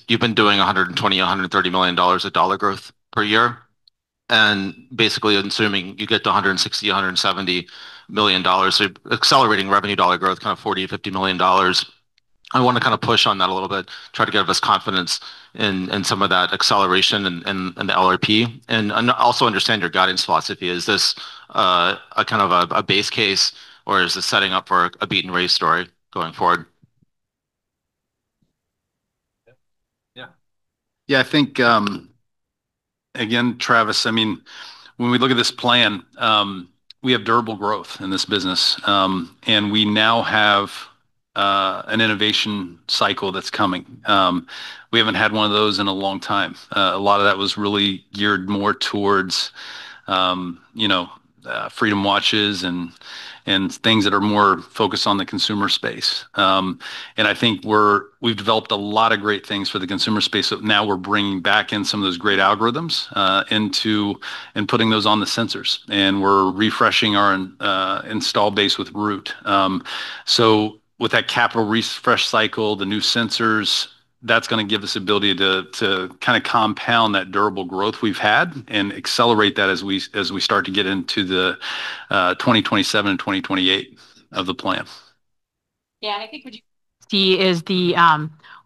You've been doing $120 million-$130 million of dollar growth per year. And basically, I'm assuming you get to $160 million-$170 million. So accelerating revenue dollar growth, kind of $40 million-$50 million. I want to kind of push on that a little bit, try to get us confidence in some of that acceleration and the LRP. And also understand your guidance philosophy. Is this kind of a base case, or is it setting up for a beat and raise story going forward?
Yeah. Yeah. I think, again, Travis, I mean, when we look at this plan, we have durable growth in this business. And we now have an innovation cycle that's coming. We haven't had one of those in a long time. A lot of that was really geared more towards Freedom Smartwatches and things that are more focused on the consumer space. And I think we've developed a lot of great things for the consumer space. Now we're bringing back in some of those great algorithms and putting those on the sensors. And we're refreshing our install base with Root. So with that capital refresh cycle, the new sensors, that's going to give us the ability to kind of compound that durable growth we've had and accelerate that as we start to get into the 2027 and 2028 of the plan.
Yeah. And I think what you see is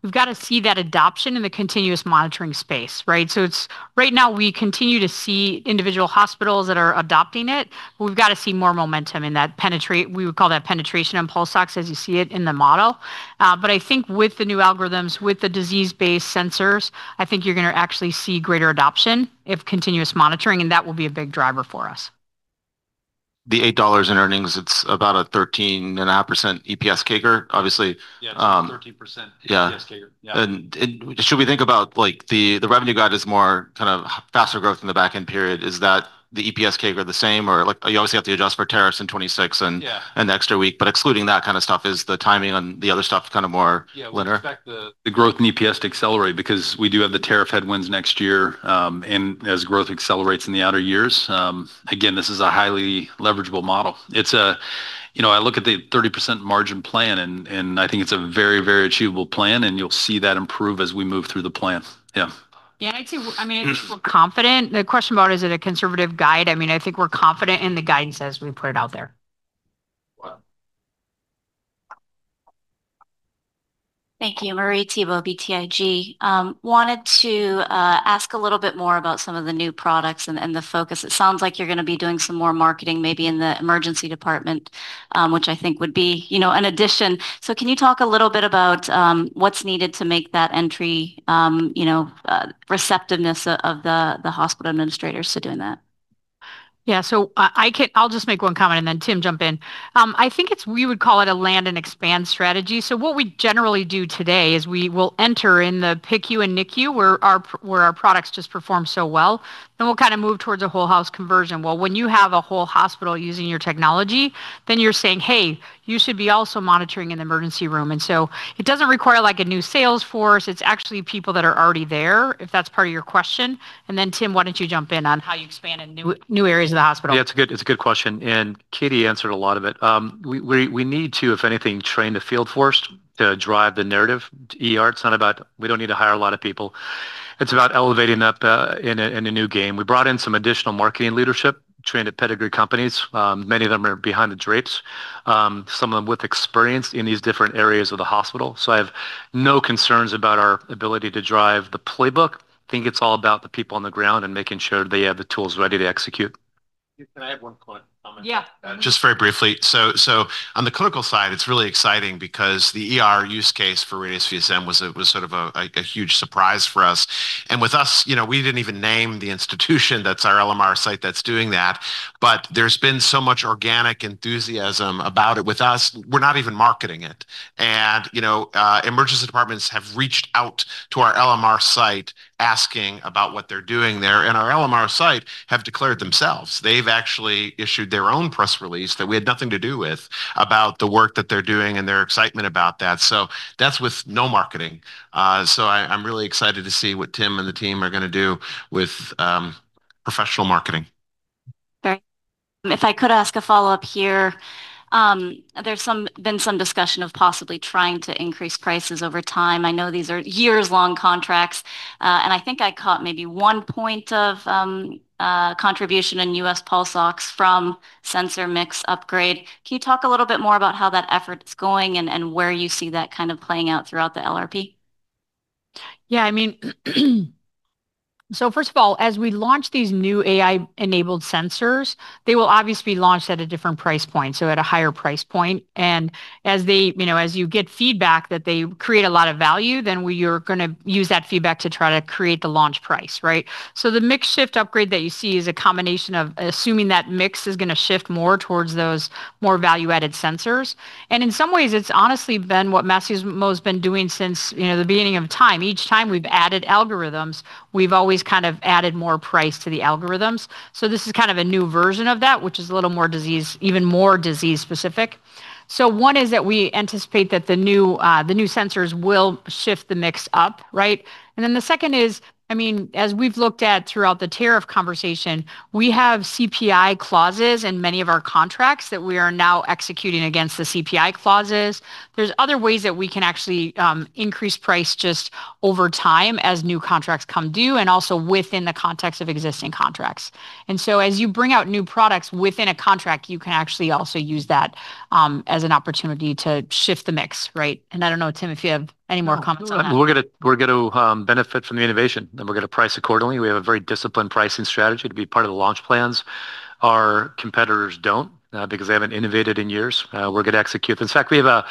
we've got to see that adoption in the continuous monitoring space, right? So right now, we continue to see individual hospitals that are adopting it. We've got to see more momentum in that penetration. We would call that penetration in pulse ox as you see it in the model. But I think with the new algorithms, with the disease-based sensors, I think you're going to actually see greater adoption of continuous monitoring. And that will be a big driver for us.
The $8 in earnings, it's about a 13.5% EPS kicker, obviously.
Yeah, 13% EPS kicker.
Yeah. Should we think about the revenue guide is more kind of faster growth in the back-end period? Is that the EPS kicker the same? Or you obviously have to adjust for tariffs in 2026 and the extra week. But excluding that kind of stuff, is the timing on the other stuff kind of more linear?
Yeah. We expect the growth in EPS to accelerate because we do have the tariff headwinds next year. And as growth accelerates in the outer years, again, this is a highly leverageable model. I look at the 30% margin plan, and I think it's a very, very achievable plan. And you'll see that improve as we move through the plan. Yeah.
Yeah. I mean, I think we're confident. The question about is it a conservative guide? I mean, I think we're confident in the guidance as we put it out there.
Thank you. Marie Thibault, BTIG. Wanted to ask a little bit more about some of the new products and the focus. It sounds like you're going to be doing some more marketing maybe in the emergency department, which I think would be an addition. So can you talk a little bit about what's needed to make that entry receptiveness of the hospital administrators to doing that?
Yeah. So I'll just make one comment, and then Tim jump in. I think we would call it a land and expand strategy. So what we generally do today is we will enter in the PICU and NICU where our products just perform so well. Then we'll kind of move towards a whole-house conversion. When you have a whole hospital using your technology, then you're saying, "Hey, you should be also monitoring in the emergency room." And so it doesn't require a new sales force. It's actually people that are already there, if that's part of your question. And then, Tim, why don't you jump in on how you expand in new areas of the hospital?
Yeah. It's a good question. And Katie answered a lot of it. We need to, if anything, train the field force to drive the narrative. It's not about. We don't need to hire a lot of people. It's about elevating up in a new game. We brought in some additional marketing leadership, trained at pedigree companies. Many of them are behind the drapes, some of them with experience in these different areas of the hospital. So I have no concerns about our ability to drive the playbook. I think it's all about the people on the ground and making sure they have the tools ready to execute.
Can I add one comment?
Yeah.
Just very briefly. So on the clinical side, it's really exciting because the use case for Radius VSM was sort of a huge surprise for us. And with us, we didn't even name the institution that's our LMR site that's doing that. But there's been so much organic enthusiasm about it with us. We're not even marketing it. And emergency departments have reached out to our LMR site asking about what they're doing there. And our LMR site have declared themselves. They've actually issued their own press release that we had nothing to do with about the work that they're doing and their excitement about that. So that's with no marketing. I'm really excited to see what Tim and the team are going to do with professional marketing.
If I could ask a follow-up here, there's been some discussion of possibly trying to increase prices over time. I know these are years-long contracts. And I think I caught maybe one point of contribution in U.S. pulse ox from sensor mix upgrade. Can you talk a little bit more about how that effort is going and where you see that kind of playing out throughout the LRP?
Yeah. I mean, so first of all, as we launch these new AI-enabled sensors, they will obviously be launched at a different price point, so at a higher price point. And as you get feedback that they create a lot of value, then you're going to use that feedback to try to create the launch price, right? The mix shift upgrade that you see is a combination of assuming that mix is going to shift more towards those more value-added sensors. And in some ways, it's honestly been what Masimo's been doing since the beginning of time. Each time we've added algorithms, we've always kind of added more price to the algorithms. This is kind of a new version of that, which is a little more disease, even more disease-specific. One is that we anticipate that the new sensors will shift the mix up, right? And then the second is, I mean, as we've looked at throughout the tariff conversation, we have CPI clauses in many of our contracts that we are now executing against the CPI clauses. There's other ways that we can actually increase price just over time as new contracts come due and also within the context of existing contracts. And so as you bring out new products within a contract, you can actually also use that as an opportunity to shift the mix, right? And I don't know, Tim, if you have any more comments on that.
We're going to benefit from the innovation, and we're going to price accordingly. We have a very disciplined pricing strategy to be part of the launch plans. Our competitors don't because they haven't innovated in years. We're going to execute. In fact, we have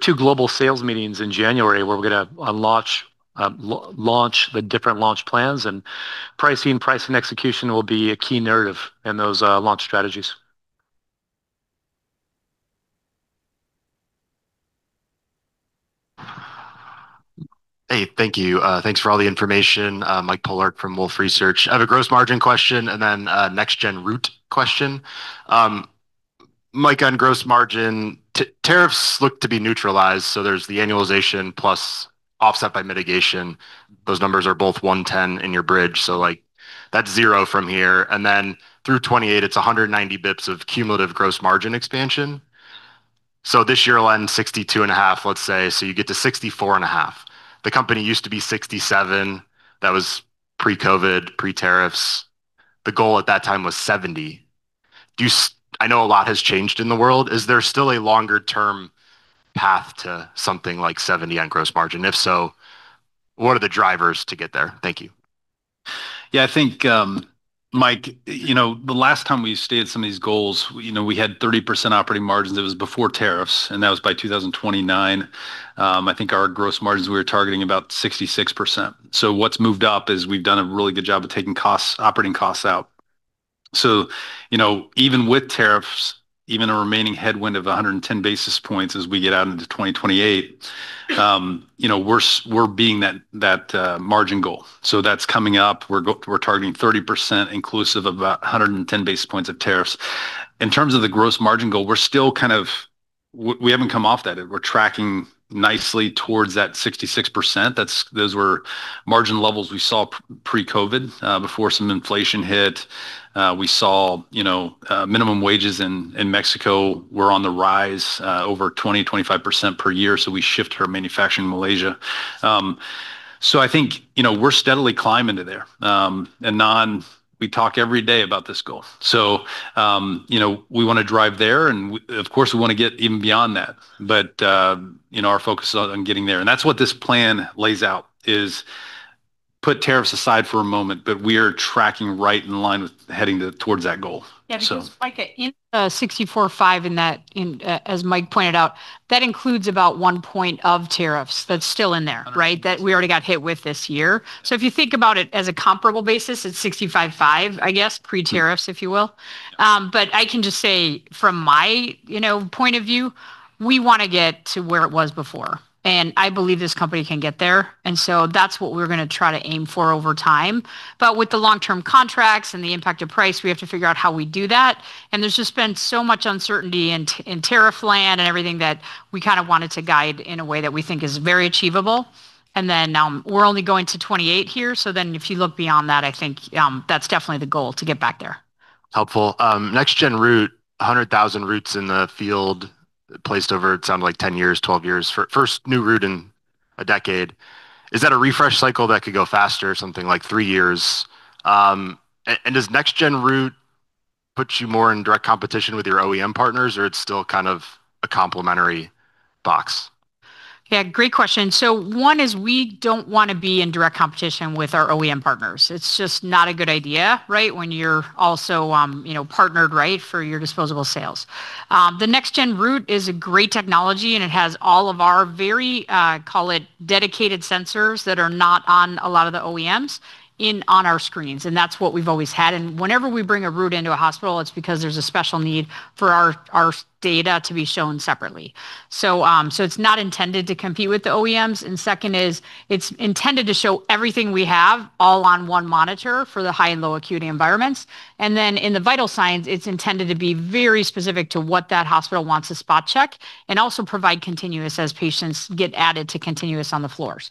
two global sales meetings in January where we're going to launch the different launch plans. And pricing, pricing execution will be a key narrative in those launch strategies.
Hey, thank you. Thanks for all the information. Mike Polark from Wolfe Research. I have a gross margin question and then a next-gen Root question. Micah on gross margin. Tariffs look to be neutralized. So there's the annualization plus offset by mitigation. Those numbers are both 110 in your bridge. So that's zero from here. And then through 2028, it's 190 basis points of cumulative gross margin expansion. So this year will end 62.5%, let's say. So you get to 64.5%. The company used to be 67%. That was pre-COVID, pre-tariffs. The goal at that time was 70%. I know a lot has changed in the world. Is there still a longer-term path to something like 70% on gross margin? If so, what are the drivers to get there? Thank you.
Yeah. I think, Mike, the last time we stated some of these goals, we had 30% operating margins. It was before tariffs. And that was by 2029. I think our gross margins we were targeting about 66%. So what's moved up is we've done a really good job of taking operating costs out. So even with tariffs, even a remaining headwind of 110 basis points as we get out into 2028, we're being that margin goal. That's coming up. We're targeting 30% inclusive of about 110 basis points of tariffs. In terms of the gross margin goal, we're still kind of we haven't come off that. We're tracking nicely towards that 66%. Those were margin levels we saw pre-COVID before some inflation hit. We saw minimum wages in Mexico were on the rise over 20%-25% per year. So we shifted our manufacturing in Malaysia. I think we're steadily climbing to there. We talk every day about this goal. We want to drive there. Of course, we want to get even beyond that. Our focus is on getting there. And that's what this plan lays out is put tariffs aside for a moment, but we are tracking right in line with heading towards that goal.
Yeah. Because, Micah, in the 64.5, as Mike pointed out, that includes about one point of tariffs that's still in there, right, that we already got hit with this year. So if you think about it as a comparable basis, it's 65.5, I guess, pre-tariffs, if you will. But I can just say from my point of view, we want to get to where it was before. And I believe this company can get there. And so that's what we're going to try to aim for over time. But with the long-term contracts and the impact of price, we have to figure out how we do that. There's just been so much uncertainty in tariff land and everything that we kind of wanted to guide in a way that we think is very achievable. Then we're only going to 2028 here. Then if you look beyond that, I think that's definitely the goal to get back there.
Helpful. Next-gen Root, 100,000 Roots in the field placed over, it sounds like, 10 years, 12 years. First new Root in a decade. Is that a refresh cycle that could go faster or something like three years? And does next-gen Root put you more in direct competition with your OEM partners, or it's still kind of a complementary box?
Yeah. Great question. One is we don't want to be in direct competition with our OEM partners. It's just not a good idea, right, when you're also partnered, right, for your disposable sales. The next-gen Root is a great technology, and it has all of our very, call it, dedicated sensors that are not on a lot of the OEMs on our screens. And that's what we've always had. And whenever we bring a Root into a hospital, it's because there's a special need for our data to be shown separately. So it's not intended to compete with the OEMs. And second is it's intended to show everything we have all on one monitor for the high and low acuity environments. And then in the vital signs, it's intended to be very specific to what that hospital wants to spot check and also provide continuous as patients get added to continuous on the floors.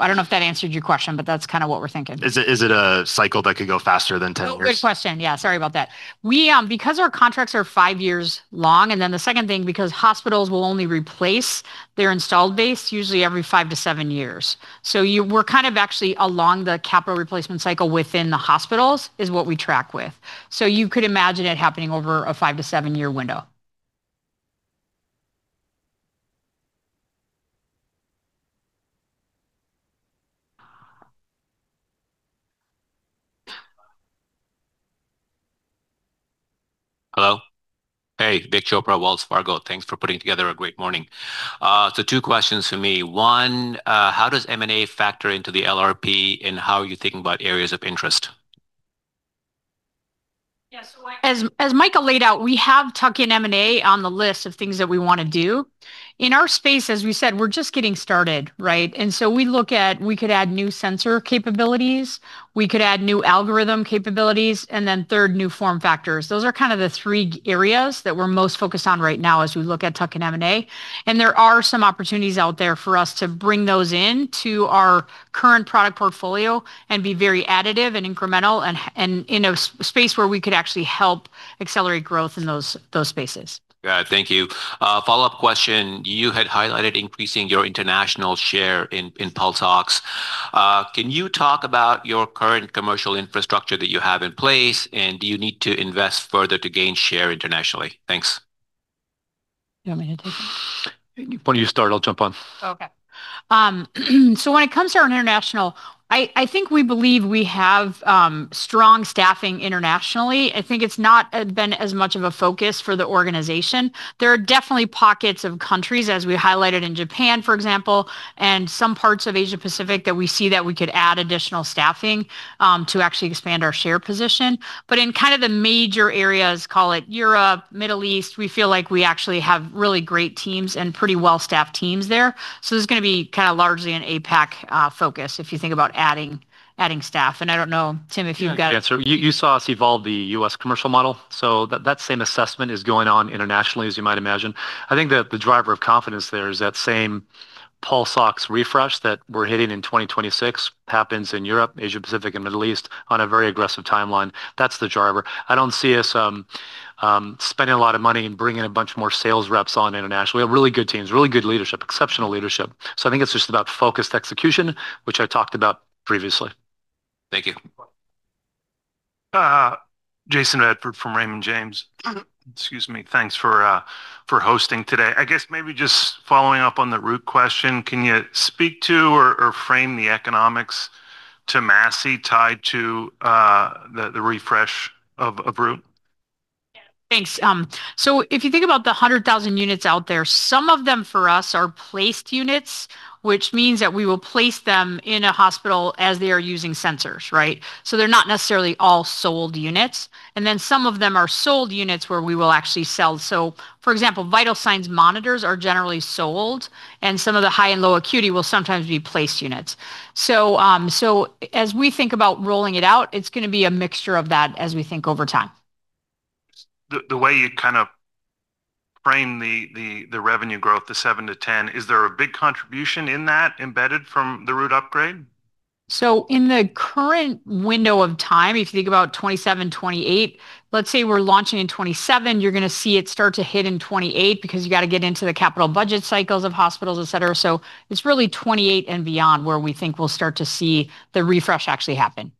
I don't know if that answered your question, but that's kind of what we're thinking.
Is it a cycle that could go faster than 10 years?
Oh, good question. Yeah. Sorry about that. Because our contracts are five years long. And then the second thing, because hospitals will only replace their installed base usually every five to seven years. So we're kind of actually along the capital replacement cycle within the hospitals is what we track with. So you could imagine it happening over a five to seven-year window.
Hello? Hey, Vik Chopra, Wells Fargo. Thanks for putting together a great morning. So two questions for me. One, how does M&A factor into the LRP and how are you thinking about areas of interest?
Yeah. So as Micah laid out, we have tucked in M&A on the list of things that we want to do. In our space, as we said, we're just getting started, right? And so we look at we could add new sensor capabilities. We could add new algorithm capabilities. And then third, new form factors. Those are kind of the three areas that we're most focused on right now as we look at tuck-in M&A. There are some opportunities out there for us to bring those into our current product portfolio and be very additive and incremental in a space where we could actually help accelerate growth in those spaces.
Got it. Thank you. Follow-up question. You had highlighted increasing your international share in pulse ox. Can you talk about your current commercial infrastructure that you have in place, and do you need to invest further to gain share internationally? Thanks.
Do you want me to take it?
Why don't you start? I'll jump on.
Okay. So when it comes to our international, I think we believe we have strong staffing internationally. I think it's not been as much of a focus for the organization. There are definitely pockets of countries, as we highlighted in Japan, for example, and some parts of Asia-Pacific that we see that we could add additional staffing to actually expand our share position. But in kind of the major areas, call it Europe, Middle East, we feel like we actually have really great teams and pretty well-staffed teams there. So this is going to be kind of largely an APAC focus if you think about adding staff. And I don't know, Tim, if you've got an answer.
You saw us evolve the U.S. commercial model. So that same assessment is going on internationally, as you might imagine. I think that the driver of confidence there is that same Pulse Ox refresh that we're hitting in 2026 happens in Europe, Asia-Pacific, and Middle East on a very aggressive timeline. That's the driver. I don't see us spending a lot of money and bringing a bunch more sales reps on internationally. We have really good teams, really good leadership, exceptional leadership. I think it's just about focused execution, which I talked about previously.
Thank you.
Jayson Bedford from Raymond James. Excuse me. Thanks for hosting today. I guess maybe just following up on the Root question, can you speak to or frame the economics to Masimo tied to the refresh of Root?
Yeah. Thanks. So if you think about the 100,000 units out there, some of them for us are placed units, which means that we will place them in a hospital as they are using sensors, right? So they're not necessarily all sold units. And then some of them are sold units where we will actually sell. So for example, vital signs monitors are generally sold. And some of the high and low acuity will sometimes be placed units. So as we think about rolling it out, it's going to be a mixture of that as we think over time.
The way you kind of frame the revenue growth, the 7%-10%, is there a big contribution in that embedded from the Root upgrade?
So in the current window of time, if you think about 2027, 2028, let's say we're launching in 2027, you're going to see it start to hit in 2028 because you got to get into the capital budget cycles of hospitals, etc. So it's really 2028 and beyond where we think we'll start to see the refresh actually happen.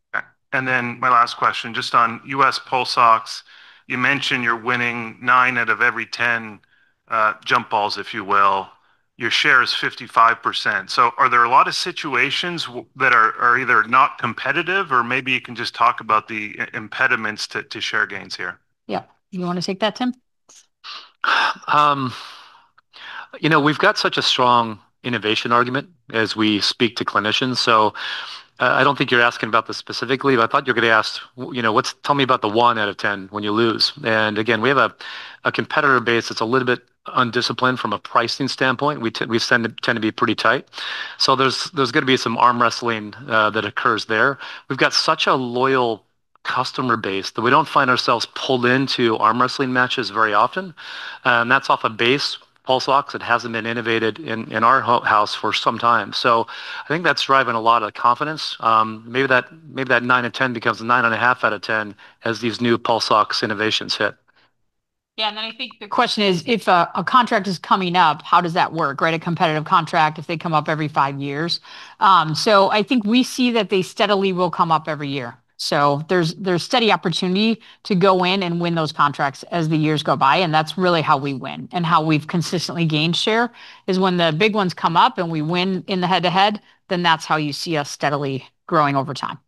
And then my last question just on U.S. pulse ox. You mentioned you're winning nine out of every ten jump balls, if you will. Your share is 55%. So are there a lot of situations that are either not competitive or maybe you can just talk about the impediments to share gains here?
Yeah. Do you want to take that, Tim?
We've got such a strong innovation argument as we speak to clinicians. So I don't think you're asking about this specifically, but I thought you were going to ask, tell me about the one out of ten when you lose. And again, we have a competitor base that's a little bit undisciplined from a pricing standpoint. We tend to be pretty tight. So there's going to be some arm wrestling that occurs there. We've got such a loyal customer base that we don't find ourselves pulled into arm wrestling matches very often. And that's off a base pulse ox that hasn't been innovated in our house for some time. So I think that's driving a lot of confidence. Maybe that nine out of ten becomes a nine and a half out of ten as these new pulse ox innovations hit.
Yeah. And then I think the question is, if a contract is coming up, how does that work, right? A competitive contract if they come up every five years. So I think we see that they steadily will come up every year. So there's steady opportunity to go in and win those contracts as the years go by. And that's really how we win and how we've consistently gained share is when the big ones come up and we win in the head-to-head, then that's how you see us steadily growing over time.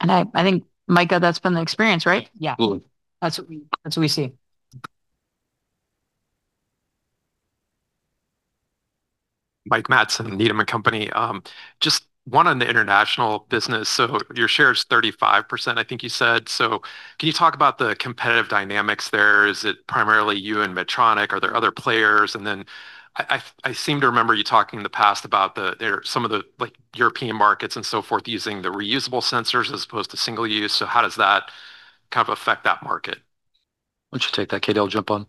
And I think, Micah, that's been the experience, right? Yeah. That's what we see.
Mike Matson and Needham & Company. Just one on the international business. Your share is 35%, I think you said. So can you talk about the competitive dynamics there? Is it primarily you and Medtronic? Are there other players? And then I seem to remember you talking in the past about some of the European markets and so forth using the reusable sensors as opposed to single use. So how does that kind of affect that market?
Why don't you take that? Katie, I'll jump on.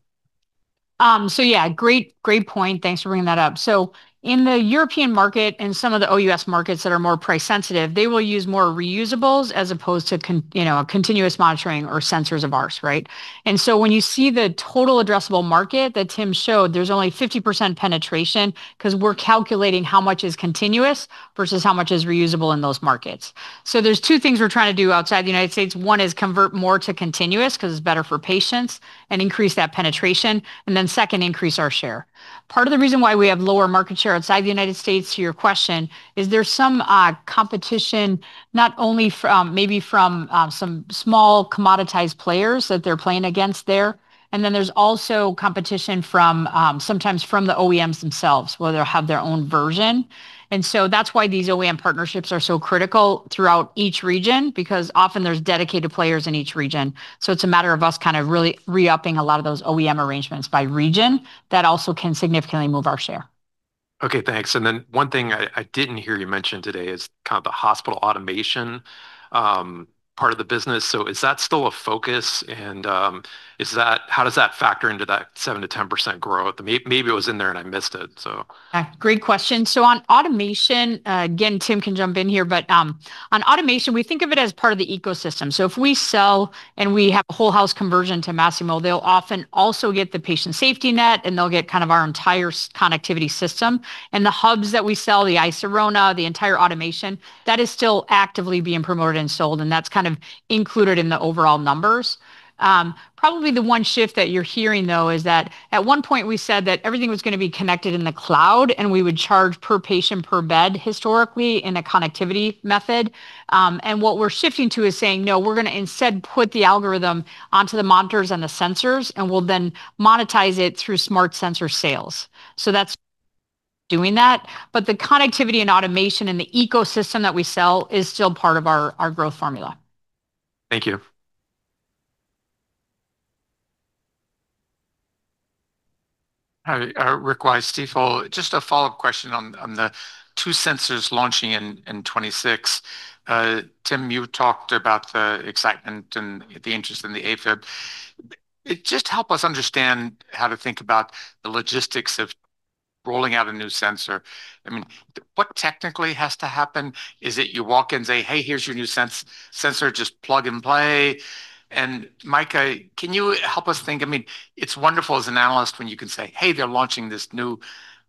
So yeah, great point. Thanks for bringing that up. So in the European market and some of the OUS markets that are more price-sensitive, they will use more reusables as opposed to continuous monitoring or sensors of ours, right? And so when you see the total addressable market that Tim showed, there's only 50% penetration because we're calculating how much is continuous versus how much is reusable in those markets. So there's two things we're trying to do outside the United States. One is convert more to continuous because it's better for patients and increase that penetration. And then second, increase our share. Part of the reason why we have lower market share outside the United States, to your question, is there's some competition not only maybe from some small commoditized players that they're playing against there. And then there's also competition sometimes from the OEMs themselves, whether they have their own version. And so that's why these OEM partnerships are so critical throughout each region because often there's dedicated players in each region. So it's a matter of us kind of really re-upping a lot of those OEM arrangements by region that also can significantly move our share.
Okay. Thanks. And then one thing I didn't hear you mention today is kind of the hospital automation part of the business. So is that still a focus? And how does that factor into that 7%-10% growth? Maybe it was in there and I missed it, so.
Great question. So on automation, again, Tim can jump in here, but on automation, we think of it as part of the ecosystem. So if we sell and we have a whole house conversion to Masimo, they'll often also get the Patient SafetyNet, and they'll get kind of our entire connectivity system. And the hubs that we sell, the iSirona, the entire automation, that is still actively being promoted and sold. And that's kind of included in the overall numbers. Probably the one shift that you're hearing, though, is that at one point we said that everything was going to be connected in the cloud, and we would charge per patient, per bed historically in a connectivity method. And what we're shifting to is saying, no, we're going to instead put the algorithm onto the monitors and the sensors, and we'll then monetize it through smart sensor sales. So that's doing that. But the connectivity and automation and the ecosystem that we sell is still part of our growth formula.
Thank you.
Rick Wise, Stifel, just a follow-up question on the two sensors launching in 2026. Tim, you talked about the excitement and the interest in the AFib. Just help us understand how to think about the logistics of rolling out a new sensor. I mean, what technically has to happen? Is it you walk in and say, "Hey, here's your new sensor, just plug and play"? And Micah, can you help us think? I mean, it's wonderful as an analyst when you can say, "Hey, they're launching this new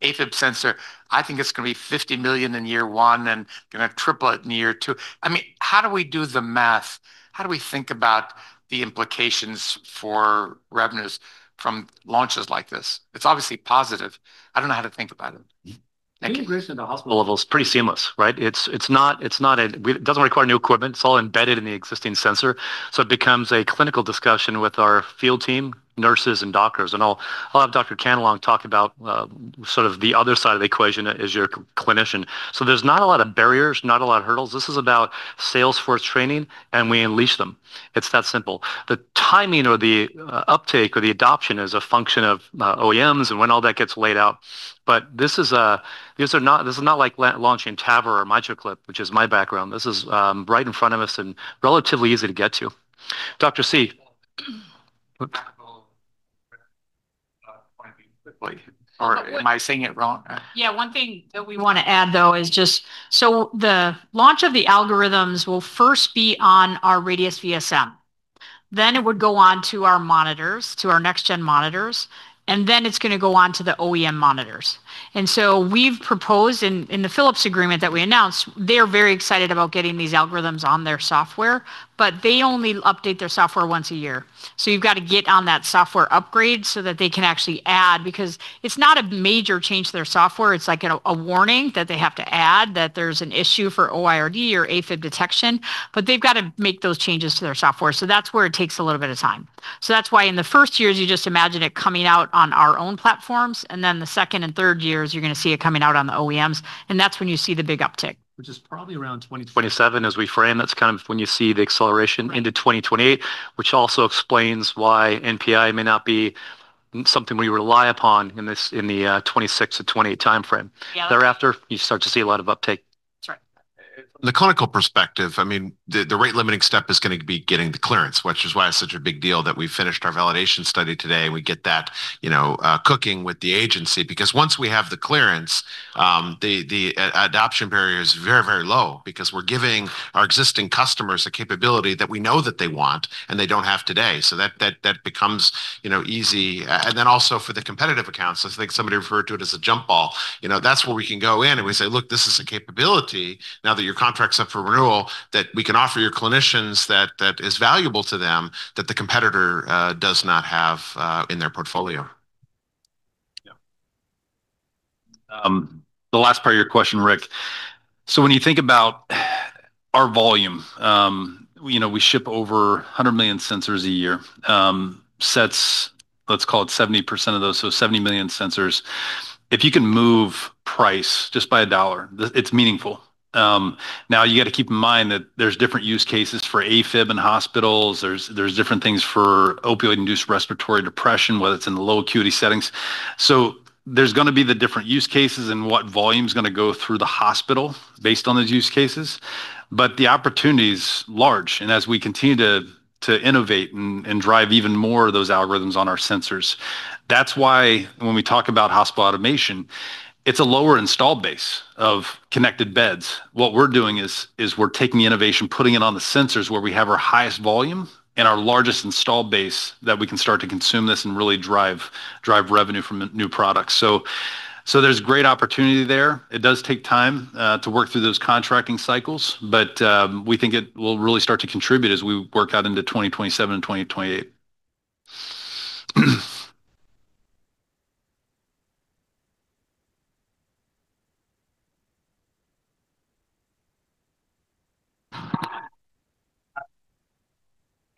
AFib sensor. I think it's going to be $50 million in year one, and they're going to triple it in year two." I mean, how do we do the math? How do we think about the implications for revenues from launches like this? It's obviously positive. I don't know how to think about it.
Integration at the hospital level is pretty seamless, right? It doesn't require new equipment. It's all embedded in the existing sensor. So it becomes a clinical discussion with our field team, nurses, and doctors. And I'll have Dr. Cantillon talk about sort of the other side of the equation as your clinician. So there's not a lot of barriers, not a lot of hurdles. This is about sales force training, and we unleash them. It's that simple. The timing or the uptake or the adoption is a function of OEMs and when all that gets laid out. But this is not like launching Tavor or MitraClip, which is my background. This is right in front of us and relatively easy to get to. Dr. C. Am I saying it wrong?
Yeah. One thing that we want to add, though, is just so the launch of the algorithms will first be on our Radius VSM. Then it would go on to our monitors, to our next-gen monitors, and then it's going to go on to the OEM monitors. And so we've proposed in the Philips agreement that we announced, they're very excited about getting these algorithms on their software, but they only update their software once a year. So you've got to get on that software upgrade so that they can actually add because it's not a major change to their software. It's like a warning that they have to add that there's an issue for OIRD or AFib detection, but they've got to make those changes to their software. So that's where it takes a little bit of time. So that's why in the first years, you just imagine it coming out on our own platforms. And then the second and third years, you're going to see it coming out on the OEMs. And that's when you see the big uptake.
Which is probably around 2027 as we frame. That's kind of when you see the acceleration into 2028, which also explains why NPI may not be something we rely upon in the 2026 to 2028 timeframe. Thereafter, you start to see a lot of uptake.
That's right.
From the clinical perspective, I mean, the rate limiting step is going to be getting the clearance, which is why it's such a big deal that we finished our validation study today. We get that cooking with the agency because once we have the clearance, the adoption barrier is very, very low because we're giving our existing customers a capability that we know that they want and they don't have today. So that becomes easy. And then also for the competitive accounts, I think somebody referred to it as a jump ball. That's where we can go in and we say, "Look, this is a capability now that your contract's up for renewal that we can offer your clinicians that is valuable to them that the competitor does not have in their portfolio."
Yeah. The last part of your question, Rick. So when you think about our volume, we ship over 100 million sensors a year. Let's call it 70% of those, so 70 million sensors. If you can move price just by $1, it's meaningful. Now, you got to keep in mind that there's different use cases for AFib and hospitals. There's different things for opioid-induced respiratory depression, whether it's in the low acuity settings. So there's going to be the different use cases and what volume is going to go through the hospital based on those use cases. But the opportunity is large. And as we continue to innovate and drive even more of those algorithms on our sensors, that's why when we talk about hospital automation, it's a lower install base of connected beds. What we're doing is we're taking the innovation, putting it on the sensors where we have our highest volume and our largest install base that we can start to consume this and really drive revenue from new products. So there's great opportunity there. It does take time to work through those contracting cycles, but we think it will really start to contribute as we work out into 2027 and 2028.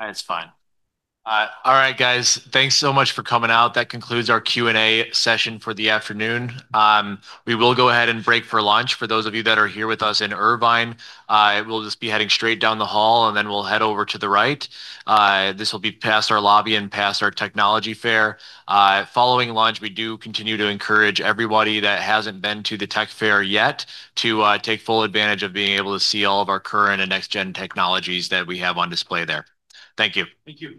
That's fine. All right, guys. Thanks so much for coming out. That concludes our Q&A session for the afternoon. We will go ahead and break for lunch. For those of you that are here with us in Irvine, we'll just be heading straight down the hall, and then we'll head over to the right. This will be past our lobby and past our technology fair. Following lunch, we do continue to encourage everybody that hasn't been to the tech fair yet to take full advantage of being able to see all of our current and next-gen technologies that we have on display there. Thank you.
Thank you.